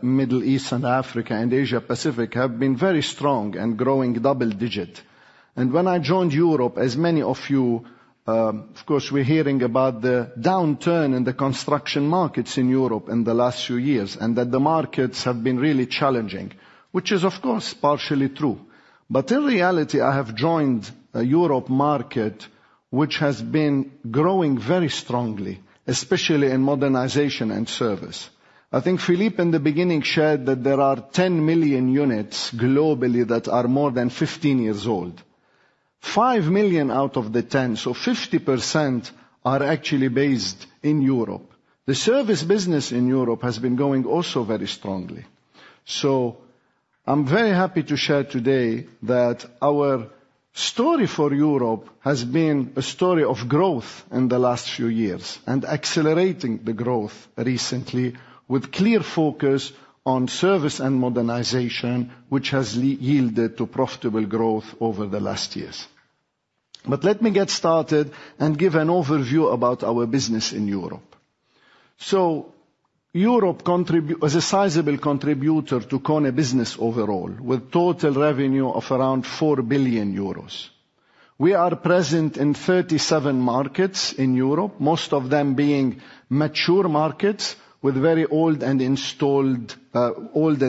Middle East and Africa and Asia Pacific have been very strong and growing double digit. And when I joined Europe, as many of you, Of course, we're hearing about the downturn in the construction markets in Europe in the last few years, and that the markets have been really challenging, which is, of course, partially true, but in reality, I have joined a Europe market which has been growing very strongly, especially in modernization and service. I think Philippe, in the beginning, shared that there are 10 million units globally that are more than 15 years old. 5 million out of the 10, so 50%, are actually based in Europe. The service business in Europe has been growing also very strongly, so I'm very happy to share today that our story for Europe has been a story of growth in the last few years, and accelerating the growth recently, with clear focus on service and modernization, which has led to profitable growth over the last years. Let me get started and give an overview about our business in Europe. Europe as a sizable contributor to KONE business overall, with total revenue of around 4 billion euros. We are present in 37 markets in Europe, most of them being mature markets with very old and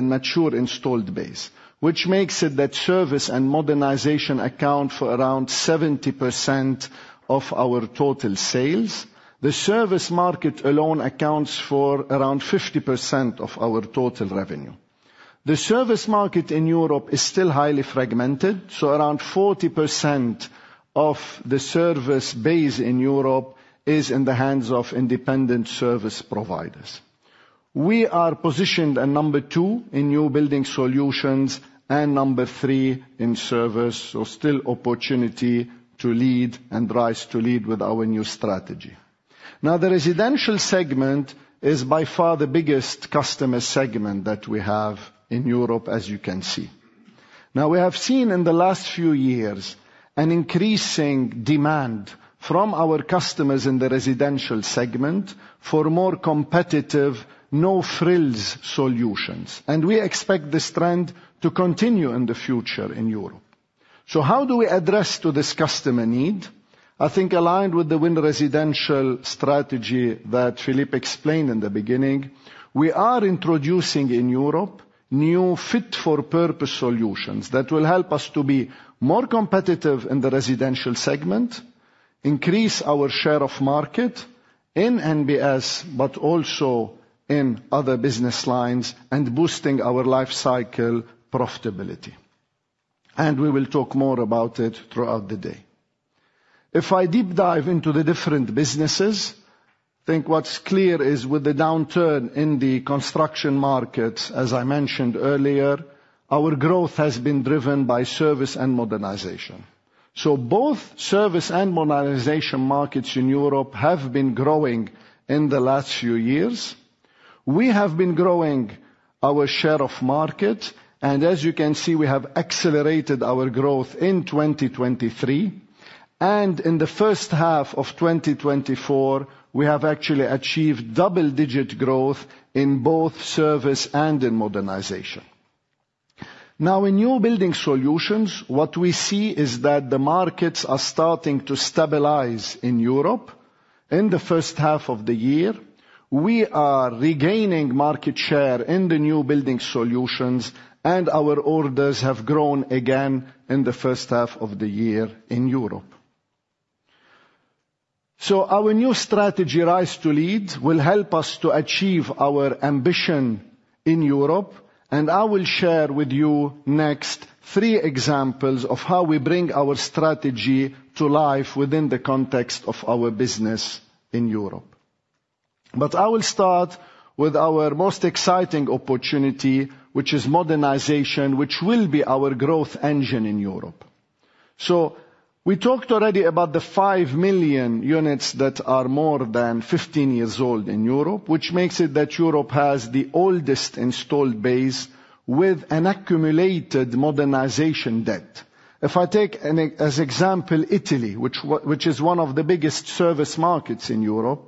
mature installed base, which makes it that service and modernization account for around 70% of our total sales. The service market alone accounts for around 50% of our total revenue. The service market in Europe is still highly fragmented, so around 40% of the service base in Europe is in the hands of independent service providers. We are positioned at number two in new building solutions and number three in service, so still opportunity to lead and Rise to lead with our new strategy. Now, the residential segment is by far the biggest customer segment that we have in Europe, as you can see. Now, we have seen in the last few years an increasing demand from our customers in the residential segment for more competitive, no-frills solutions, and we expect this trend to continue in the future in Europe, so how do we address to this customer need? I think, aligned with the Win Residential strategy that Philippe explained in the beginning, we are introducing in Europe new fit-for-purpose solutions that will help us to be more competitive in the residential segment, increase our share of market in NBS, but also in other business lines, and boosting our life cycle profitability, and we will talk more about it throughout the day. If I deep dive into the different businesses, I think what's clear is with the downturn in the construction market, as I mentioned earlier, our growth has been driven by Service and Modernization. So both Service and Modernization markets in Europe have been growing in the last few years. We have been growing our share of market, and as you can see, we have accelerated our growth in 2023. And in the first half of 2024, we have actually achieved double-digit growth in both Service and in Modernization. Now, in New Building Solutions, what we see is that the markets are starting to stabilize in Europe. In the first half of the year, we are regaining market share in the New Building Solutions, and our orders have grown again in the first half of the year in Europe. Our new strategy, Rise to lead, will help us to achieve our ambition in Europe, and I will share with you next three examples of how we bring our strategy to life within the context of our business in Europe. I will start with our most exciting opportunity, which is modernization, which will be our growth engine in Europe. We talked already about the five million units that are more than fifteen years old in Europe, which makes it that Europe has the oldest installed base with an accumulated modernization debt. If I take an example, Italy, which is one of the biggest service markets in Europe,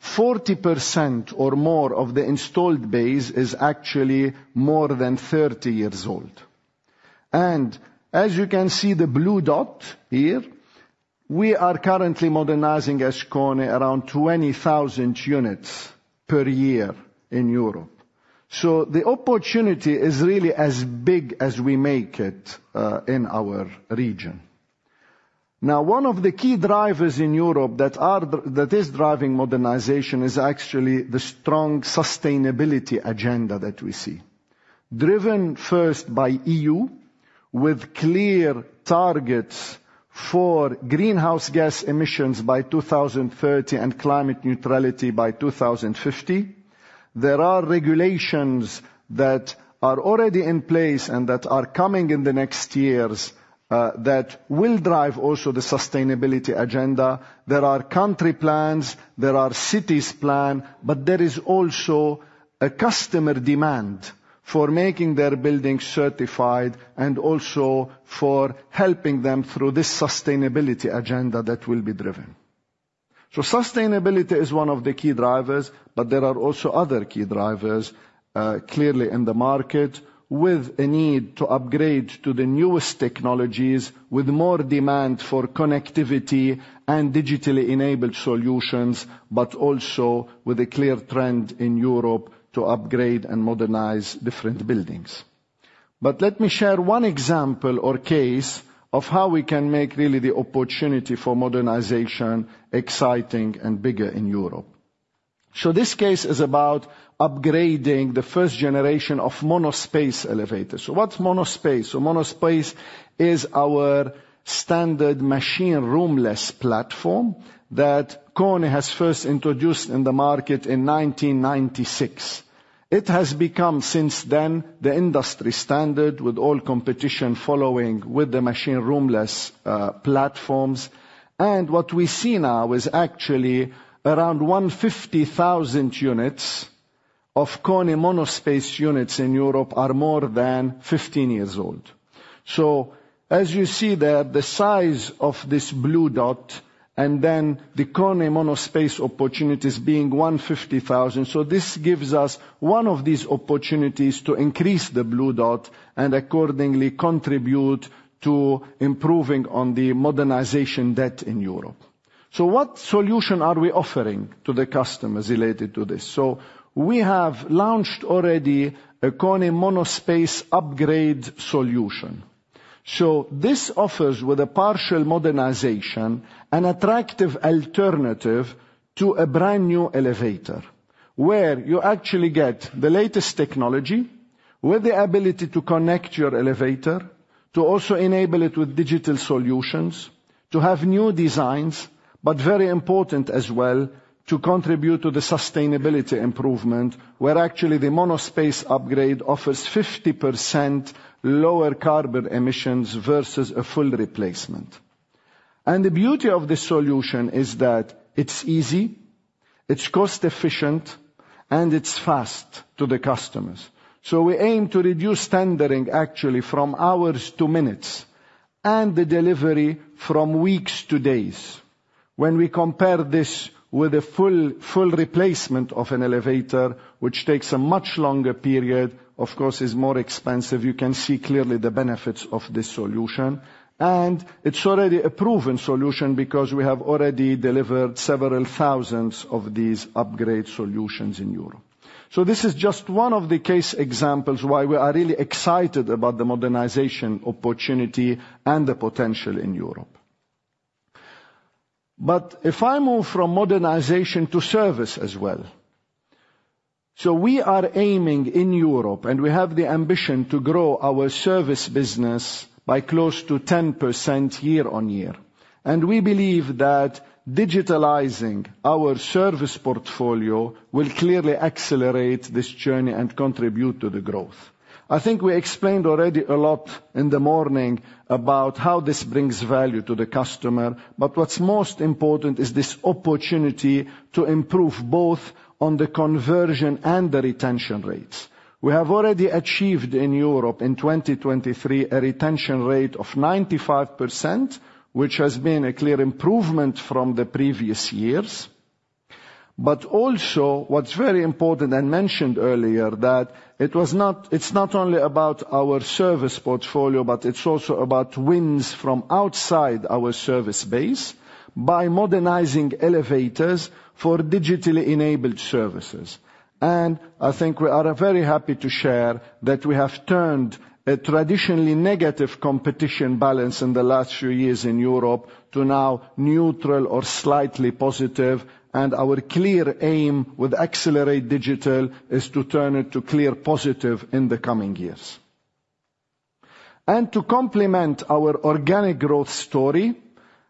40% or more of the installed base is actually more than thirty years old. As you can see, the Blue Dot here, we are currently modernizing, as KONE, around 20,000 units per year in Europe. The opportunity is really as big as we make it in our region. Now, one of the key drivers in Europe that is driving modernization is actually the strong sustainability agenda that we see, driven first by EU, with clear targets for greenhouse gas emissions by 2030 and climate neutrality by 2050. There are regulations that are already in place and that are coming in the next years that will drive also the sustainability agenda. There are country plans, there are city plans, but there is also a customer demand for making their buildings certified and also for helping them through this sustainability agenda that will be driven. Sustainability is one of the key drivers, but there are also other key drivers, clearly in the market, with a need to upgrade to the newest technologies, with more demand for connectivity and digitally-enabled solutions, but also with a clear trend in Europe to upgrade and modernize different buildings. But let me share one example or case of how we can make really the opportunity for modernization exciting and bigger in Europe. This case is about upgrading the first generation of MonoSpace elevators. What's MonoSpace? MonoSpace is our standard machine room-less platform that KONE has first introduced in the market in 1996. It has become, since then, the industry standard, with all competition following with the machine room-less platforms. And what we see now is actually around 150,000 units of KONE MonoSpace units in Europe are more than 15 years old. So as you see there, the size of this Blue Dot and then the KONE MonoSpace opportunities being 150,000. So this gives us one of these opportunities to increase the Blue Dot and accordingly contribute to improving on the modernization debt in Europe. So what solution are we offering to the customers related to this? So we have launched already a KONE MonoSpace Upgrade solution. So this offers, with a partial modernization, an attractive alternative to a brand-new elevator, where you actually get the latest technology, with the ability to connect your elevator, to also enable it with digital solutions, to have new designs, but very important as well, to contribute to the sustainability improvement, where actually the MonoSpace Upgrade offers 50% lower carbon emissions versus a full replacement. And the beauty of this solution is that it's easy, it's cost efficient, and it's fast to the customers. So we aim to reduce tendering actually from hours to minutes, and the delivery from weeks to days. When we compare this with a full replacement of an elevator, which takes a much longer period, of course, is more expensive, you can see clearly the benefits of this solution. And it's already a proven solution, because we have already delivered several thousands of these upgrade solutions in Europe. So this is just one of the case examples why we are really excited about the modernization opportunity and the potential in Europe. But if I move from modernization to service as well, so we are aiming in Europe, and we have the ambition to grow our service business by close to 10% year on year. And we believe that digitalizing our service portfolio will clearly accelerate this journey and contribute to the growth. I think we explained already a lot in the morning about how this brings value to the customer, but what's most important is this opportunity to improve both on the conversion and the retention rates. We have already achieved in Europe, in 2023, a retention rate of 95%, which has been a clear improvement from the previous years. But also, what's very important, and mentioned earlier, that it's not only about our service portfolio, but it's also about wins from outside our service base, by modernizing elevators for digitally-enabled services. And I think we are very happy to share that we have turned a traditionally negative competition balance in the last few years in Europe to now neutral or slightly positive, and our clear aim with Accelerate Digital is to turn it to clear positive in the coming years. And to complement our organic growth story,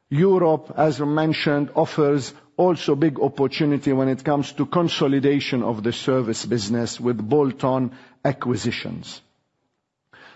Europe, as I mentioned, offers also big opportunity when it comes to consolidation of the service business with bolt-on acquisitions.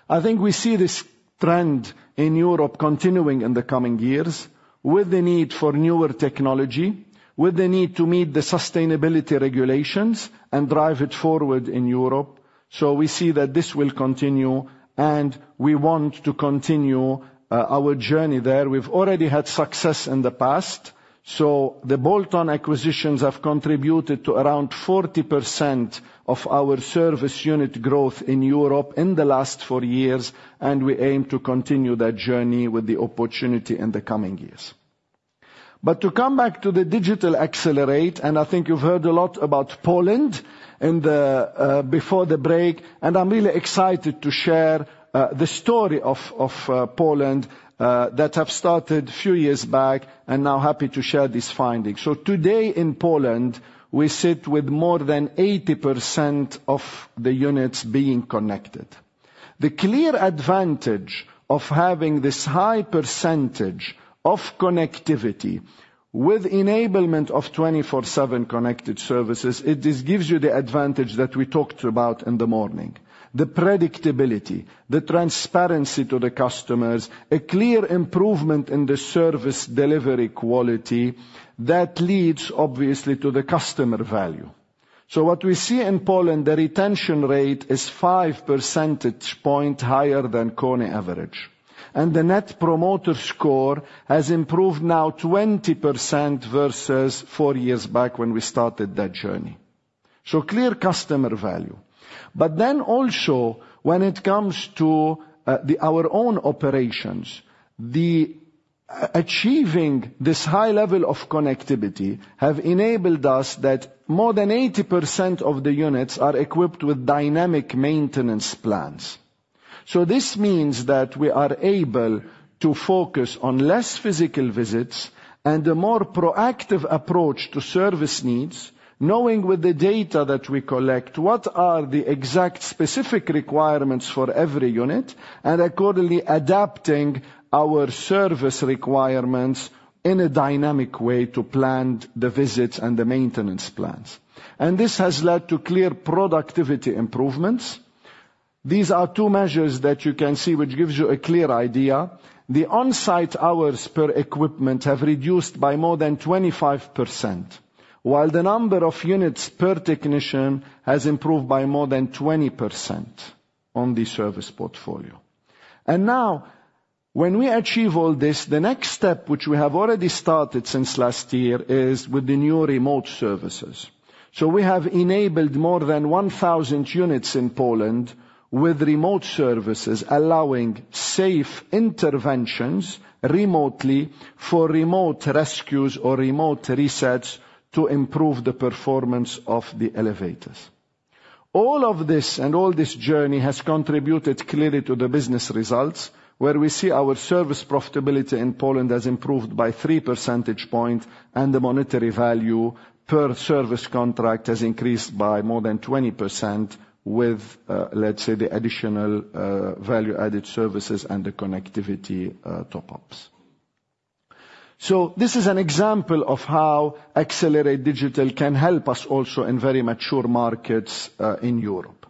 I think we see this trend in Europe continuing in the coming years, with the need for newer technology, with the need to meet the sustainability regulations and drive it forward in Europe. So we see that this will continue, and we want to continue, our journey there. We've already had success in the past, so the bolt-on acquisitions have contributed to around 40% of our service unit growth in Europe in the last four years, and we aim to continue that journey with the opportunity in the coming years. But to come back to the digital accelerate, and I think you've heard a lot about Poland in the before the break, and I'm really excited to share the story of Poland that have started a few years back and now happy to share these findings. So today in Poland, we sit with more than 80% of the units being connected. The clear advantage of having this high percentage of connectivity with enablement of 24/7 Connected Services, it just gives you the advantage that we talked about in the morning. The predictability, the transparency to the customers, a clear improvement in the service delivery quality that leads, obviously, to the customer value. So what we see in Poland, the retention rate is five percentage points higher than KONE average, and the Net Promoter Score has improved now 20% versus four years back when we started that journey. Clear customer value. But then also, when it comes to our own operations, achieving this high level of connectivity has enabled us that more than 80% of the units are equipped with dynamic maintenance plans. This means that we are able to focus on less physical visits and a more proactive approach to service needs, knowing with the data that we collect what the exact specific requirements are for every unit, and accordingly adapting our service requirements in a dynamic way to plan the visits and the maintenance plans. This has led to clear productivity improvements. These are two measures that you can see, which gives you a clear idea. The on-site hours per equipment have reduced by more than 25%, while the number of units per technician has improved by more than 20% on the service portfolio. And now, when we achieve all this, the next step, which we have already started since last year, is with the new remote services. So we have enabled more than 1,000 units in Poland with remote services, allowing safe interventions remotely for remote rescues or remote resets to improve the performance of the elevators. All of this, and all this journey, has contributed clearly to the business results, where we see our service profitability in Poland has improved by three percentage points, and the monetary value per service contract has increased by more than 20% with, let's say, the additional value-added services and the connectivity top-ups. So this is an example of how Accelerate Digital can help us also in very mature markets in Europe.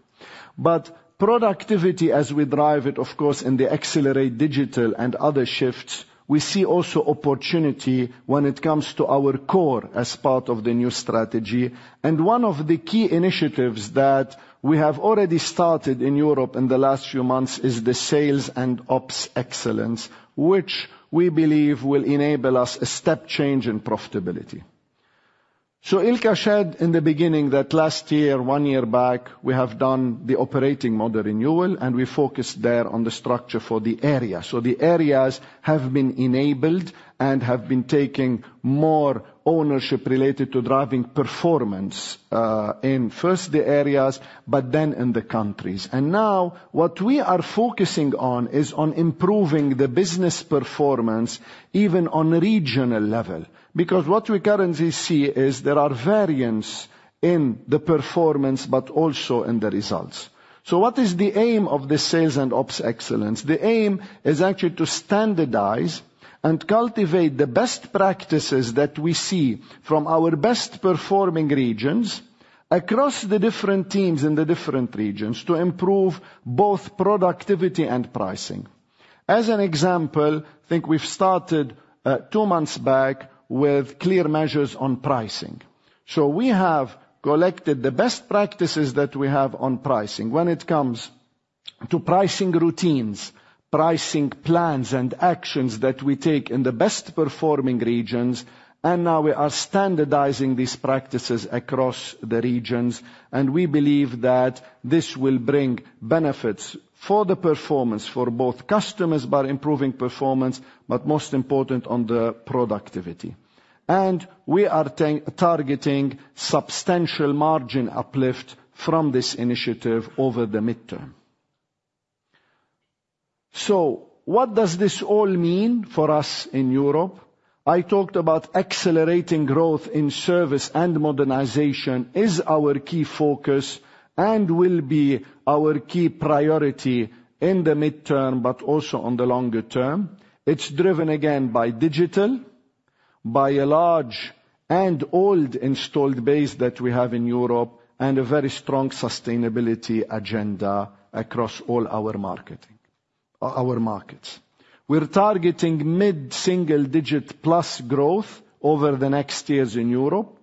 But productivity as we drive it, of course, in the Accelerate Digital and other shifts, we see also opportunity when it comes to our core as part of the new strategy. And one of the key initiatives that we have already started in Europe in the last few months is the Sales and Operational Excellence, which we believe will enable us a step change in profitability. Ilkka shared in the beginning that last year, one year back, we have done the operating model renewal, and we focused there on the structure for the area. The areas have been enabled and have been taking more ownership related to driving performance, in first the areas, but then in the countries. Now what we are focusing on is on improving the business performance, even on regional level, because what we currently see is there are variants in the performance, but also in the results. What is the aim of the sales and ops excellence? The aim is actually to standardize and cultivate the best practices that we see from our best-performing regions across the different teams in the different regions to improve both productivity and pricing. As an example, I think we've started, two months back with clear measures on pricing. So we have collected the best practices that we have on pricing when it comes to pricing routines, pricing plans and actions that we take in the best-performing regions, and now we are standardizing these practices across the regions, and we believe that this will bring benefits for the performance for both customers by improving performance, but most important, on the productivity. We are targeting substantial margin uplift from this initiative over the midterm. What does this all mean for us in Europe? I talked about accelerating growth in service and modernization is our key focus and will be our key priority in the midterm, but also on the longer term. It's driven again by digital, by a large and old installed base that we have in Europe, and a very strong sustainability agenda across all our markets. We're targeting mid-single-digit plus growth over the next years in Europe,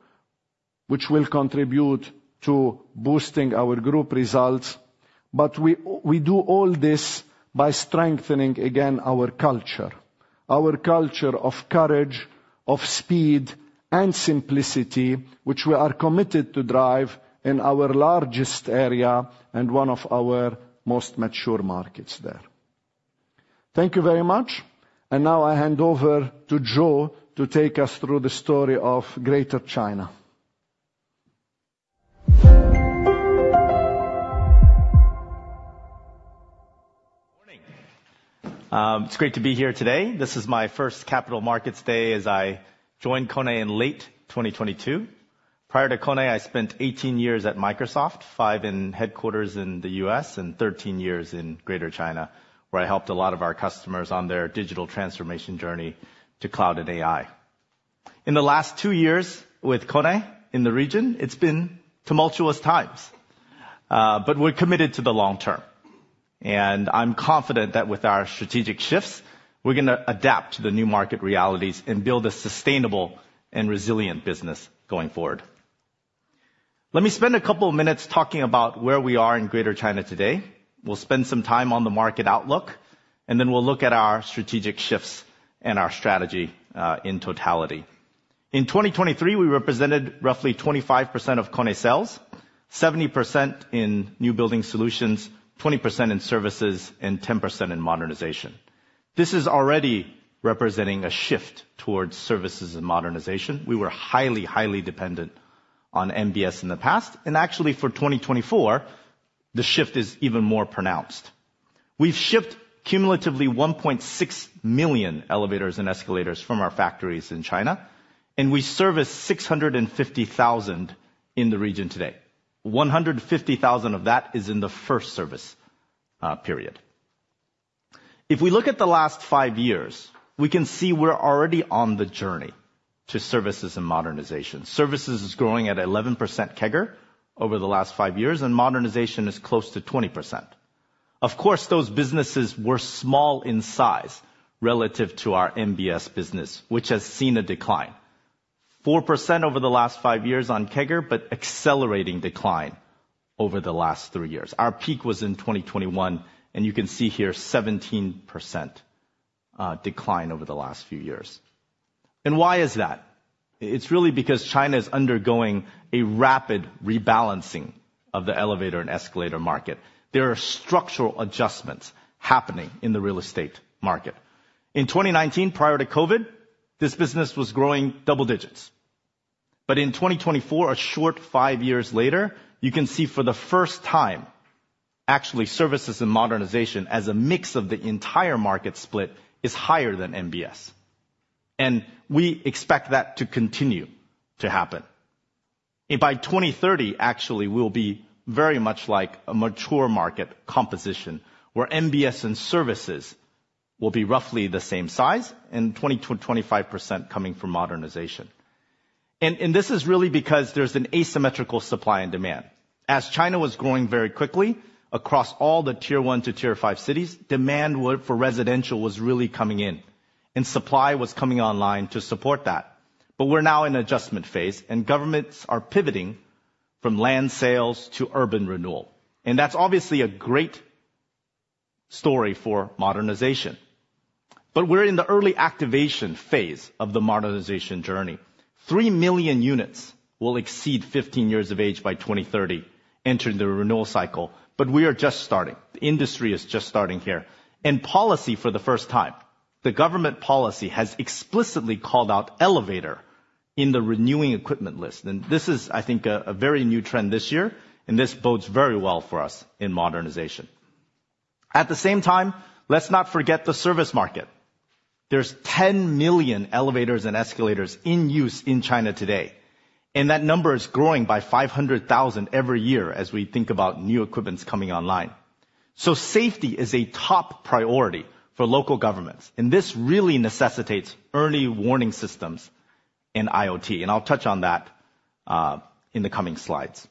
which will contribute to boosting our group results, but we do all this by strengthening, again, our culture of courage, of speed and simplicity, which we are committed to drive in our largest area and one of our most mature markets there. Thank you very much, and now I hand over to Joe to take us through the story of Greater China. Good morning. It's great to be here today. This is my first Capital Markets Day as I joined KONE in late 2022. Prior to KONE, I spent eighteen years at Microsoft, five in headquarters in the U.S. and thirteen years in Greater China, where I helped a lot of our customers on their digital transformation journey to cloud and AI. In the last two years with KONE in the region, it's been tumultuous times, but we're committed to the long term, and I'm confident that with our strategic shifts, we're gonna adapt to the new market realities and build a sustainable and resilient business going forward. Let me spend a couple of minutes talking about where we are in Greater China today. We'll spend some time on the market outlook, and then we'll look at our strategic shifts and our strategy in totality. In 2023, we represented roughly 25% of KONE sales, 70% in new building solutions, 20% in services, and 10% in modernization. This is already representing a shift towards services and modernization. We were highly, highly dependent on NBS in the past, and actually for 2024, the shift is even more pronounced. We've shipped cumulatively 1.6 million elevators and escalators from our factories in China, and we service 650,000 in the region today. 150,000 of that is in the first service period. If we look at the last five years, we can see we're already on the journey to services and modernization. Services is growing at 11% CAGR over the last five years, and modernization is close to 20%. Of course, those businesses were small in size relative to our NBS business, which has seen a decline. 4% over the last five years in NBS, but accelerating decline over the last three years. Our peak was in 2021, and you can see here 17% decline over the last few years. And why is that? It's really because China is undergoing a rapid rebalancing of the elevator and escalator market. There are structural adjustments happening in the real estate market. In 2019, prior to COVID, this business was growing double digits. But in 2024, a short five years later, you can see for the first time, actually, services and modernization as a mix of the entire market split is higher than NBS, and we expect that to continue to happen. By 2030, actually, we'll be very much like a mature market composition, where NBS and services will be roughly the same size and 20-25% coming from modernization. This is really because there's an asymmetrical supply and demand. As China was growing very quickly across all the Tier 1 to Tier 5 cities, demand for residential was really coming in, and supply was coming online to support that. We're now in an adjustment phase, and governments are pivoting from land sales to urban renewal, and that's obviously a great story for modernization. We're in the early activation phase of the modernization journey. Three million units will exceed 15 years of age by 2030, entering the renewal cycle, but we are just starting. The industry is just starting here. In policy for the first time, the government policy has explicitly called out elevator in the renewing equipment list. This is, I think, a very new trend this year, and this bodes very well for us in modernization. At the same time, let's not forget the service market. There's 10 million elevators and escalators in use in China today, and that number is growing by 500,000 every year as we think about new equipment coming online. Safety is a top priority for local governments, and this really necessitates early warning systems in IoT, and I'll touch on that in the coming slides.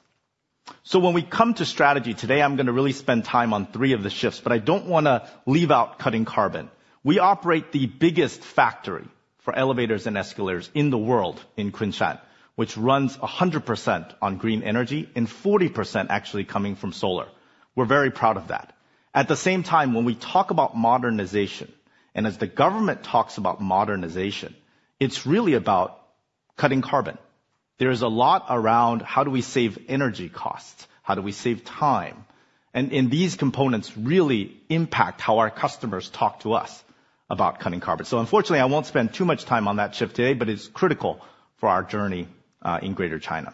When we come to strategy today, I'm gonna really spend time on three of the shifts, but I don't wanna leave out cutting carbon. We Operate the biggest factory for elevators and escalators in the world in Kunshan, which runs 100% on green energy and 40% actually coming from solar. We're very proud of that. At the same time, when we talk about modernization, and as the government talks about modernization, it's really about cutting carbon. There is a lot around: how do we save energy costs? How do we save time? And these components really impact how our customers talk to us about cutting carbon. So unfortunately, I won't spend too much time on that shift today, but it's critical for our journey in Greater China.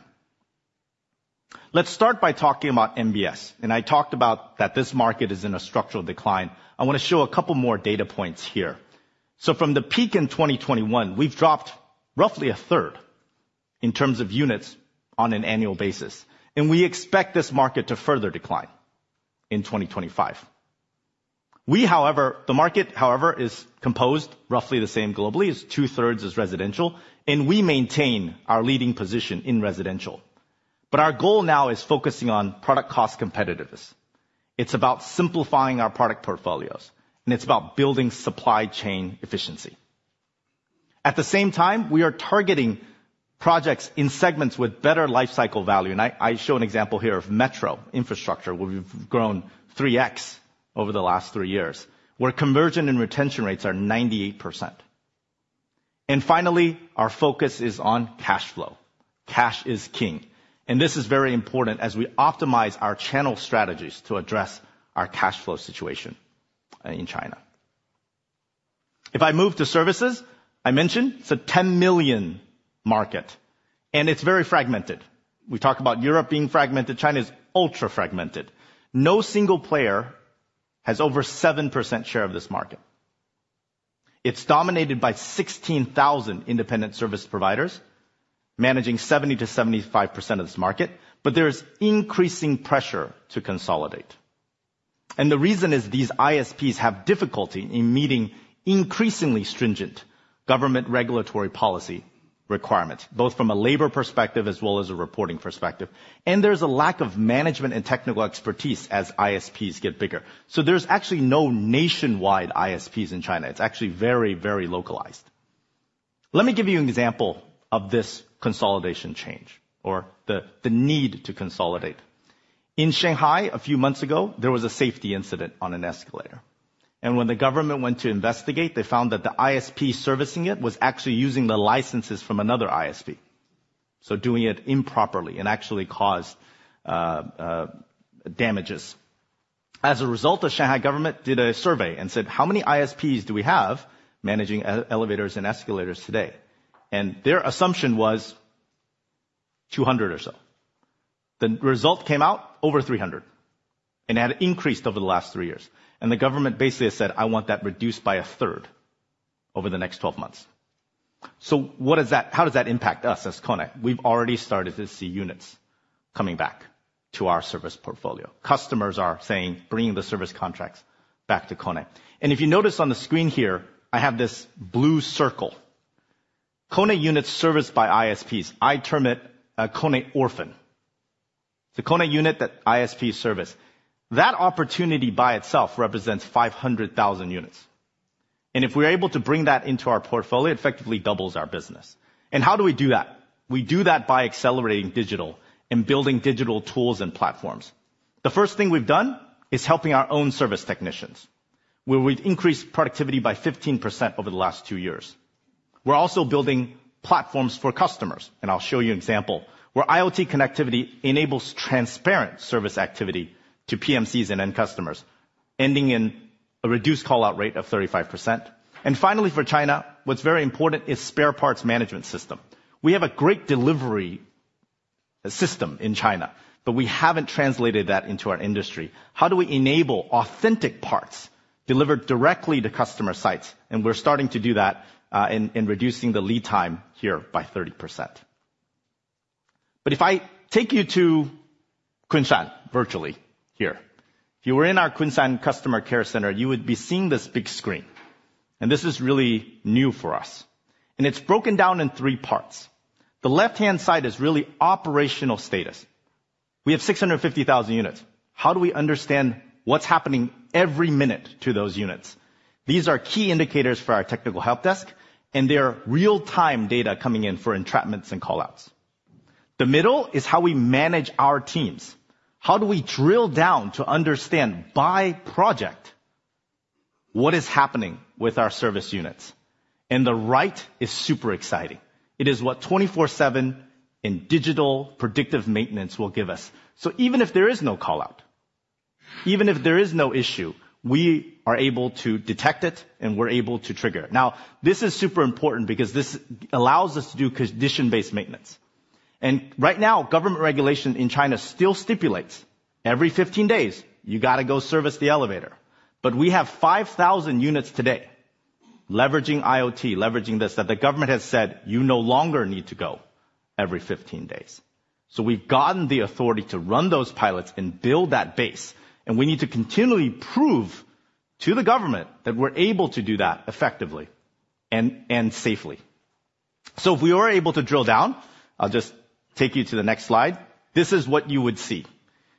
Let's start by talking about NBS, and I talked about that this market is in a structural decline. I want to show a couple more data points here. From the peak in 2021, we've dropped roughly a third in terms of units on an annual basis, and we expect this market to further decline in 2025. We, however, the market, however, is composed roughly the same globally as two-thirds is residential, and we maintain our leading position in residential. Our goal now is focusing on product cost competitiveness. It's about simplifying our product portfolios, and it's about building supply chain efficiency. At the same time, we are targeting projects in segments with better life cycle value, and I show an example here of metro infrastructure, where we've grown 3x over the last three years, where conversion and retention rates are 98%. Finally, our focus is on cash flow. Cash is king, and this is very important as we optimize our channel strategies to address our cash flow situation in China. If I move to services, I mentioned it's a 10 million market, and it's very fragmented. We talk about Europe being fragmented. China is ultra fragmented. No single player has over 7% share of this market. It's dominated by 16,000 independent service providers, managing 70%-75% of this market, but there is increasing pressure to consolidate, and the reason is these ISPs have difficulty in meeting increasingly stringent government regulatory policy requirements, both from a labor perspective as well as a reporting perspective, and there's a lack of management and technical expertise as ISPs get bigger, so there's actually no nationwide ISPs in China. It's actually very, very localized. Let me give you an example of this consolidation change or the need to consolidate. In Shanghai, a few months ago, there was a safety incident on an escalator, and when the government went to investigate, they found that the ISP servicing it was actually using the licenses from another ISP. So doing it improperly and actually caused damages. As a result, the Shanghai government did a survey and said, "How many ISPs do we have managing elevators and escalators today?" And their assumption was two hundred or so. The result came out over three hundred and had increased over the last three years. And the government basically has said, "I want that reduced by a third over the next twelve months." So what does that - how does that impact us as KONE? We've already started to see units coming back to our service portfolio. Customers are saying, bringing the service contracts back to KONE, and if you notice on the screen here, I have this blue circle, KONE units serviced by ISPs. I term it a KONE orphan. The KONE unit, that ISPs service. That opportunity by itself represents 500,000 units, and if we're able to bring that into our portfolio, it effectively doubles our business, and how do we do that? We do that by accelerating digital and building digital tools and platforms. The first thing we've done is helping our own service technicians, where we've increased productivity by 15% over the last two years. We're also building platforms for customers, and I'll show you an example where IoT connectivity enables transparent service activity to PMCs and end customers, ending in a reduced call-out rate of 35%, and finally, for China, what's very important is spare parts management system. We have a great delivery system in China, but we haven't translated that into our industry. How do we enable authentic parts delivered directly to customer sites? And we're starting to do that in reducing the lead time here by 30%. But if I take you to Kunshan, virtually here, if you were in our Kunshan Customer Care Center, you would be seeing this big screen. And this is really new for us, and it's broken down in three parts. The left-hand side is really operational status. We have 650,000 units. How do we understand what's happening every minute to those units? These are key indicators for our technical help desk, and they are real-time data coming in for entrapments and call-outs. The middle is how we manage our teams. How do we drill down to understand, by project, what is happening with our service units? And the right is super exciting. It is what twenty-four/seven and digital predictive maintenance will give us. So even if there is no call-out, even if there is no issue, we are able to detect it, and we're able to trigger it. Now, this is super important because this allows us to do condition-based maintenance. And right now, government regulation in China still stipulates every 15 days, you gotta go service the elevator. But we have 5,000 units today, leveraging IoT, leveraging this, that the government has said you no longer need to go every 15 days. So we've gotten the authority to run those pilots and build that base, and we need to continually prove to the government that we're able to do that effectively and safely. So if we are able to drill down, I'll just take you to the next slide. This is what you would see.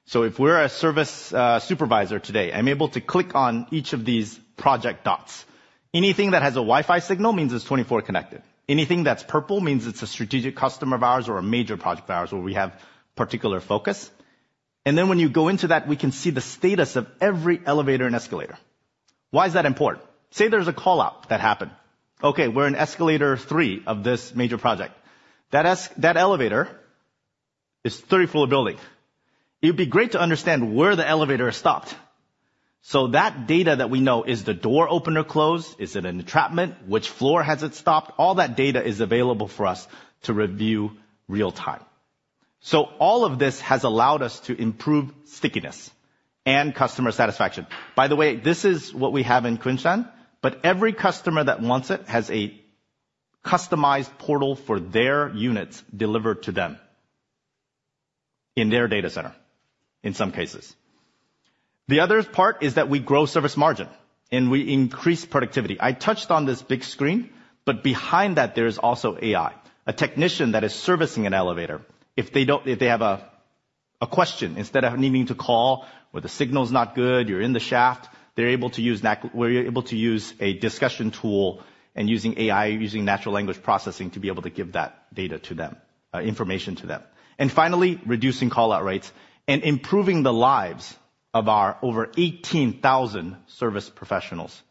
So if we're a service supervisor today, I'm able to click on each of these project dots. Anything that has a Wi-Fi signal means it's twenty-four connected. Anything that's purple means it's a strategic customer of ours or a major project of ours, where we have particular focus. And then when you go into that, we can see the status of every elevator and escalator. Why is that important? Say, there's a call-out that happened. Okay, we're in escalator three of this major project. That elevator is a 30-floor building. It'd be great to understand where the elevator stopped. So that data that we know, is the door open or closed? Is it an entrapment? Which floor has it stopped? All that data is available for us to review real-time, so all of this has allowed us to improve stickiness and customer satisfaction. By the way, this is what we have in Kunshan, but every customer that wants it has a customized portal for their units delivered to them in their data center, in some cases. The other part is that we grow service margin, and we increase productivity. I touched on this big screen, but behind that, there is also AI. A technician that is servicing an elevator, if they have a question, instead of needing to call, or the signal's not good, you're in the shaft, they're able to use. We're able to use a discussion tool and using AI, using natural language processing to be able to give that data to them, information to them. And finally, reducing call-out rates and improving the lives of our over 18,000 service professionals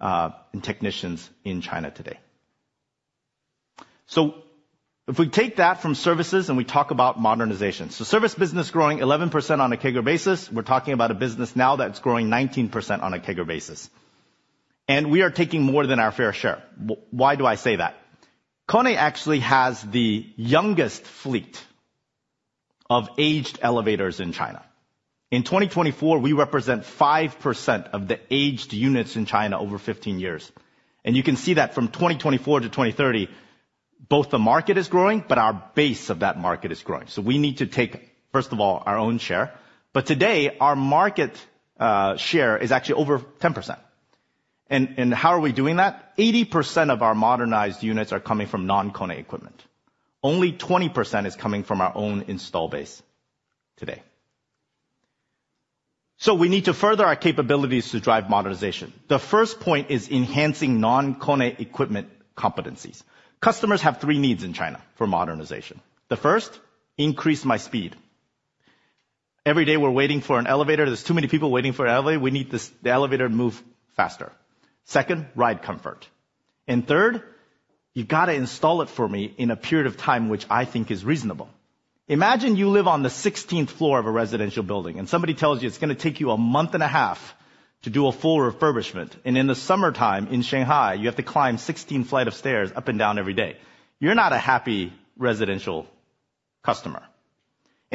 and technicians in China today. So if we take that from services, and we talk about modernization. So service business growing 11% on a CAGR basis. We're talking about a business now that's growing 19% on a CAGR basis. And we are taking more than our fair share. Why do I say that? KONE actually has the youngest fleet of aged elevators in China. In 2024, we represent 5% of the aged units in China over 15 years. And you can see that from 2024 to 2030, both the market is growing, but our base of that market is growing. So we need to take, first of all, our own share. But today, our market share is actually over 10%. How are we doing that? 80% of our modernized units are coming from non-KONE equipment. Only 20% is coming from our own install base today. So we need to further our capabilities to drive modernization. The first point is enhancing non-KONE equipment competencies. Customers have three needs in China for modernization. The first, increase my speed. Every day, we're waiting for an elevator. There's too many people waiting for an elevator. We need this, the elevator to move faster. Second, ride comfort. And third, you've got to install it for me in a period of time, which I think is reasonable. Imagine you live on the 16th floor of a residential building, and somebody tells you it's gonna take you a month and a half to do a full refurbishment, and in the summertime in Shanghai, you have to climb 16 flights of stairs up and down every day. You're not a happy residential customer.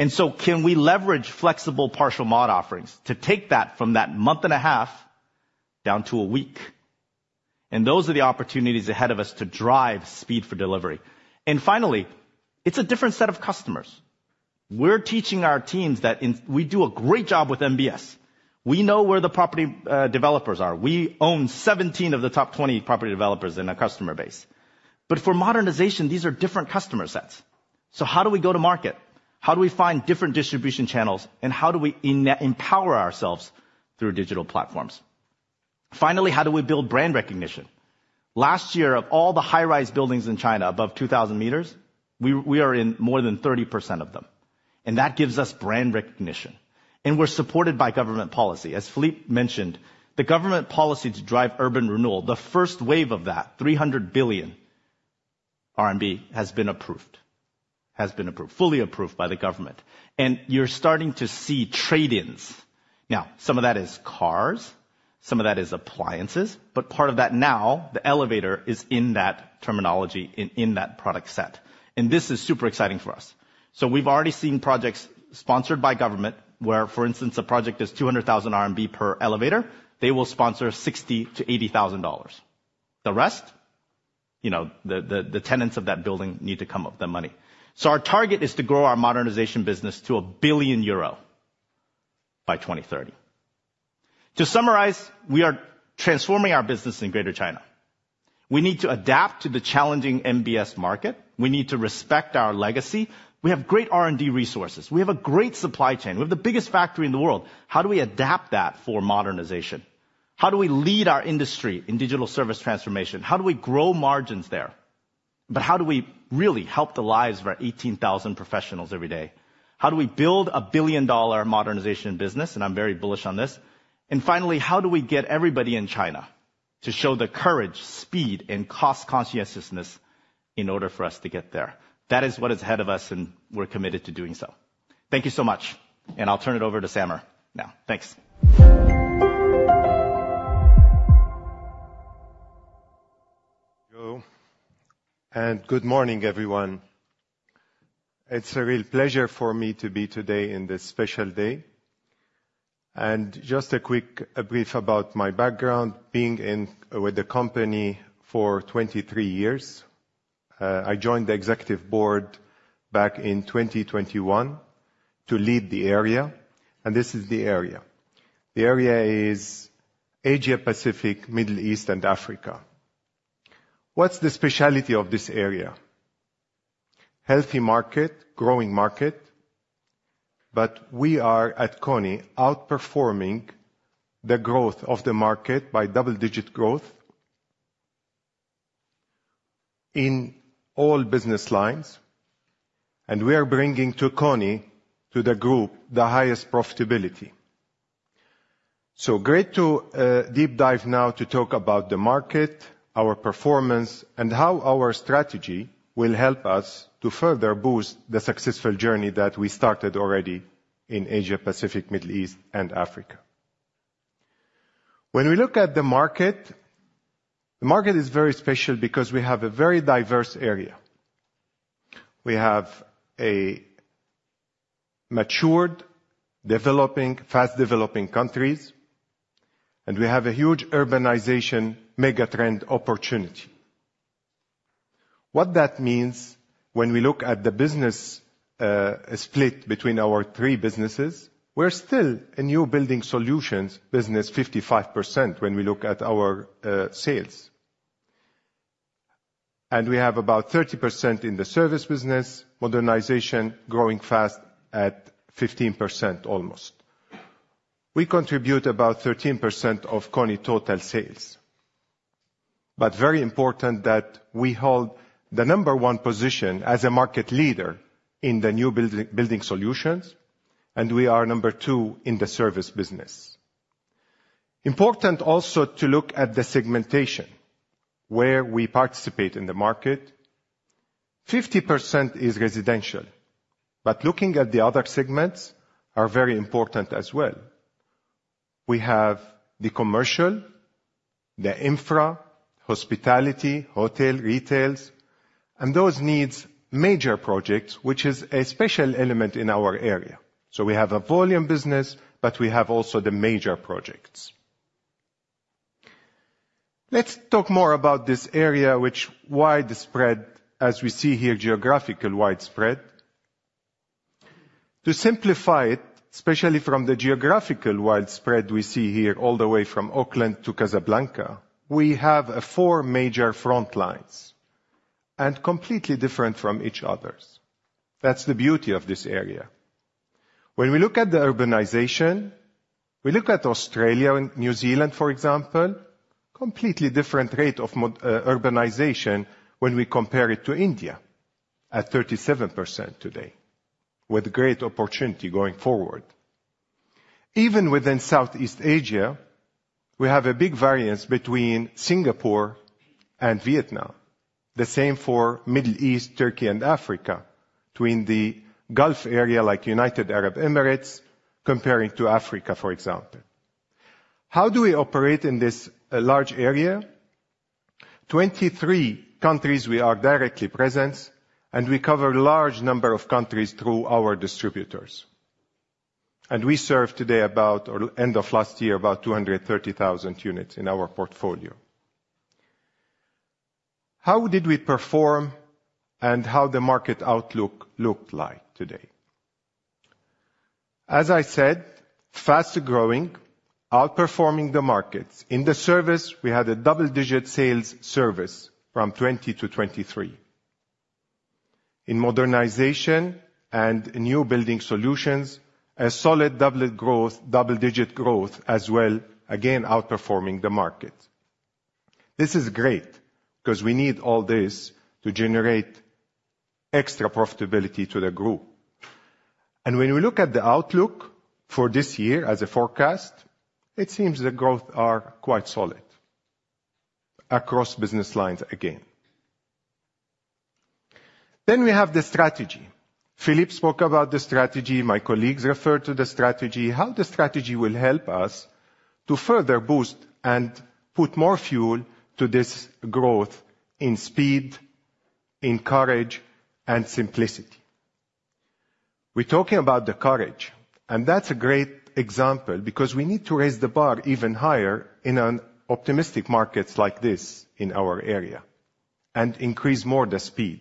So can we leverage flexible partial mod offerings to take that from that month and a half down to a week? Those are the opportunities ahead of us to drive speed for delivery. Finally, it's a different set of customers. We're teaching our teams that in. We do a great job with NBS. We know where the property developers are. We own 17 of the top 20 property developers in our customer base. But for modernization, these are different customer sets. How do we go to market? How do we find different distribution channels, and how do we empower ourselves through digital platforms? Finally, how do we build brand recognition? Last year, of all the high-rise buildings in China, above 2,000 meters, we are in more than 30% of them, and that gives us brand recognition. And we're supported by government policy. As Philippe mentioned, the government policy to drive urban renewal, the first wave of that, 300 billion RMB, has been approved, fully approved by the government. And you're starting to see trade-ins. Now, some of that is cars, some of that is appliances, but part of that now, the elevator is in that terminology, in that product set. And this is super exciting for us. So we've already seen projects sponsored by government, where, for instance, a project is 200,000 RMB per elevator, they will sponsor $60,000-$80,000. The rest? You know, the tenants of that building need to come up with the money. So our target is to grow our modernization business to 1 billion euro by 2030. To summarize, we are transforming our business in Greater China. We need to adapt to the challenging NBS market. We need to respect our legacy. We have great R&D resources. We have a great supply chain. We have the biggest factory in the world. How do we adapt that for modernization? How do we lead our industry in digital service transformation? How do we grow margins there? But how do we really help the lives of our 18,000 professionals every day? How do we build a billion-dollar modernization business? And I'm very bullish on this. And finally, how do we get everybody in China to show the courage, speed, and cost conscientiousness in order for us to get there? That is what is ahead of us, and we're committed to doing so. Thank you so much, and I'll turn it over to Samer now. Thanks. Hello, and good morning, everyone. It's a real pleasure for me to be here today on this special day. And just a quick brief about my background, being in with the company for 23 years. I joined the executive board back in 2021 to lead the area, and this is the area. The area is Asia, Pacific, Middle East, and Africa. What's the specialty of this area? Healthy market, growing market, but we are, at KONE, outperforming the growth of the market by double-digit growth in all business lines, and we are bringing to KONE, to the group, the highest profitability. So great to deep dive now to talk about the market, our performance, and how our strategy will help us to further boost the successful journey that we started already in Asia, Pacific, Middle East, and Africa. When we look at the market, the market is very special because we have a very diverse area. We have a matured, developing, fast-developing countries, and we have a huge urbanization mega-trend opportunity. What that means when we look at the business, split between our three businesses, we're still a new building solutions business, 55%, when we look at our, sales. And we have about 30% in the service business, modernization growing fast at 15% almost. We contribute about 13% of KONE total sales, but very important that we hold the number one position as a market leader in the new building solutions, and we are number two in the service business. Important also to look at the segmentation, where we participate in the market. 50% is residential, but looking at the other segments are very important as well. We have the commercial, the infra, hospitality, hotel, retail, and those needs major projects, which is a special element in our area. So we have a volume business, but we have also the major projects. Let's talk more about this area, which widespread, as we see here, geographical widespread. To simplify it, especially from the geographical widespread we see here all the way from Auckland to Casablanca, we have four major frontlines, and completely different from each other. That's the beauty of this area. When we look at the urbanization, we look at Australia and New Zealand, for example, completely different rate of mod, urbanization when we compare it to India at 37% today, with great opportunity going forward. Even within Southeast Asia, we have a big variance between Singapore and Vietnam. The same for Middle East, Turkey, and Africa, between the Gulf area, like United Arab Emirates, comparing to Africa, for example. How do we Operate in this large area? 23 countries we are directly present, and we cover a large number of countries through our distributors, and we serve today about... or end of last year, about 230,000 units in our portfolio. How did we perform and how the market outlook looked like today? As I said, fast-growing, outperforming the markets. In the service, we had a double-digit sales service from 2020 to 2023. In modernization and new building solutions, a solid double growth, double-digit growth as well, again, outperforming the market. This is great, 'cause we need all this to generate extra profitability to the group. When we look at the outlook for this year as a forecast, it seems the growth are quite solid across business lines again. We have the strategy. Philippe spoke about the strategy. My colleagues referred to the strategy. How the strategy will help us to further boost and put more fuel to this growth in speed, in courage, and simplicity? We're talking about the courage, and that's a great example because we need to raise the bar even higher in an optimistic markets like this in our area and increase more the speed.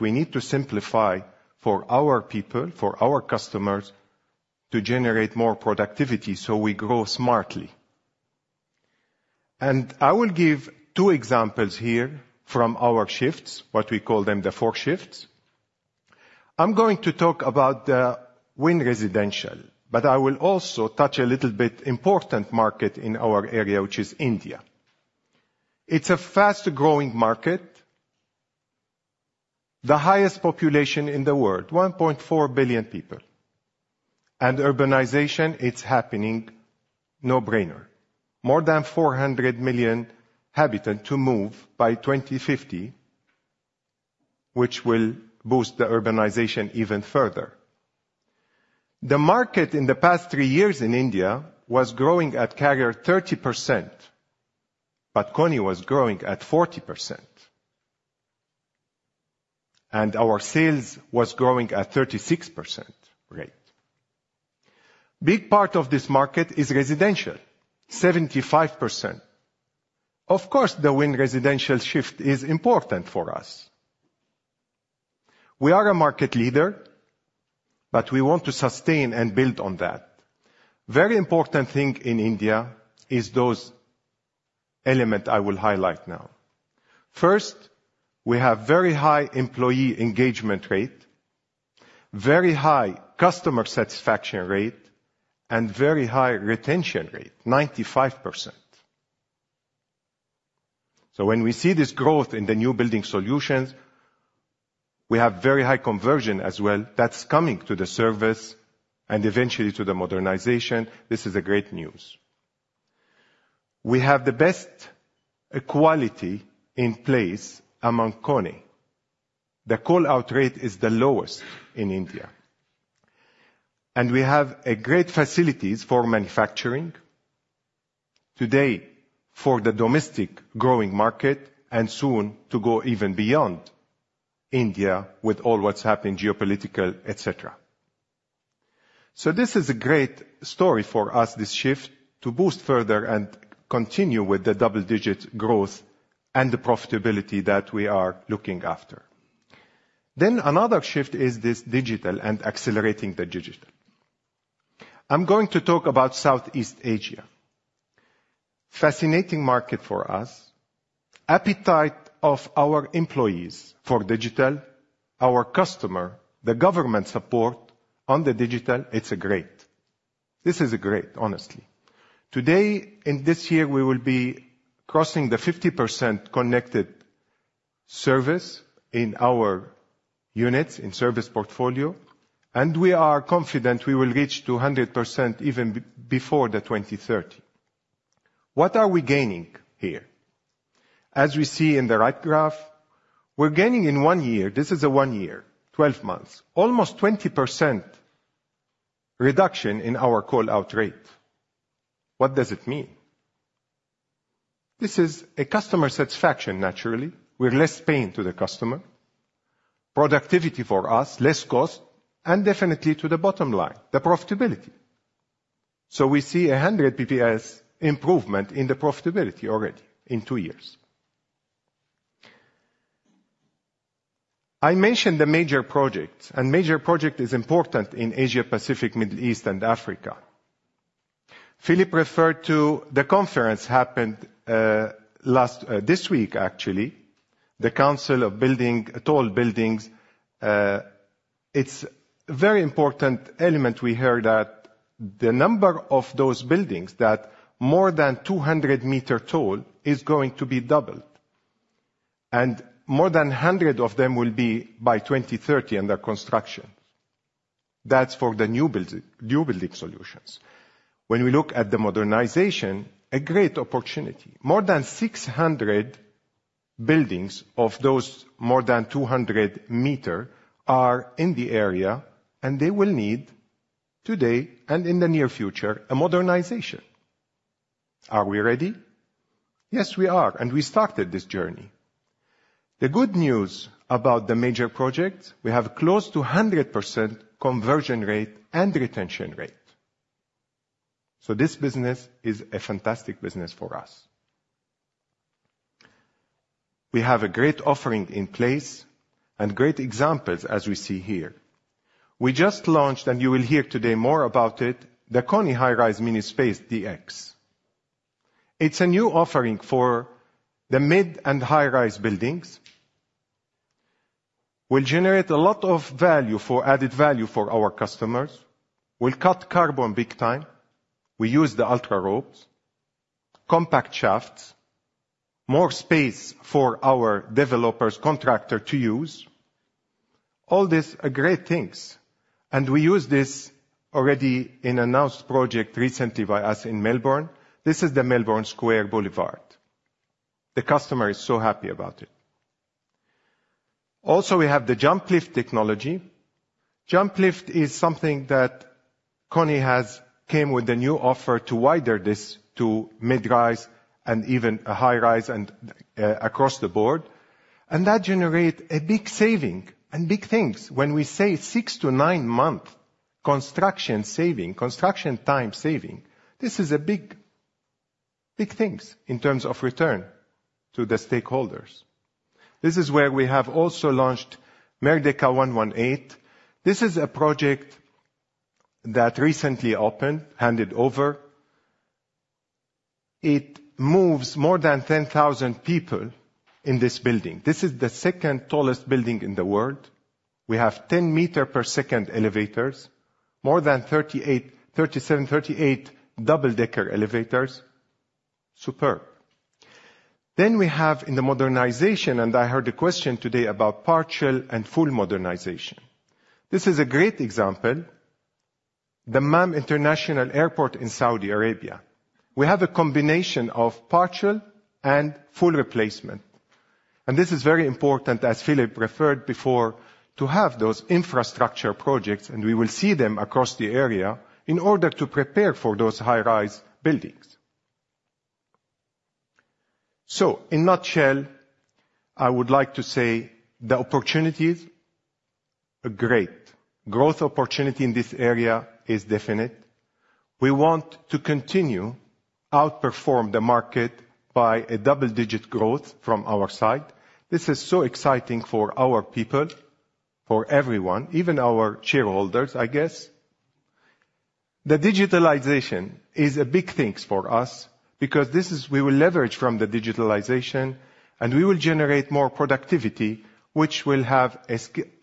We need to simplify for our people, for our customers, to generate more productivity so we grow smartly. I will give two examples here from our shifts, what we call them the four shifts. I'm going to talk about the Win Residential, but I will also touch a little bit important market in our area, which is India. It's a fast-growing market, the highest population in the world, 1.4 billion people. Urbanization, it's happening, no-brainer. More than 400 million inhabitants to move by 2050, which will boost the urbanization even further. The market in the past three years in India was growing at CAGR 30%, but KONE was growing at 40%, and our sales was growing at 36% rate. Big part of this market is residential, 75%. Of course, the Win Residential shift is important for us. We are a market leader, but we want to sustain and build on that. Very important thing in India is those element I will highlight now. First, we have very high employee engagement rate, very high customer satisfaction rate, and very high retention rate, 95%. So when we see this growth in the new building solutions, we have very high conversion as well. That's coming to the service and eventually to the modernization. This is a great news. We have the best quality in place among KONE. The call out rate is the lowest in India. And we have great facilities for manufacturing today for the domestic growing market and soon to go even beyond India with all what's happening, geopolitical, et cetera. So this is a great story for us, this shift, to boost further and continue with the double-digit growth and the profitability that we are looking after. Then another shift is this digital and accelerating the digital. I'm going to talk about Southeast Asia. Fascinating market for us. Appetite of our employees for digital, our customer, the government support on the digital, it's great. This is great, honestly. Today, in this year, we will be crossing the 50% connected service in our units, in service portfolio, and we are confident we will reach to 100% even before the 2030. What are we gaining here? As we see in the right graph, we're gaining in one year, this is a one year, twelve months, almost 20% reduction in our call out rate. What does it mean? This is a customer satisfaction, naturally, with less pain to the customer, productivity for us, less cost, and definitely to the bottom line, the profitability. So we see a hundred percentage points improvement in the profitability already in two years. I mentioned the major project, and major project is important in Asia, Pacific, Middle East and Africa. Philippe referred to the conference that happened last week, actually, the Council on Tall Buildings and Urban Habitat. It's a very important element. We heard that the number of those buildings that are more than two hundred meters tall is going to be doubled, and more than a hundred of them will be by 2030 under construction. That's for the new building, new building solutions. When we look at the modernization, a great opportunity. More than six hundred buildings of those more than two hundred meters are in the area, and they will need, today and in the near future, a modernization. Are we ready? Yes, we are, and we started this journey. The good news about the major project, we have close to 100% conversion rate and retention rate. This business is a fantastic business for us. We have a great offering in place and great examples as we see here. We just launched, and you will hear today more about it, the KONE High-Rise MiniSpace DX. It's a new offering for the mid- and high-rise buildings. It will generate a lot of value, added value for our customers, will Cut Carbon big time. We use the UltraRope, compact shafts, more space for our developers, contractors to use. All these are great things, and we use this already in an announced project recently by us in Melbourne. This is the Melbourne Square Boulevard. The customer is so happy about it. Also, we have the JumpLift technology. JumpLift is something that-... KONE has come with a new offer to widen this to mid-rise and even a high-rise and across the board. And that generates a big saving and big things. When we say six- to nine-month construction saving, construction time saving, this is a big, big thing in terms of return to the stakeholders. This is where we have also launched Merdeka 118. This is a project that recently opened, handed over. It moves more than 10,000 people in this building. This is the second tallest building in the world. We have 10-meter-per-second elevators, more than 38, 37, 38 double-decker elevators. Superb. Then we have in the modernization, and I heard a question today about partial and full modernization. This is a great example, the Dammam International Airport in Saudi Arabia. We have a combination of partial and full replacement, and this is very important, as Philippe referred before, to have those infrastructure projects, and we will see them across the area, in order to prepare for those high-rise buildings. In a nutshell, I would like to say the opportunities are great. Growth opportunity in this area is definite. We want to continue outperform the market by a double-digit growth from our side. This is so exciting for our people, for everyone, even our shareholders, I guess. The digitalization is a big things for us, because this is we will leverage from the digitalization, and we will generate more productivity, which will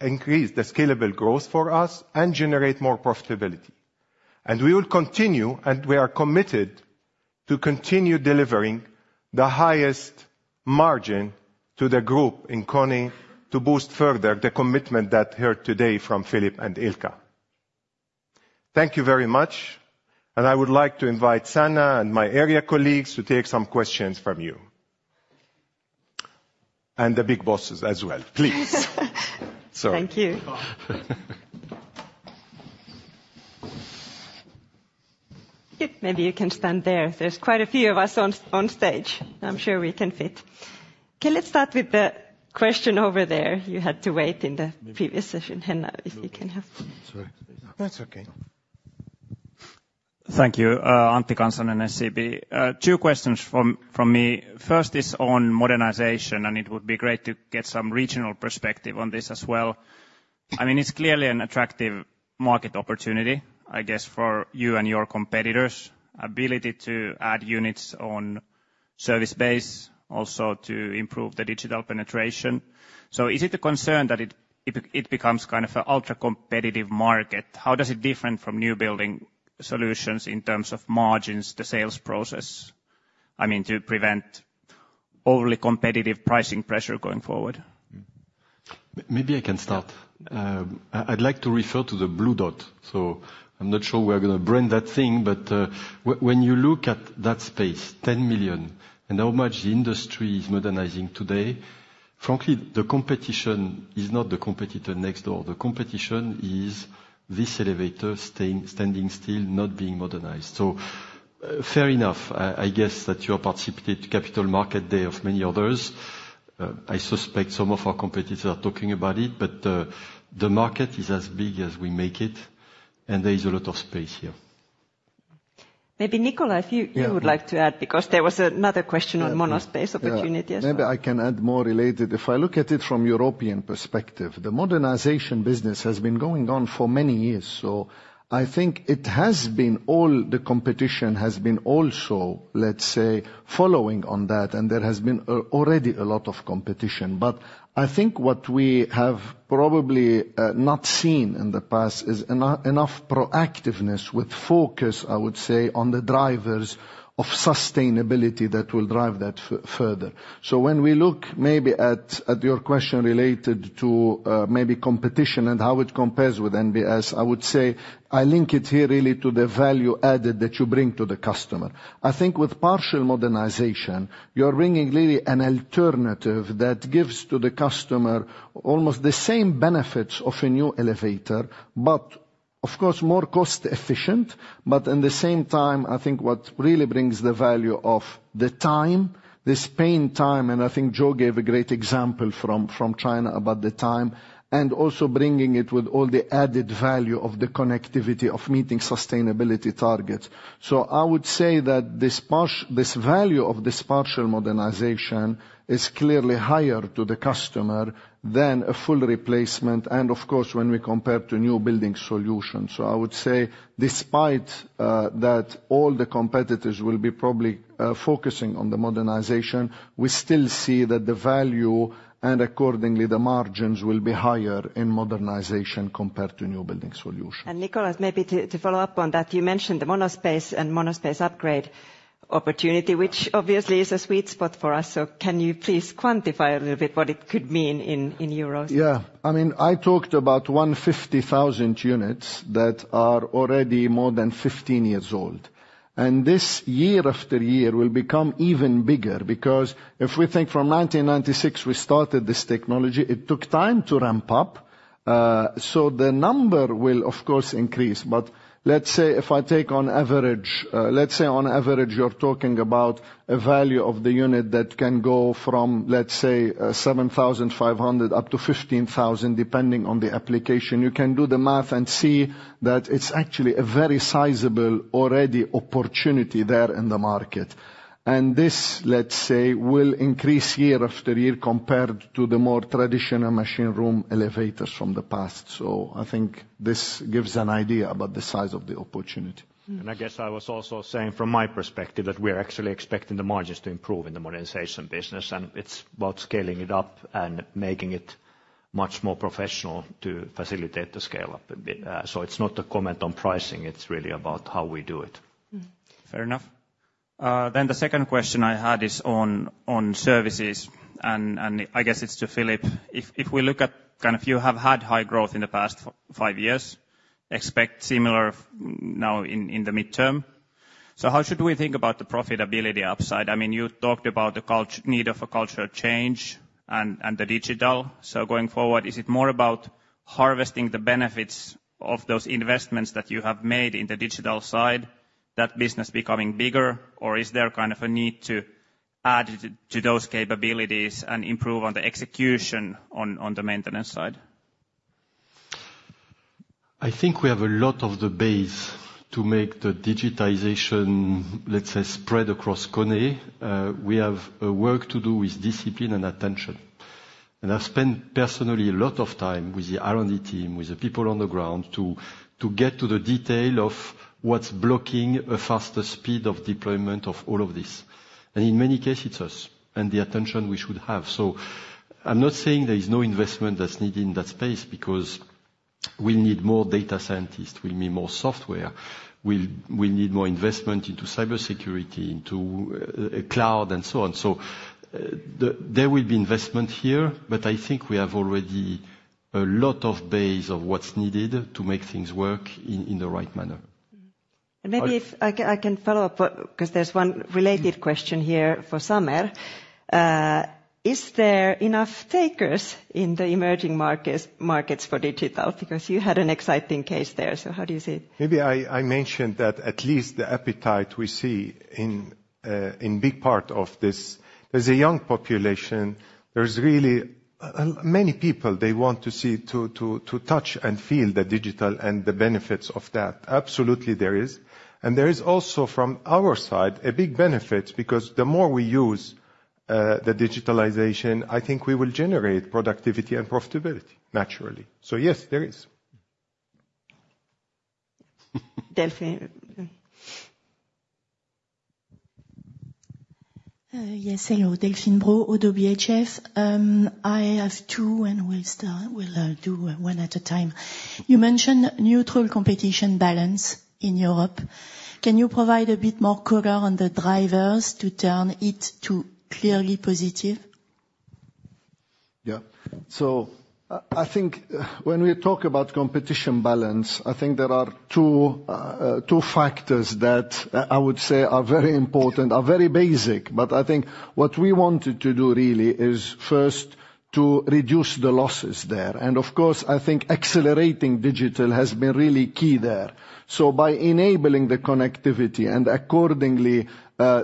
increase the scalable growth for us and generate more profitability. And we will continue, and we are committed to continue delivering the highest margin to the group in KONE, to boost further the commitments that you heard today from Philippe and Ilkka. Thank you very much, and I would like to invite Sanna and my area colleagues to take some questions from you. And the big bosses as well, please. Sorry. Thank you. Maybe you can stand there. There's quite a few of us on stage. I'm sure we can fit. Okay, let's start with the question over there. You had to wait in the previous session. Henna, if you can help. Sorry. That's okay. Thank you, Antti Kansanen, SEB. Two questions from me. First is on modernization, and it would be great to get some regional perspective on this as well. I mean, it's clearly an attractive market opportunity, I guess, for you and your competitors, ability to add units on service base, also to improve the digital penetration. So is it a concern that it becomes kind of a ultra-competitive market? How does it different from new building solutions in terms of margins, the sales process, I mean, to prevent overly competitive pricing pressure going forward? Maybe I can start. I'd like to refer to the Blue Dot, so I'm not sure we're gonna bring that thing, but, when you look at that space, 10 million, and how much the industry is modernizing today, frankly, the competition is not the competitor next door. The competition is this elevator staying, standing still, not being modernized. So fair enough, I guess that you are participating Capital Markets Day of many others. I suspect some of our competitors are talking about it, but, the market is as big as we make it, and there is a lot of space here. Maybe, Nicolas, you- Yeah... you would like to add, because there was another question on MonoSpace opportunity as well. Yeah, maybe I can add more related. If I look at it from European perspective, the modernization business has been going on for many years, so I think it has been all the competition has been also, let's say, following on that, and there has been already a lot of competition. But I think what we have probably not seen in the past is enough proactiveness with focus, I would say, on the drivers of sustainability that will drive that further. So when we look maybe at your question related to maybe competition and how it compares with NBS, I would say I link it here really to the value added that you bring to the customer. I think with partial modernization, you're bringing really an alternative that gives to the customer almost the same benefits of a new elevator, but of course, more cost efficient. But in the same time, I think what really brings the value of the time, this payback time, and I think Joe gave a great example from China about the time, and also bringing it with all the added value of the connectivity of meeting sustainability targets. So I would say that this part, this value of this partial modernization is clearly higher to the customer than a full replacement, and of course, when we compare to new building solutions. So I would say despite that all the competitors will be probably focusing on the modernization, we still see that the value, and accordingly, the margins, will be higher in modernization compared to new building solutions. Nicolas, maybe to follow up on that, you mentioned the MonoSpace and MonoSpace Upgrade opportunity, which obviously is a sweet spot for us. So can you please quantify a little bit what it could mean in euros? Yeah. I mean, I talked about 150,000 units that are already more than 15 years old, and this year after year will become even bigger. Because if we think from 1996, we started this technology, it took time to ramp up, so the number will of course increase. But let's say if I take on average, you're talking about a value of the unit that can go from, let's say, 7,500 up to 15,000, depending on the application. You can do the math and see that it's actually a very sizable already opportunity there in the market. And this, let's say, will increase year after year compared to the more traditional machine room elevators from the past. So I think this gives an idea about the size of the opportunity. Mm-hmm. I guess I was also saying from my perspective, that we are actually expecting the margins to improve in the modernization business, and it's about scaling it up and making it-... much more professional to facilitate the scale up a bit. So it's not a comment on pricing, it's really about how we do it. Mm-hmm. Fair enough. Then the second question I had is on services, and I guess it's to Philippe. If we look at, kind of you have had high growth in the past five years, expect similar for now in the midterm. So how should we think about the profitability upside? I mean, you talked about the need of a culture change and the digital. So going forward, is it more about harvesting the benefits of those investments that you have made in the digital side, that business becoming bigger? Or is there kind of a need to add to those capabilities and improve on the execution on the maintenance side? I think we have a lot of the base to make the digitization, let's say, spread across KONE. We have a work to do with discipline and attention. I've spent personally a lot of time with the R&D team, with the people on the ground, to get to the detail of what's blocking a faster speed of deployment of all of this. In many cases, it's us, and the attention we should have. I'm not saying there is no investment that's needed in that space, because we need more data scientists, we need more software, we need more investment into cybersecurity, into cloud and so on. There will be investment here, but I think we have already a lot of base of what's needed to make things work in the right manner. Maybe if I can follow up, 'cause there's one related question here for Samer. Is there enough takers in the emerging markets for digital? Because you had an exciting case there, so how do you see it? Maybe I mentioned that at least the appetite we see in big part of this. There's a young population, there's really many people, they want to see, to touch and feel the digital and the benefits of that. Absolutely, there is. And there is also, from our side, a big benefit, because the more we use the digitalization, I think we will generate productivity and profitability, naturally. So yes, there is. Delphine. Yes, hello. Delphine Brault, ODDO BHF. I have two, and we'll start, do one at a time. You mentioned neutral competition balance in Europe. Can you provide a bit more color on the drivers to turn it to clearly positive? Yeah, so I think when we talk about competition balance, I think there are two factors that I would say are very important, are very basic, but I think what we wanted to do really is first to reduce the losses there, and of course, I think accelerating digital has been really key there, so by enabling the connectivity and accordingly,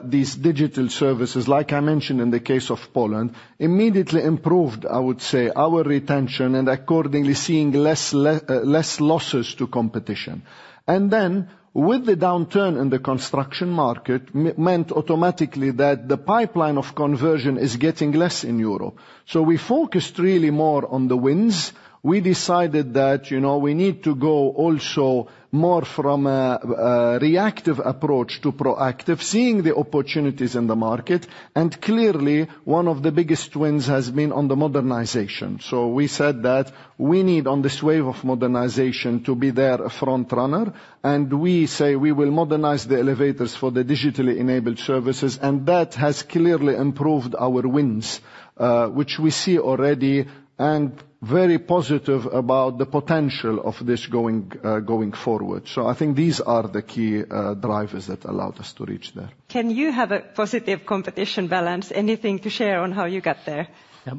these digital services, like I mentioned in the case of Poland, immediately improved, I would say, our retention, and accordingly, seeing less losses to competition, and then, with the downturn in the construction market, meant automatically that the pipeline of conversion is getting less in Europe, so we focused really more on the wins. We decided that, you know, we need to go also more from a, a reactive approach to proactive, seeing the opportunities in the market, and clearly, one of the biggest wins has been on the modernization. So we said that we need, on this wave of modernization, to be there a front runner, and we say we will modernize the elevators for the digitally enabled services, and that has clearly improved our wins, which we see already, and very positive about the potential of this going forward. So I think these are the key drivers that allowed us to reach there. Can you have a positive competition balance? Anything to share on how you got there?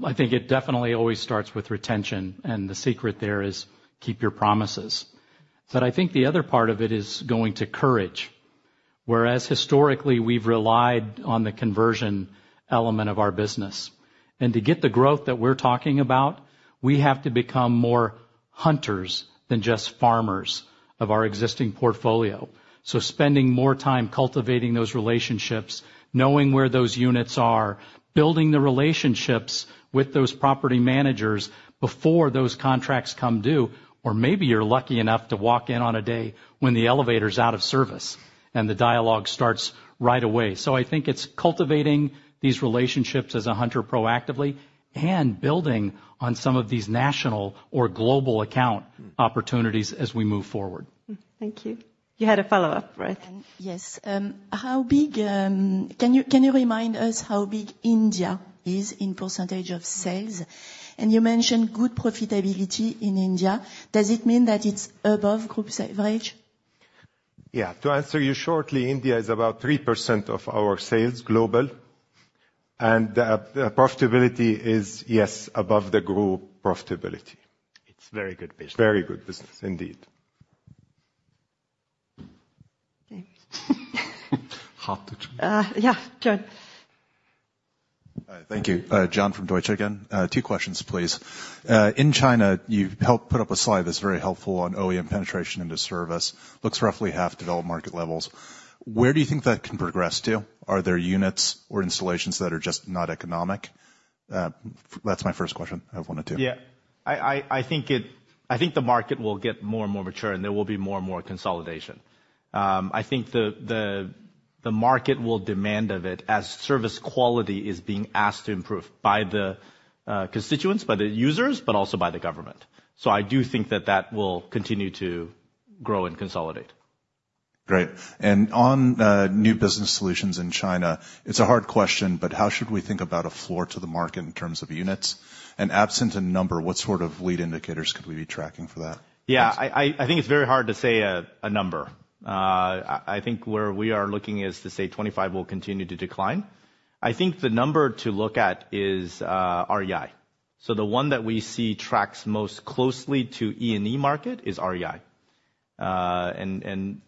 I think it definitely always starts with retention, and the secret there is keep your promises, but I think the other part of it is going to courage, whereas historically, we've relied on the conversion element of our business, and to get the growth that we're talking about, we have to become more hunters than just farmers of our existing portfolio, so spending more time cultivating those relationships, knowing where those units are, building the relationships with those property managers before those contracts come due, or maybe you're lucky enough to walk in on a day when the elevator's out of service, and the dialogue starts right away, so I think it's cultivating these relationships as a hunter proactively, and building on some of these national or global account opportunities as we move forward. Thank you. You had a follow-up, right? Yes. Can you remind us how big India is in percentage of sales? And you mentioned good profitability in India. Does it mean that it's above group average? Yeah. To answer you shortly, India is about 3% of our sales global. And, the profitability is, yes, above the group profitability. It's very good business. Very good business, indeed. Okay. Hard to choose. Yeah, John. Thank you. John from Deutsche again. Two questions, please. In China, you've helped put up a slide that's very helpful on OEM penetration into service. Looks roughly half developed market levels. Where do you think that can progress to? Are there units or installations that are just not economic? That's my first question, out of one of two. Yeah. I think the market will get more and more mature, and there will be more and more consolidation. I think the market will demand of it as service quality is being asked to improve by the constituents, by the users, but also by the government, so I do think that that will continue to grow and consolidate. Great. And on New Building Solutions in China, it's a hard question, but how should we think about a floor to the market in terms of units? And absent a number, what sort of lead indicators could we be tracking for that? Yeah, I think it's very hard to say a number. I think where we are looking is to say 25 will continue to decline. I think the number to look at is REI. So the one that we see tracks most closely to E&E market is REI. And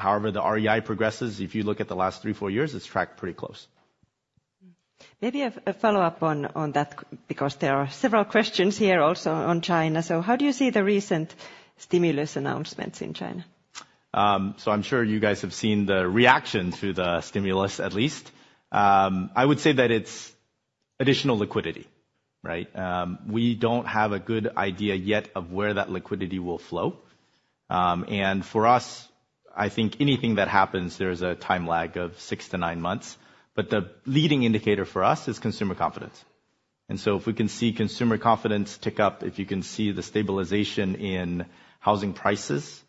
however the REI progresses, if you look at the last three, four years, it's tracked pretty close. Maybe a follow-up on that, because there are several questions here also on China. So how do you see the recent stimulus announcements in China? So I'm sure you guys have seen the reaction to the stimulus, at least. I would say that it's additional liquidity, right? We don't have a good idea yet of where that liquidity will flow. And for us, I think anything that happens, there is a time lag of six to nine months, but the leading indicator for us is consumer confidence. And so if we can see consumer confidence tick up, if you can see the stabilization in housing prices,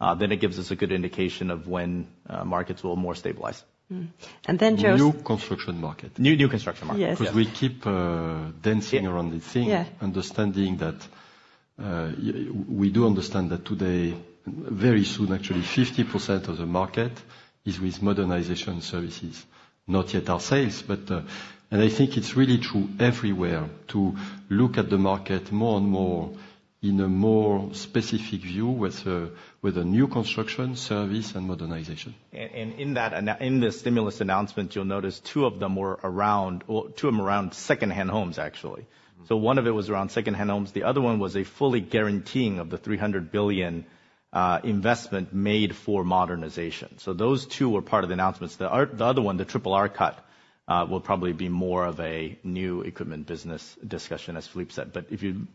then it gives us a good indication of when markets will more stabilize. Mm-hmm. And then, Joe- New construction market. New construction market. Yes. Cause we keep dancing around the thing- Yeah... understanding that, we do understand that today, very soon, actually, 50% of the market is with modernization services, not yet our sales. But, and I think it's really true everywhere to look at the market more and more in a more specific view with a new construction service and modernization. And in the stimulus announcement, you'll notice two of them were around secondhand homes, actually. Mm-hmm. So one of it was around secondhand homes, the other one was a full guarantee of the 300 billion investment made for modernization. Those two were part of the announcements. The other one, the RRR cut, will probably be more of a new equipment business discussion, as Philippe said. But if you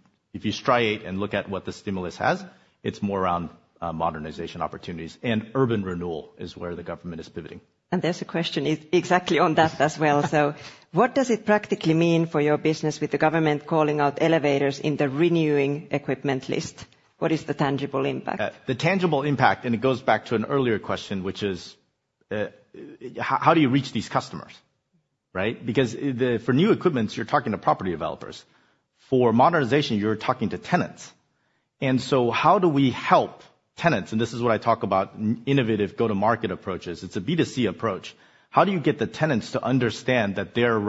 separate and look at what the stimulus has, it's more around modernization opportunities, and urban renewal is where the government is pivoting. There's a question exactly on that as well. What does it practically mean for your business with the government calling out elevators in the renewing equipment list? What is the tangible impact? The tangible impact, and it goes back to an earlier question, which is, how do you reach these customers, right? Because, for new equipments, you're talking to property developers. For modernization, you're talking to tenants. And so how do we help tenants? And this is what I talk about, innovative go-to-market approaches. It's a B2C approach. How do you get the tenants to understand that their,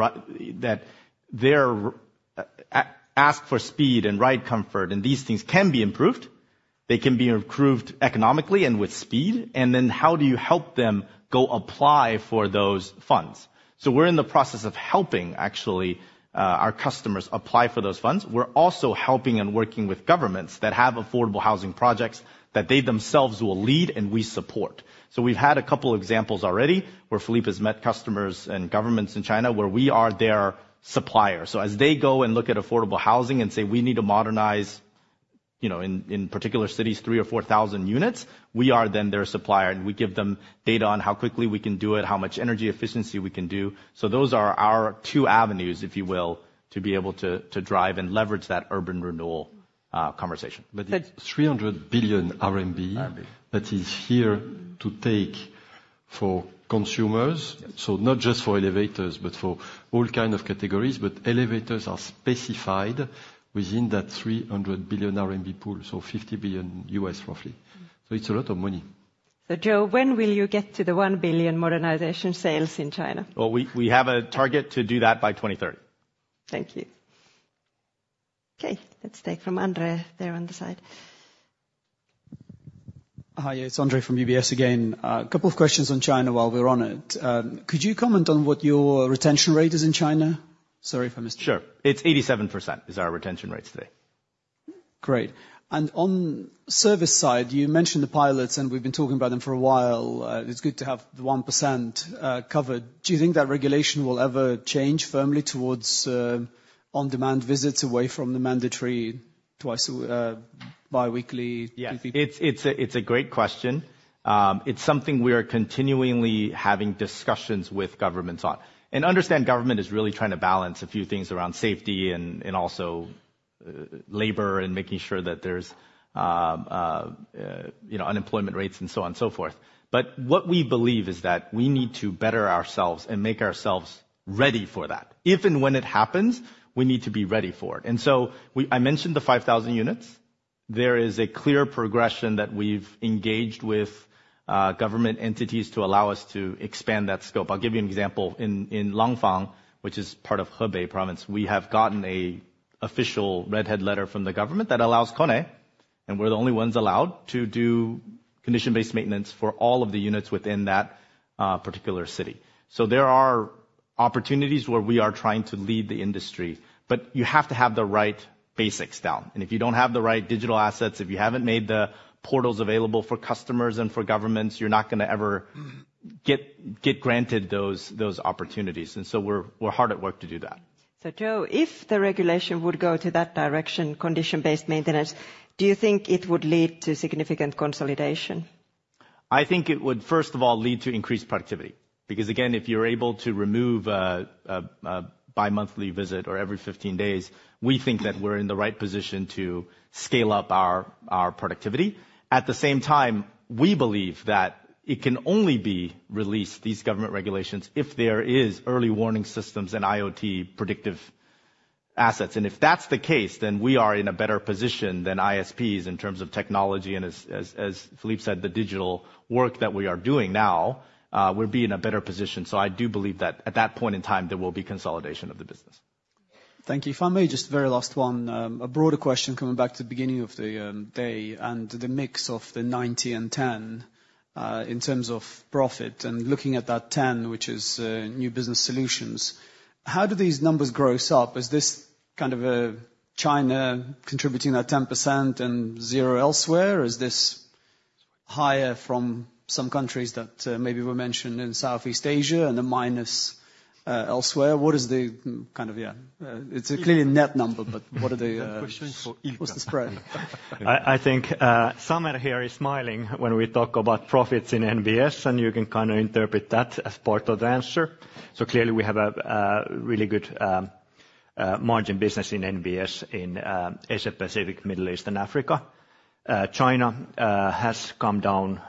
that their, ask for speed and ride comfort, and these things can be improved, they can be improved economically and with speed, and then how do you help them go apply for those funds? So we're in the process of helping, actually, our customers apply for those funds. We're also helping and working with governments that have affordable housing projects that they themselves will lead and we support. So we've had a couple examples already where Philippe has met customers and governments in China, where we are their supplier. So as they go and look at affordable housing and say, "We need to modernize, you know, in particular cities, three or four thousand units," we are then their supplier, and we give them data on how quickly we can do it, how much energy efficiency we can do. So those are our two avenues, if you will, to be able to, to drive and leverage that urban renewal conversation. Thanks. But the 300 billion RMB- RMB... that is here to take for consumers- Yes So not just for elevators, but for all kind of categories, but elevators are specified within that 300 billion RMB pool, so $50 billion, roughly. Mm-hmm. So it's a lot of money. Joe, when will you get to the one billion modernization sales in China? We have a target to do that by 2030. Thank you. Okay, let's take from Andre, there on the side. Hi, it's Andre from UBS again. A couple of questions on China while we're on it. Could you comment on what your retention rate is in China? Sorry if I missed it. Sure. It's 87%, is our retention rate today. Great. And on service side, you mentioned the pilots, and we've been talking about them for a while. It's good to have the 1% covered. Do you think that regulation will ever change firmly towards on-demand visits away from the mandatory twice a biweekly visit? Yeah. It's a great question. It's something we are continually having discussions with governments on. And understand, government is really trying to balance a few things around safety and also labor and making sure that there's you know, unemployment rates, and so on and so forth. But what we believe is that we need to better ourselves and make ourselves ready for that. If and when it happens, we need to be ready for it. And so I mentioned the 5,000 units. There is a clear progression that we've engaged with government entities to allow us to expand that scope. I'll give you an example. In Langfang, which is part of Hebei province, we have gotten an official red-headed letter from the government that allows KONE, and we're the only ones allowed, to do condition-based maintenance for all of the units within that particular city. So there are opportunities where we are trying to lead the industry, but you have to have the right basics down. And if you don't have the right digital assets, if you haven't made the portals available for customers and for governments, you're not gonna ever-... get granted those opportunities. And so we're hard at work to do that.... So Joe, if the regulation would go to that direction, condition-based maintenance, do you think it would lead to significant consolidation? I think it would, first of all, lead to increased productivity, because again, if you're able to remove a bimonthly visit or every fifteen days, we think that we're in the right position to scale up our productivity. At the same time, we believe that it can only be released, these government regulations, if there is early warning systems and IoT predictive assets. And if that's the case, then we are in a better position than ISPs in terms of technology, and as Philippe said, the digital work that we are doing now, we'll be in a better position. So I do believe that at that point in time, there will be consolidation of the business. Thank you. If I may, just very last one, a broader question coming back to the beginning of the day and the mix of the 90 and 10, in terms of profit, and looking at that 10, which is New Building Solutions. How do these numbers gross up? Is this kind of a China contributing that 10% and zero elsewhere? Or is this higher from some countries that maybe were mentioned in Southeast Asia and a minus elsewhere? What is the kind of, it's a clearly net number, but what's the spread? I think Samer here is smiling when we talk about profits in NBS, and you can kind of interpret that as part of the answer. So clearly, we have a really good margin business in NBS in Asia, Pacific, Middle East, and Africa. China has come down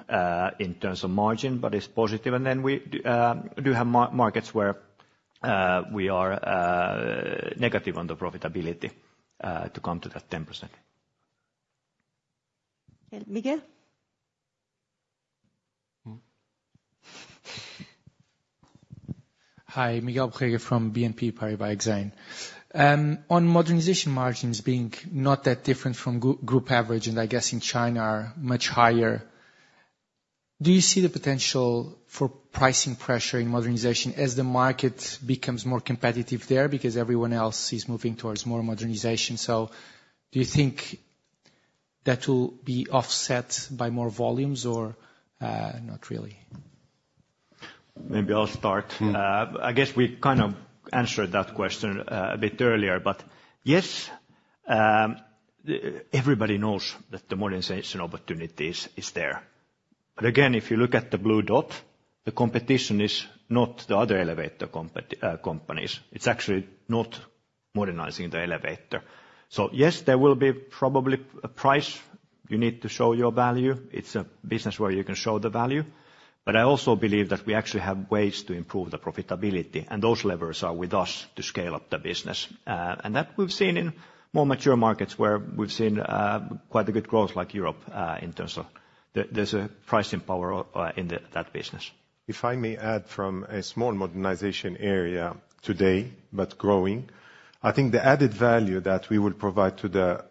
in terms of margin, but it's positive, and then we do have markets where we are negative on the profitability to come to that 10%. Okay. Miguel? Hi, Miguel Borrega from BNP Paribas Exane. On modernization margins being not that different from group average, and I guess in China are much higher, do you see the potential for pricing pressure in modernization as the market becomes more competitive there? Because everyone else is moving towards more modernization. So do you think that will be offset by more volumes or, not really? Maybe I'll start. I guess we kind of answered that question a bit earlier, but yes, everybody knows that the modernization opportunities is there. But again, if you look at the Blue Dot, the competition is not the other elevator companies. It's actually not modernizing the elevator. So yes, there will be probably a price. You need to show your value. It's a business where you can show the value, but I also believe that we actually have ways to improve the profitability, and those levers are with us to scale up the business. And that we've seen in more mature markets, where we've seen quite a good growth, like Europe, in terms of... There, there's a pricing power in that business. If I may add from a small modernization area today, but growing, I think the added value that we will provide to the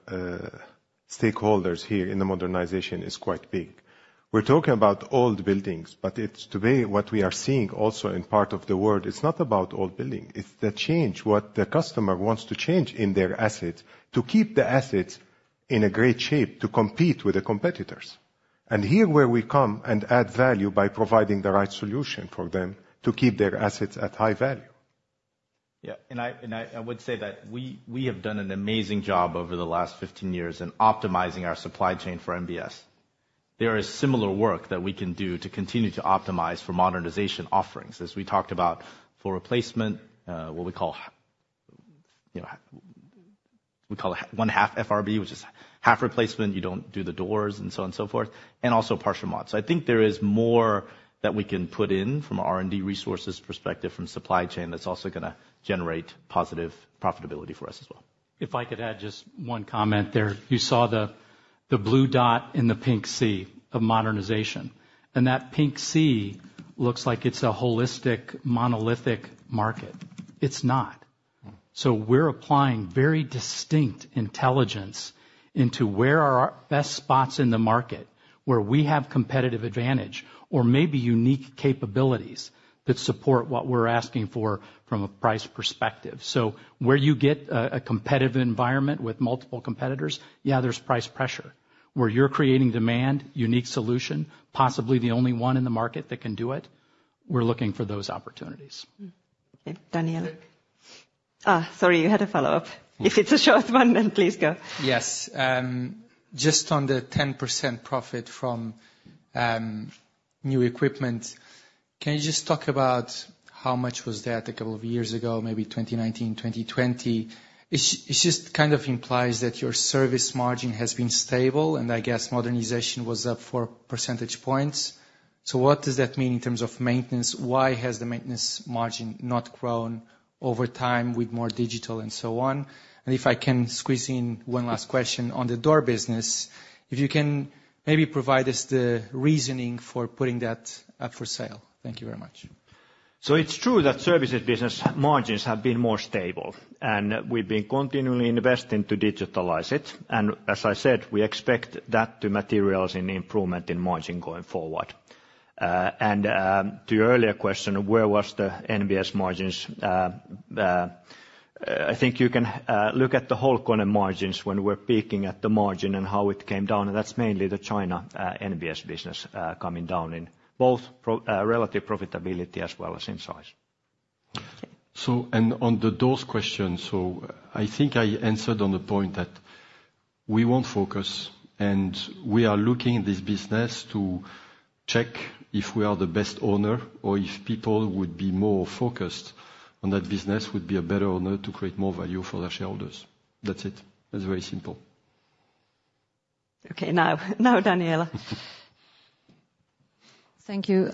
stakeholders here in the modernization is quite big. We're talking about old buildings, but it's today what we are seeing also in part of the world. It's not about old building. It's the change what the customer wants to change in their assets, to keep the assets in a great shape to compete with the competitors. And here, where we come and add value by providing the right solution for them to keep their assets at high value. Yeah, and I would say that we have done an amazing job over the last fifteen years in optimizing our supply chain for NBS. There is similar work that we can do to continue to optimize for modernization offerings. As we talked about for replacement, what we call, you know, we call one half FRB, which is half replacement, you don't do the doors, and so on and so forth, and also partial mods. I think there is more that we can put in from an R&D resources perspective, from supply chain, that's also gonna generate positive profitability for us as well. If I could add just one comment there. You saw the Blue Dot in the pink sea of modernization, and that pink sea looks like it's a holistic, monolithic market. It's not. So we're applying very distinct intelligence into where are our best spots in the market, where we have competitive advantage or maybe unique capabilities that support what we're asking for from a price perspective. So where you get a competitive environment with multiple competitors, yeah, there's price pressure. Where you're creating demand, unique solution, possibly the only one in the market that can do it, we're looking for those opportunities. Okay. Daniela? Sorry, you had a follow-up. If it's a short one, then please go. Yes. Just on the 10% profit from new equipment, can you just talk about how much was that a couple of years ago, maybe 2019, 2020? It's just kind of implies that your service margin has been stable, and I guess modernization was up four percentage points. So what does that mean in terms of maintenance? Why has the maintenance margin not grown over time with more digital and so on? And if I can squeeze in one last question on the door business, if you can maybe provide us the reasoning for putting that up for sale. Thank you very much. So it's true that services business margins have been more stable, and we've been continually investing to digitalize it. And as I said, we expect that to materialize in improvement in margin going forward. To your earlier question, where was the NBS margins? I think you can look at the whole KONE margins when we're peaking at the margin and how it came down, and that's mainly the China NBS business coming down in both relative profitability as well as in size.... So, and on the doors question, so I think I answered on the point that we won't focus, and we are looking at this business to check if we are the best owner or if people would be more focused on that business, would be a better owner to create more value for their shareholders. That's it. It's very simple. Okay, now Daniela. Thank you.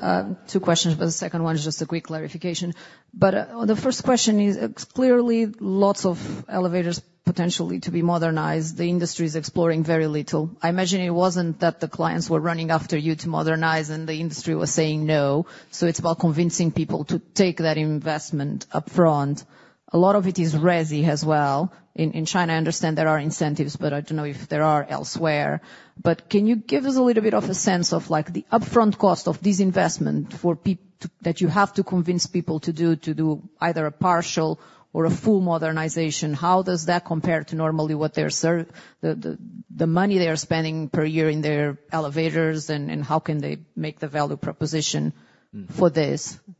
Two questions, but the second one is just a quick clarification. But the first question is, clearly, lots of elevators potentially to be modernized. The industry is investing very little. I imagine it wasn't that the clients were running after you to modernize and the industry was saying no, so it's about convincing people to take that investment upfront. A lot of it is resi as well. In China, I understand there are incentives, but I don't know if there are elsewhere. But can you give us a little bit of a sense of, like, the upfront cost of this investment for that you have to convince people to do either a partial or a full modernization? How does that compare to normally what they're servicing, the money they are spending per year in their elevators, and how can they make the value proposition for this? Do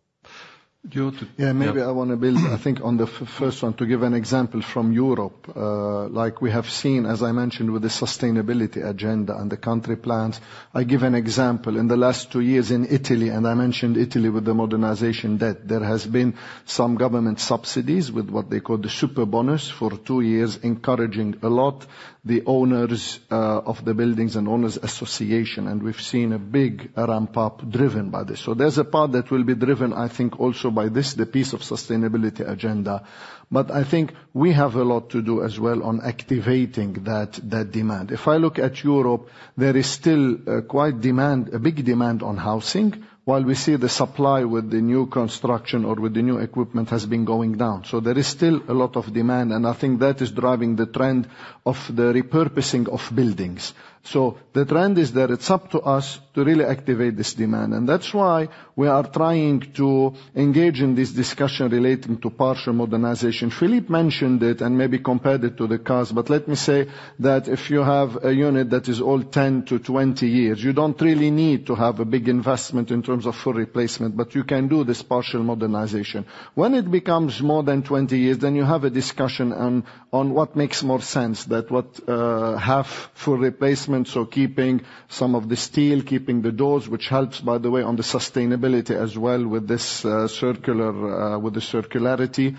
you want to- Yeah, maybe I want to build, I think, on the first one, to give an example from Europe. Like we have seen, as I mentioned, with the sustainability agenda and the country plans, I give an example. In the last two years in Italy, and I mentioned Italy with the modernization, that there has been some government subsidies with what they call the Superbonus for two years, encouraging a lot the owners of the buildings and owners' association, and we've seen a big ramp-up driven by this. So there's a part that will be driven, I think, also by this, the piece of sustainability agenda. But I think we have a lot to do as well on activating that demand. If I look at Europe, there is still quite a demand, a big demand on housing, while we see the supply with the new construction or with the new equipment has been going down, so there is still a lot of demand, and I think that is driving the trend of the repurposing of buildings, so the trend is there. It's up to us to really activate this demand, and that's why we are trying to engage in this discussion relating to partial modernization. Philippe mentioned it and maybe compared it to the cars, but let me say that if you have a unit that is all ten to twenty years, you don't really need to have a big investment in terms of full replacement, but you can do this partial modernization. When it becomes more than twenty years, then you have a discussion on what makes more sense, what half full replacement, so keeping some of the steel, keeping the doors, which helps, by the way, on the sustainability as well with this circularity,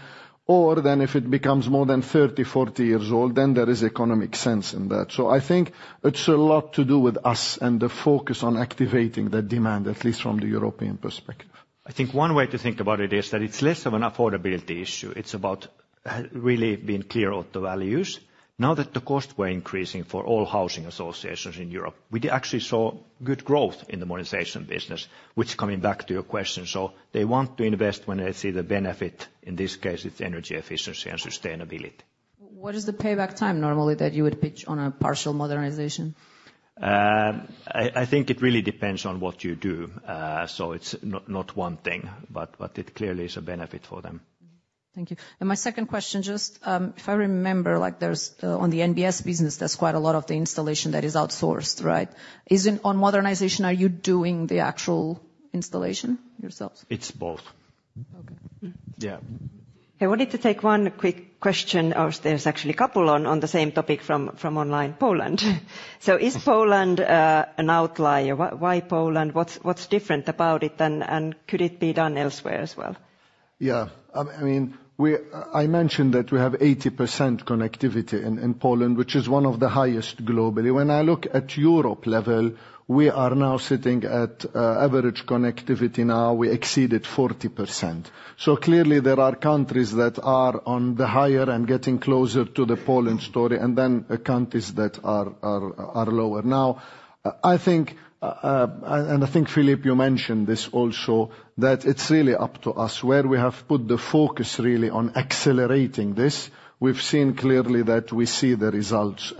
or then if it becomes more than thirty, forty years old, then there is economic sense in that. So I think it's a lot to do with us and the focus on activating the demand, at least from the European perspective. I think one way to think about it is that it's less of an affordability issue. It's about really being clear on the values. Now that the costs were increasing for all housing associations in Europe, we actually saw good growth in the modernization business, which coming back to your question, so they want to invest when they see the benefit. In this case, it's energy efficiency and sustainability. What is the payback time normally that you would pitch on a partial modernization? I think it really depends on what you do, so it's not one thing, but it clearly is a benefit for them. Thank you. And my second question, just, if I remember, like, there's, on the NBS business, there's quite a lot of the installation that is outsourced, right? Is it... On modernization, are you doing the actual installation yourselves? It's both. Okay. Yeah. I wanted to take one quick question, or there's actually a couple on the same topic from online, Poland. So is Poland an outlier? Why Poland? What's different about it, and could it be done elsewhere as well? Yeah. I mean, I mentioned that we have 80% connectivity in Poland, which is one of the highest globally. When I look at Europe level, we are now sitting at average connectivity. We exceeded 40%. So clearly, there are countries that are on the higher end, getting closer to the Poland story, and then countries that are lower. Now, I think, Philippe, you mentioned this also, that it's really up to us. Where we have put the focus really on accelerating this, we've seen clearly that we see the results.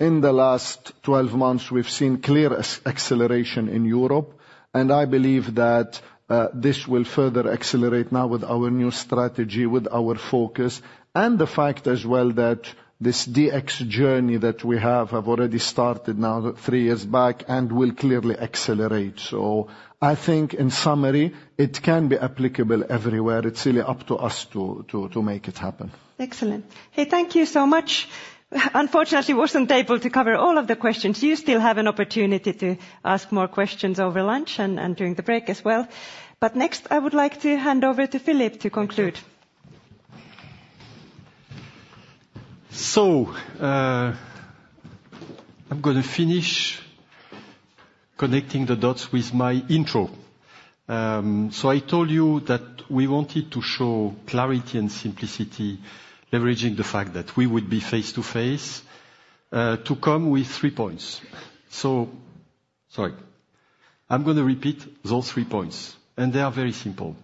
In the last 12 months, we've seen clear acceleration in Europe, and I believe that this will further accelerate now with our new strategy, with our focus, and the fact as well that this DX journey that we have already started 3 years back and will clearly accelerate. I think in summary, it can be applicable everywhere. It's really up to us to make it happen. Excellent. Hey, thank you so much. Unfortunately, wasn't able to cover all of the questions. You still have an opportunity to ask more questions over lunch and during the break as well. But next, I would like to hand over to Philippe to conclude. I'm gonna finish connecting the dots with my intro. I told you that we wanted to show clarity and simplicity, leveraging the fact that we would be face-to-face, to come with three points. I'm gonna repeat those three points, and they are very simple.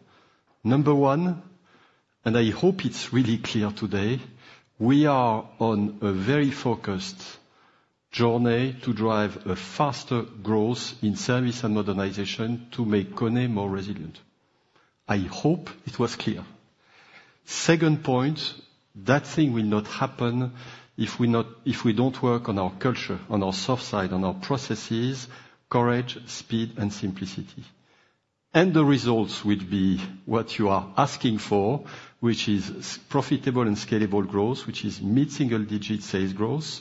Number one, and I hope it's really clear today, we are on a very focused journey to drive a faster growth in service and modernization to make KONE more resilient. I hope it was clear. Second point, that thing will not happen if we don't work on our culture, on our soft side, on our processes, courage, speed, and simplicity, and the results will be what you are asking for, which is profitable and scalable growth, which is mid-single digit sales growth,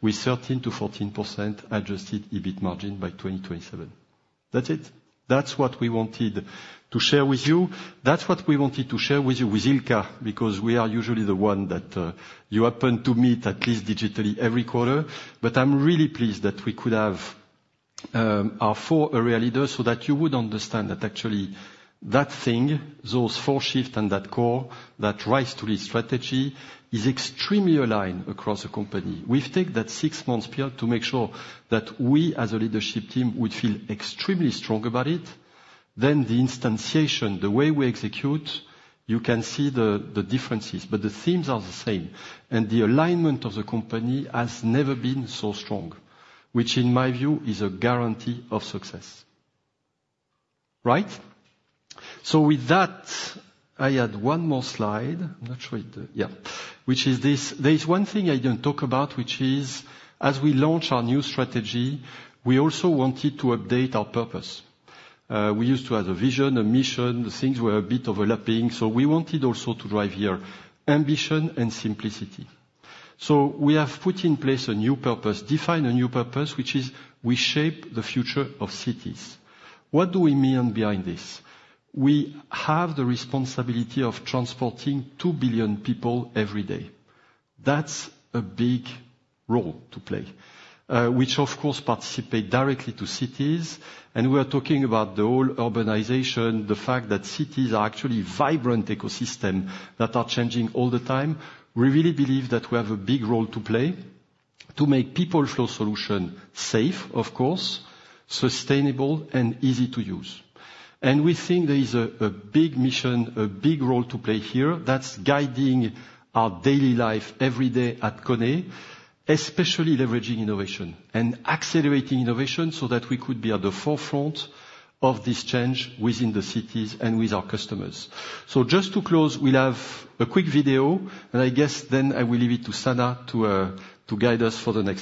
with 13%-14% adjusted EBIT margin by 2027. That's it. That's what we wanted to share with you. That's what we wanted to share with you with Ilkka, because we are usually the one that you happen to meet, at least digitally, every quarter. But I'm really pleased that we could have our four area leaders, so that you would understand that actually, that thing, those four shifts and that core, that Rise to lead strategy, is extremely aligned across the company. We've took that six-month period to make sure that we, as a leadership team, would feel extremely strong about it. Then the instantiation, the way we execute, you can see the differences, but the themes are the same, and the alignment of the company has never been so strong, which, in my view, is a guarantee of success. Right? So with that, I had one more slide. I'm not sure it... Yeah, which is this. There is one thing I didn't talk about, which is, as we launch our new strategy, we also wanted to update our purpose. We used to have a vision, a mission, the things were a bit overlapping, so we wanted also to drive here ambition and simplicity. So we have put in place a new purpose, defined a new purpose, which is: we shape the future of cities. What do we mean behind this? We have the responsibility of transporting two billion people every day. That's a big role to play, which, of course, participate directly to cities. And we are talking about the whole urbanization, the fact that cities are actually vibrant ecosystem that are changing all the time. We really believe that we have a big role to play to make People Flow solution safe, of course, sustainable and easy to use. We think there is a big mission, a big role to play here that's guiding our daily life every day at KONE, especially leveraging innovation and accelerating innovation so that we could be at the forefront of this change within the cities and with our customers. Just to close, we'll have a quick video, and I guess then I will leave it to Sanna to guide us for the next steps.